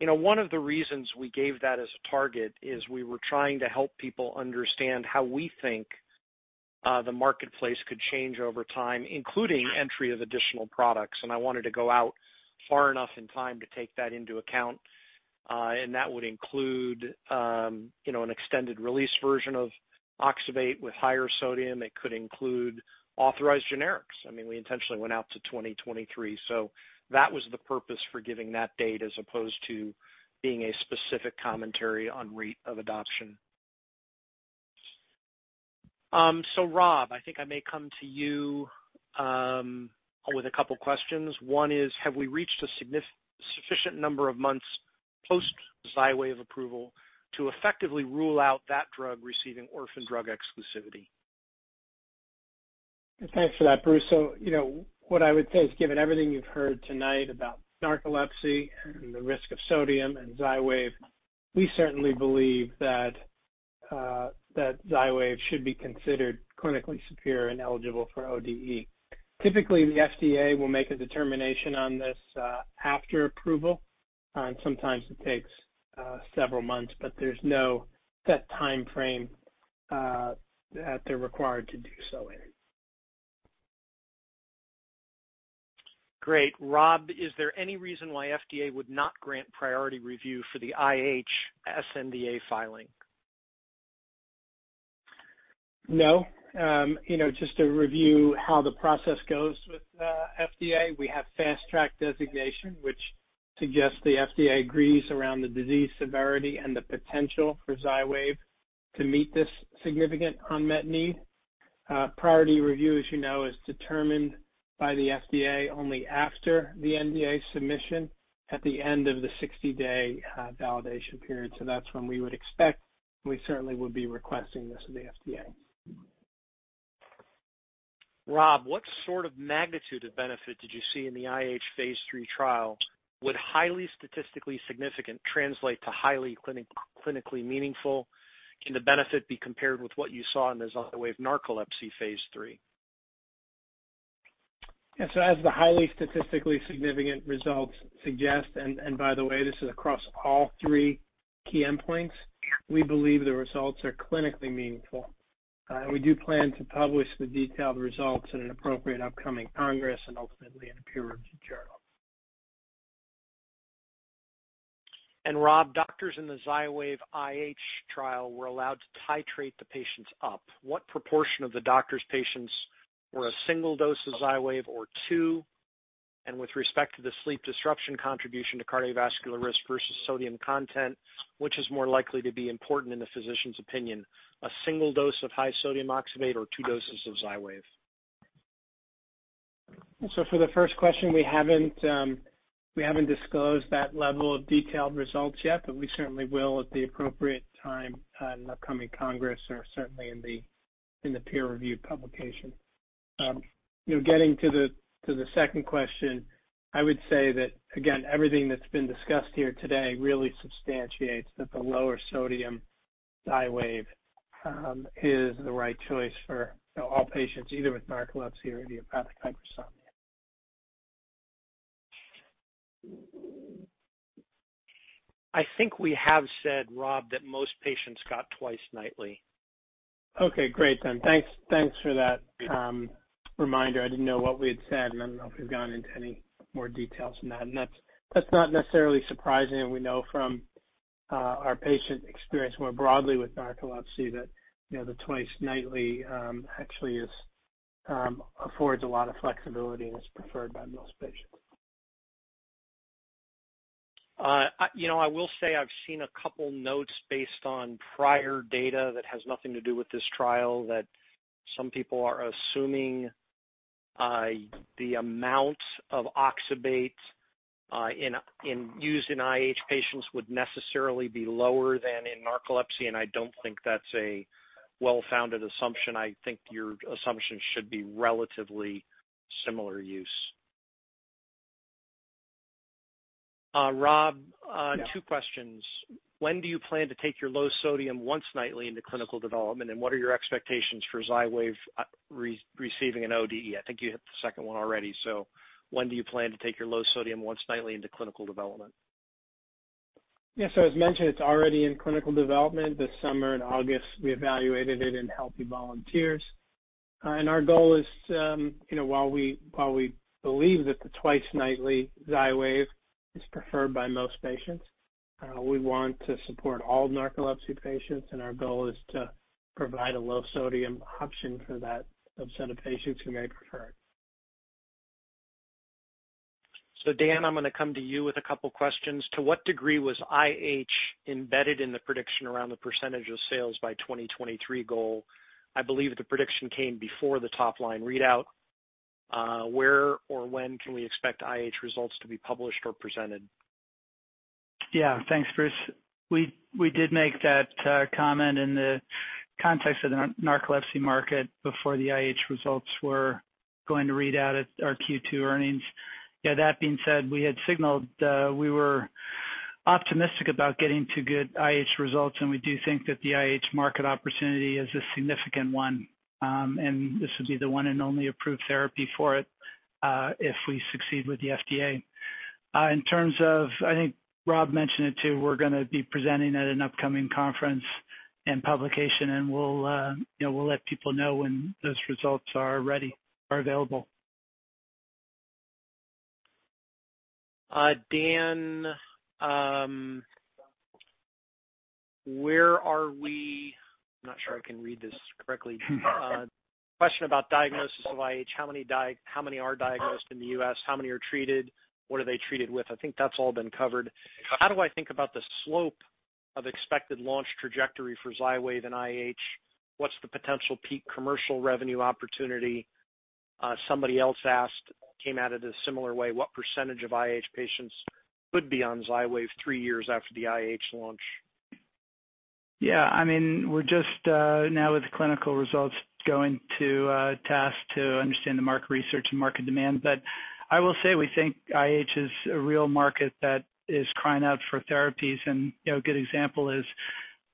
One of the reasons we gave that as a target is we were trying to help people understand how we think the marketplace could change over time, including entry of additional products. I wanted to go out far enough in time to take that into account. That would include an extended-release version of oxybate with higher sodium. It could include authorized generics. I mean, we intentionally went out to 2023. So that was the purpose for giving that date as opposed to being a specific commentary on rate of adoption. So Rob, I think I may come to you with a couple of questions. One is, have we reached a sufficient number of months post-Xywav approval to effectively rule out that drug receiving Orphan Drug Exclusivity? Thanks for that, Bruce. So what I would say is, given everything you've heard tonight about narcolepsy and the risk of sodium and Xywav, we certainly believe that Xywav should be considered clinically superior and eligible for ODE. Typically, the FDA will make a determination on this after approval, and sometimes it takes several months, but there's no set timeframe that they're required to do so in. Great. Rob, is there any reason why FDA would not grant Priority Review for the IH sNDA filing? No. Just to review how the process goes with FDA, we have Fast Track designation, which suggests the FDA agrees around the disease severity and the potential for Xywav to meet this significant unmet need. Priority Review, as you know, is determined by the FDA only after the NDA submission at the end of the 60-day validation period, so that's when we would expect, and we certainly would be requesting this of the FDA. Rob, what sort of magnitude of benefit did you see in the IH phase III trial? Would highly statistically significant translate to highly clinically meaningful? Can the benefit be compared with what you saw in the Xywav narcolepsy phase III? Yeah, so as the highly statistically significant results suggest, and by the way, this is across all three key endpoints, we believe the results are clinically meaningful, and we do plan to publish the detailed results in an appropriate upcoming Congress and ultimately in a peer-reviewed journal. And Rob, doctors in the Xywav IH trial were allowed to titrate the patients up. What proportion of the doctors' patients were a single dose of Xywav or two? And with respect to the sleep disruption contribution to cardiovascular risk versus sodium content, which is more likely to be important in the physician's opinion? A single dose of high sodium oxybate or two doses of Xywav? So for the first question, we haven't disclosed that level of detailed results yet, but we certainly will at the appropriate time in the upcoming congress or certainly in the peer-reviewed publication. Getting to the second question, I would say that, again, everything that's been discussed here today really substantiates that the lower sodium Xywav is the right choice for all patients, either with narcolepsy or idiopathic hypersomnia. I think we have said, Rob, that most patients got twice nightly. Okay. Great, then. Thanks for that reminder. I didn't know what we had said, and I don't know if we've gone into any more details than that. And that's not necessarily surprising. And we know from our patient experience more broadly with narcolepsy that the twice nightly actually affords a lot of flexibility and is preferred by most patients. I will say I've seen a couple of notes based on prior data that has nothing to do with this trial that some people are assuming the amount of oxybate used in IH patients would necessarily be lower than in narcolepsy. And I don't think that's a well-founded assumption. I think your assumption should be relatively similar use. Rob, two questions. When do you plan to take your low sodium once nightly into clinical development? And what are your expectations for Xywav receiving an ODD? I think you hit the second one already. So when do you plan to take your low sodium once nightly into clinical development? Yeah, so as mentioned, it's already in clinical development. This summer in August, we evaluated it in healthy volunteers, and our goal is, while we believe that the twice nightly Xywav is preferred by most patients, we want to support all narcolepsy patients, and our goal is to provide a low sodium option for that subset of patients who may prefer it. So Dan, I'm going to come to you with a couple of questions. To what degree was IH embedded in the prediction around the percentage of sales by 2023 goal? I believe the prediction came before the top-line readout. Where or when can we expect IH results to be published or presented? Yeah. Thanks, Bruce. We did make that comment in the context of the narcolepsy market before the IH results were going to read out at our Q2 earnings. Yeah. That being said, we had signaled we were optimistic about getting to good IH results. And we do think that the IH market opportunity is a significant one. And this would be the one and only approved therapy for it if we succeed with the FDA. In terms of, I think Rob mentioned it too, we're going to be presenting at an upcoming conference and publication. And we'll let people know when those results are ready or available. Dan, where are we? I'm not sure I can read this correctly. Question about diagnosis of IH. How many are diagnosed in the U.S.? How many are treated? What are they treated with? I think that's all been covered. How do I think about the slope of expected launch trajectory for Xywav and IH? What's the potential peak commercial revenue opportunity? Somebody else asked, came at it a similar way. What percentage of IH patients could be on Xywav three years after the IH launch? Yeah. I mean, we're just now with clinical results going to test to understand the market research and market demand, but I will say we think IH is a real market that is crying out for therapies, and a good example is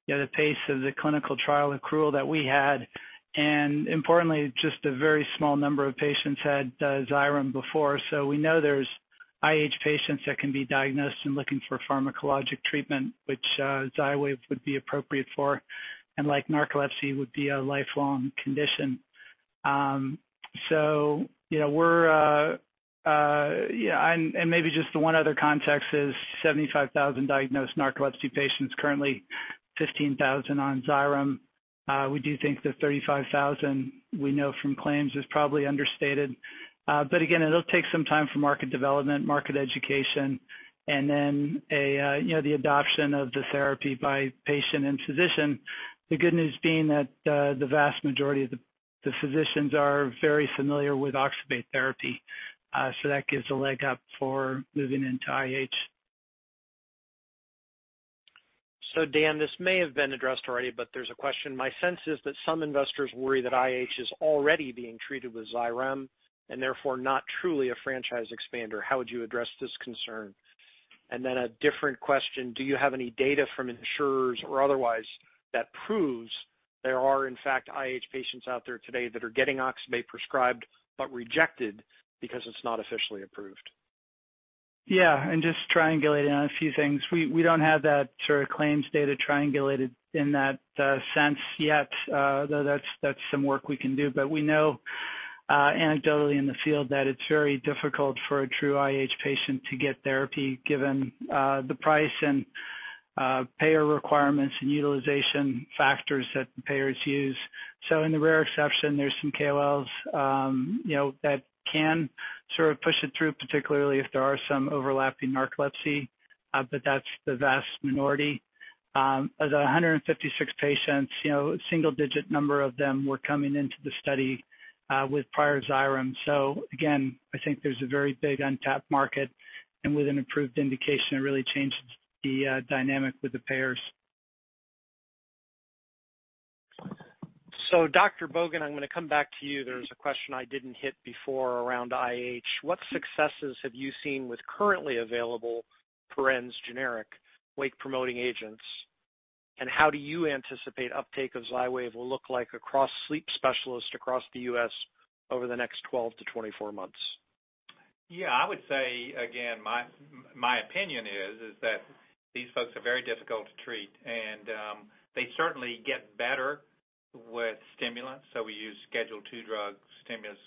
the pace of the clinical trial accrual that we had, and importantly, just a very small number of patients had Xyrem before, so we know there's IH patients that can be diagnosed and looking for pharmacologic treatment, which Xywav would be appropriate for, and like narcolepsy would be a lifelong condition, so we're, and maybe just the one other context is 75,000 diagnosed narcolepsy patients, currently 15,000 on Xyrem. We do think the 35,000 we know from claims is probably understated, but again, it'll take some time for market development, market education, and then the adoption of the therapy by patient and physician. The good news being that the vast majority of the physicians are very familiar with oxybate therapy. So that gives a leg up for moving into IH. Dan, this may have been addressed already, but there's a question. My sense is that some investors worry that IH is already being treated with Xyrem and therefore not truly a franchise expander. How would you address this concern? And then a different question. Do you have any data from insurers or otherwise that proves there are, in fact, IH patients out there today that are getting oxybate prescribed but rejected because it's not officially approved? Yeah. And just triangulating on a few things. We don't have that sort of claims data triangulated in that sense yet, though that's some work we can do. But we know anecdotally in the field that it's very difficult for a true IH patient to get therapy given the price and payer requirements and utilization factors that payers use. So in the rare exception, there's some KOLs that can sort of push it through, particularly if there are some overlapping narcolepsy. But that's the vast minority. Of the 156 patients, a single-digit number of them were coming into the study with prior Xyrem. So again, I think there's a very big untapped market. And with an approved indication, it really changes the dynamic with the payers. Dr. Bogan, I'm going to come back to you. There's a question I didn't hit before around IH. What successes have you seen with currently available various generic wake-promoting agents? And how do you anticipate uptake of Xywav will look like across sleep specialists across the U.S. over the next 12-24 months? Yeah. I would say, again, my opinion is that these folks are very difficult to treat. They certainly get better with stimulants. We use Schedule II drug stimulants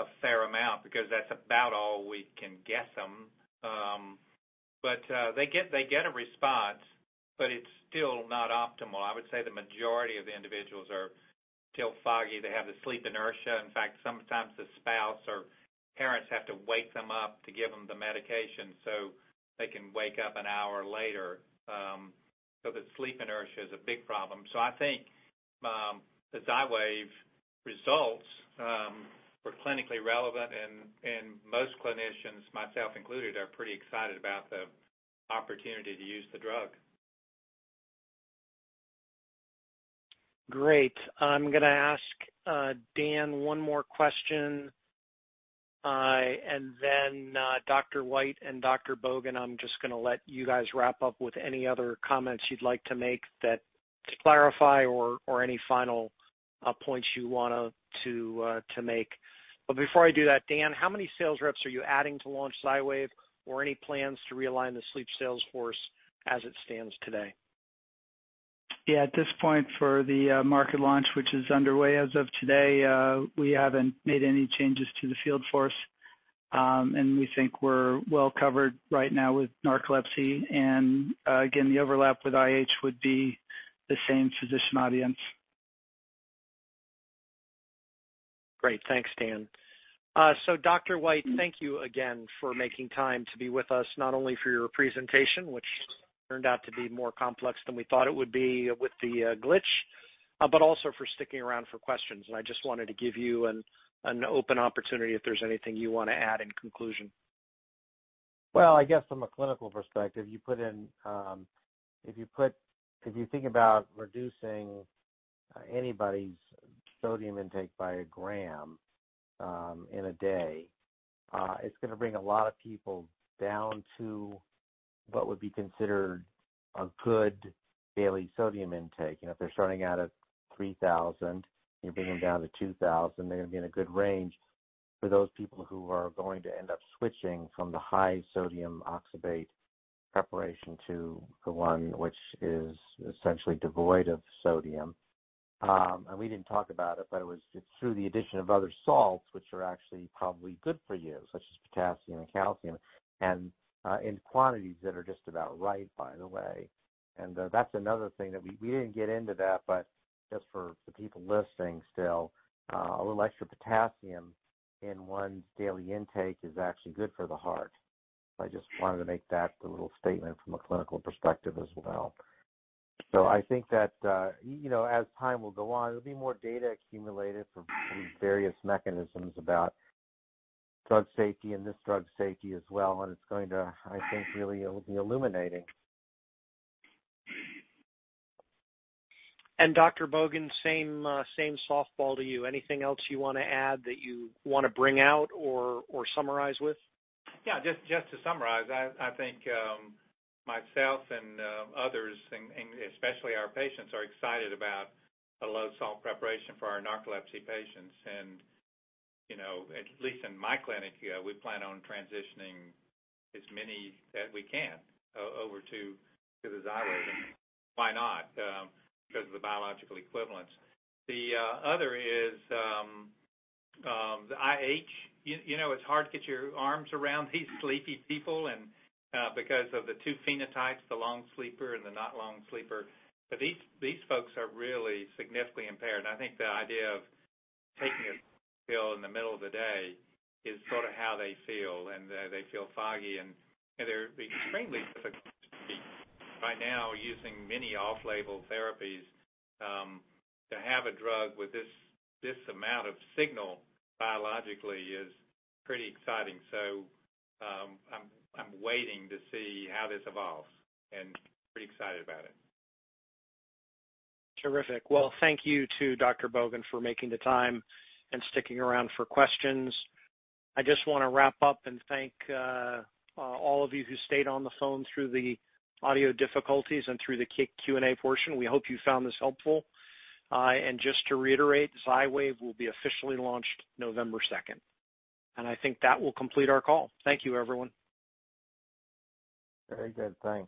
a fair amount because that's about all we can dose them. They get a response, but it's still not optimal. I would say the majority of the individuals are still foggy. They have the sleep inertia. In fact, sometimes the spouse or parents have to wake them up to give them the medication so they can wake up an hour later. The sleep inertia is a big problem. I think the Xywav results were clinically relevant. Most clinicians, myself included, are pretty excited about the opportunity to use the drug. Great. I'm going to ask Dan one more question. And then Dr. White and Dr. Bogan, I'm just going to let you guys wrap up with any other comments you'd like to make to clarify or any final points you want to make. But before I do that, Dan, how many sales reps are you adding to launch Xywav or any plans to realign the sleep sales force as it stands today? Yeah. At this point, for the market launch, which is underway as of today, we haven't made any changes to the field force. And we think we're well covered right now with narcolepsy. And again, the overlap with IH would be the same physician audience. Great. Thanks, Dan, so Dr. White, thank you again for making time to be with us, not only for your presentation, which turned out to be more complex than we thought it would be with the glitch, but also for sticking around for questions, and I just wanted to give you an open opportunity if there's anything you want to add in conclusion. I guess from a clinical perspective, if you think about reducing anybody's sodium intake by 1 g in a day, it's going to bring a lot of people down to what would be considered a good daily sodium intake. And if they're starting out at 3,000, you bring them down to 2,000, they're going to be in a good range for those people who are going to end up switching from the high sodium oxybate preparation to the one which is essentially devoid of sodium. And we didn't talk about it, but it's through the addition of other salts, which are actually probably good for you, such as potassium and calcium, and in quantities that are just about right, by the way. And that's another thing that we didn't get into. But just for the people listening still, a little extra potassium in one's daily intake is actually good for the heart. So I just wanted to make that a little statement from a clinical perspective as well. So I think that as time will go on, there'll be more data accumulated from various mechanisms about drug safety and this drug safety as well. And it's going to, I think, really be illuminating. And Dr. Bogan, same softball to you. Anything else you want to add that you want to bring out or summarize with? Yeah. Just to summarize, I think myself and others, and especially our patients, are excited about a low salt preparation for our narcolepsy patients. And at least in my clinic, we plan on transitioning as many that we can over to the Xywav. And why not? Because of the bioequivalence. The other is the IH. It's hard to get your arms around these sleepy people because of the two phenotypes, the long sleeper and the not long sleeper. But these folks are really significantly impaired. And I think the idea of taking a pill in the middle of the day is sort of how they feel. And they feel foggy. And they're extremely difficult to treat. Right now, using many off-label therapies, to have a drug with this amount of signal biologically is pretty exciting. So I'm waiting to see how this evolves. And I'm pretty excited about it. Terrific. Well, thank you to Dr. Bogan for making the time and sticking around for questions. I just want to wrap up and thank all of you who stayed on the phone through the audio difficulties and through the Q&A portion. We hope you found this helpful, and just to reiterate, Xywav will be officially launched November 2nd, and I think that will complete our call. Thank you, everyone. Very good. Thanks.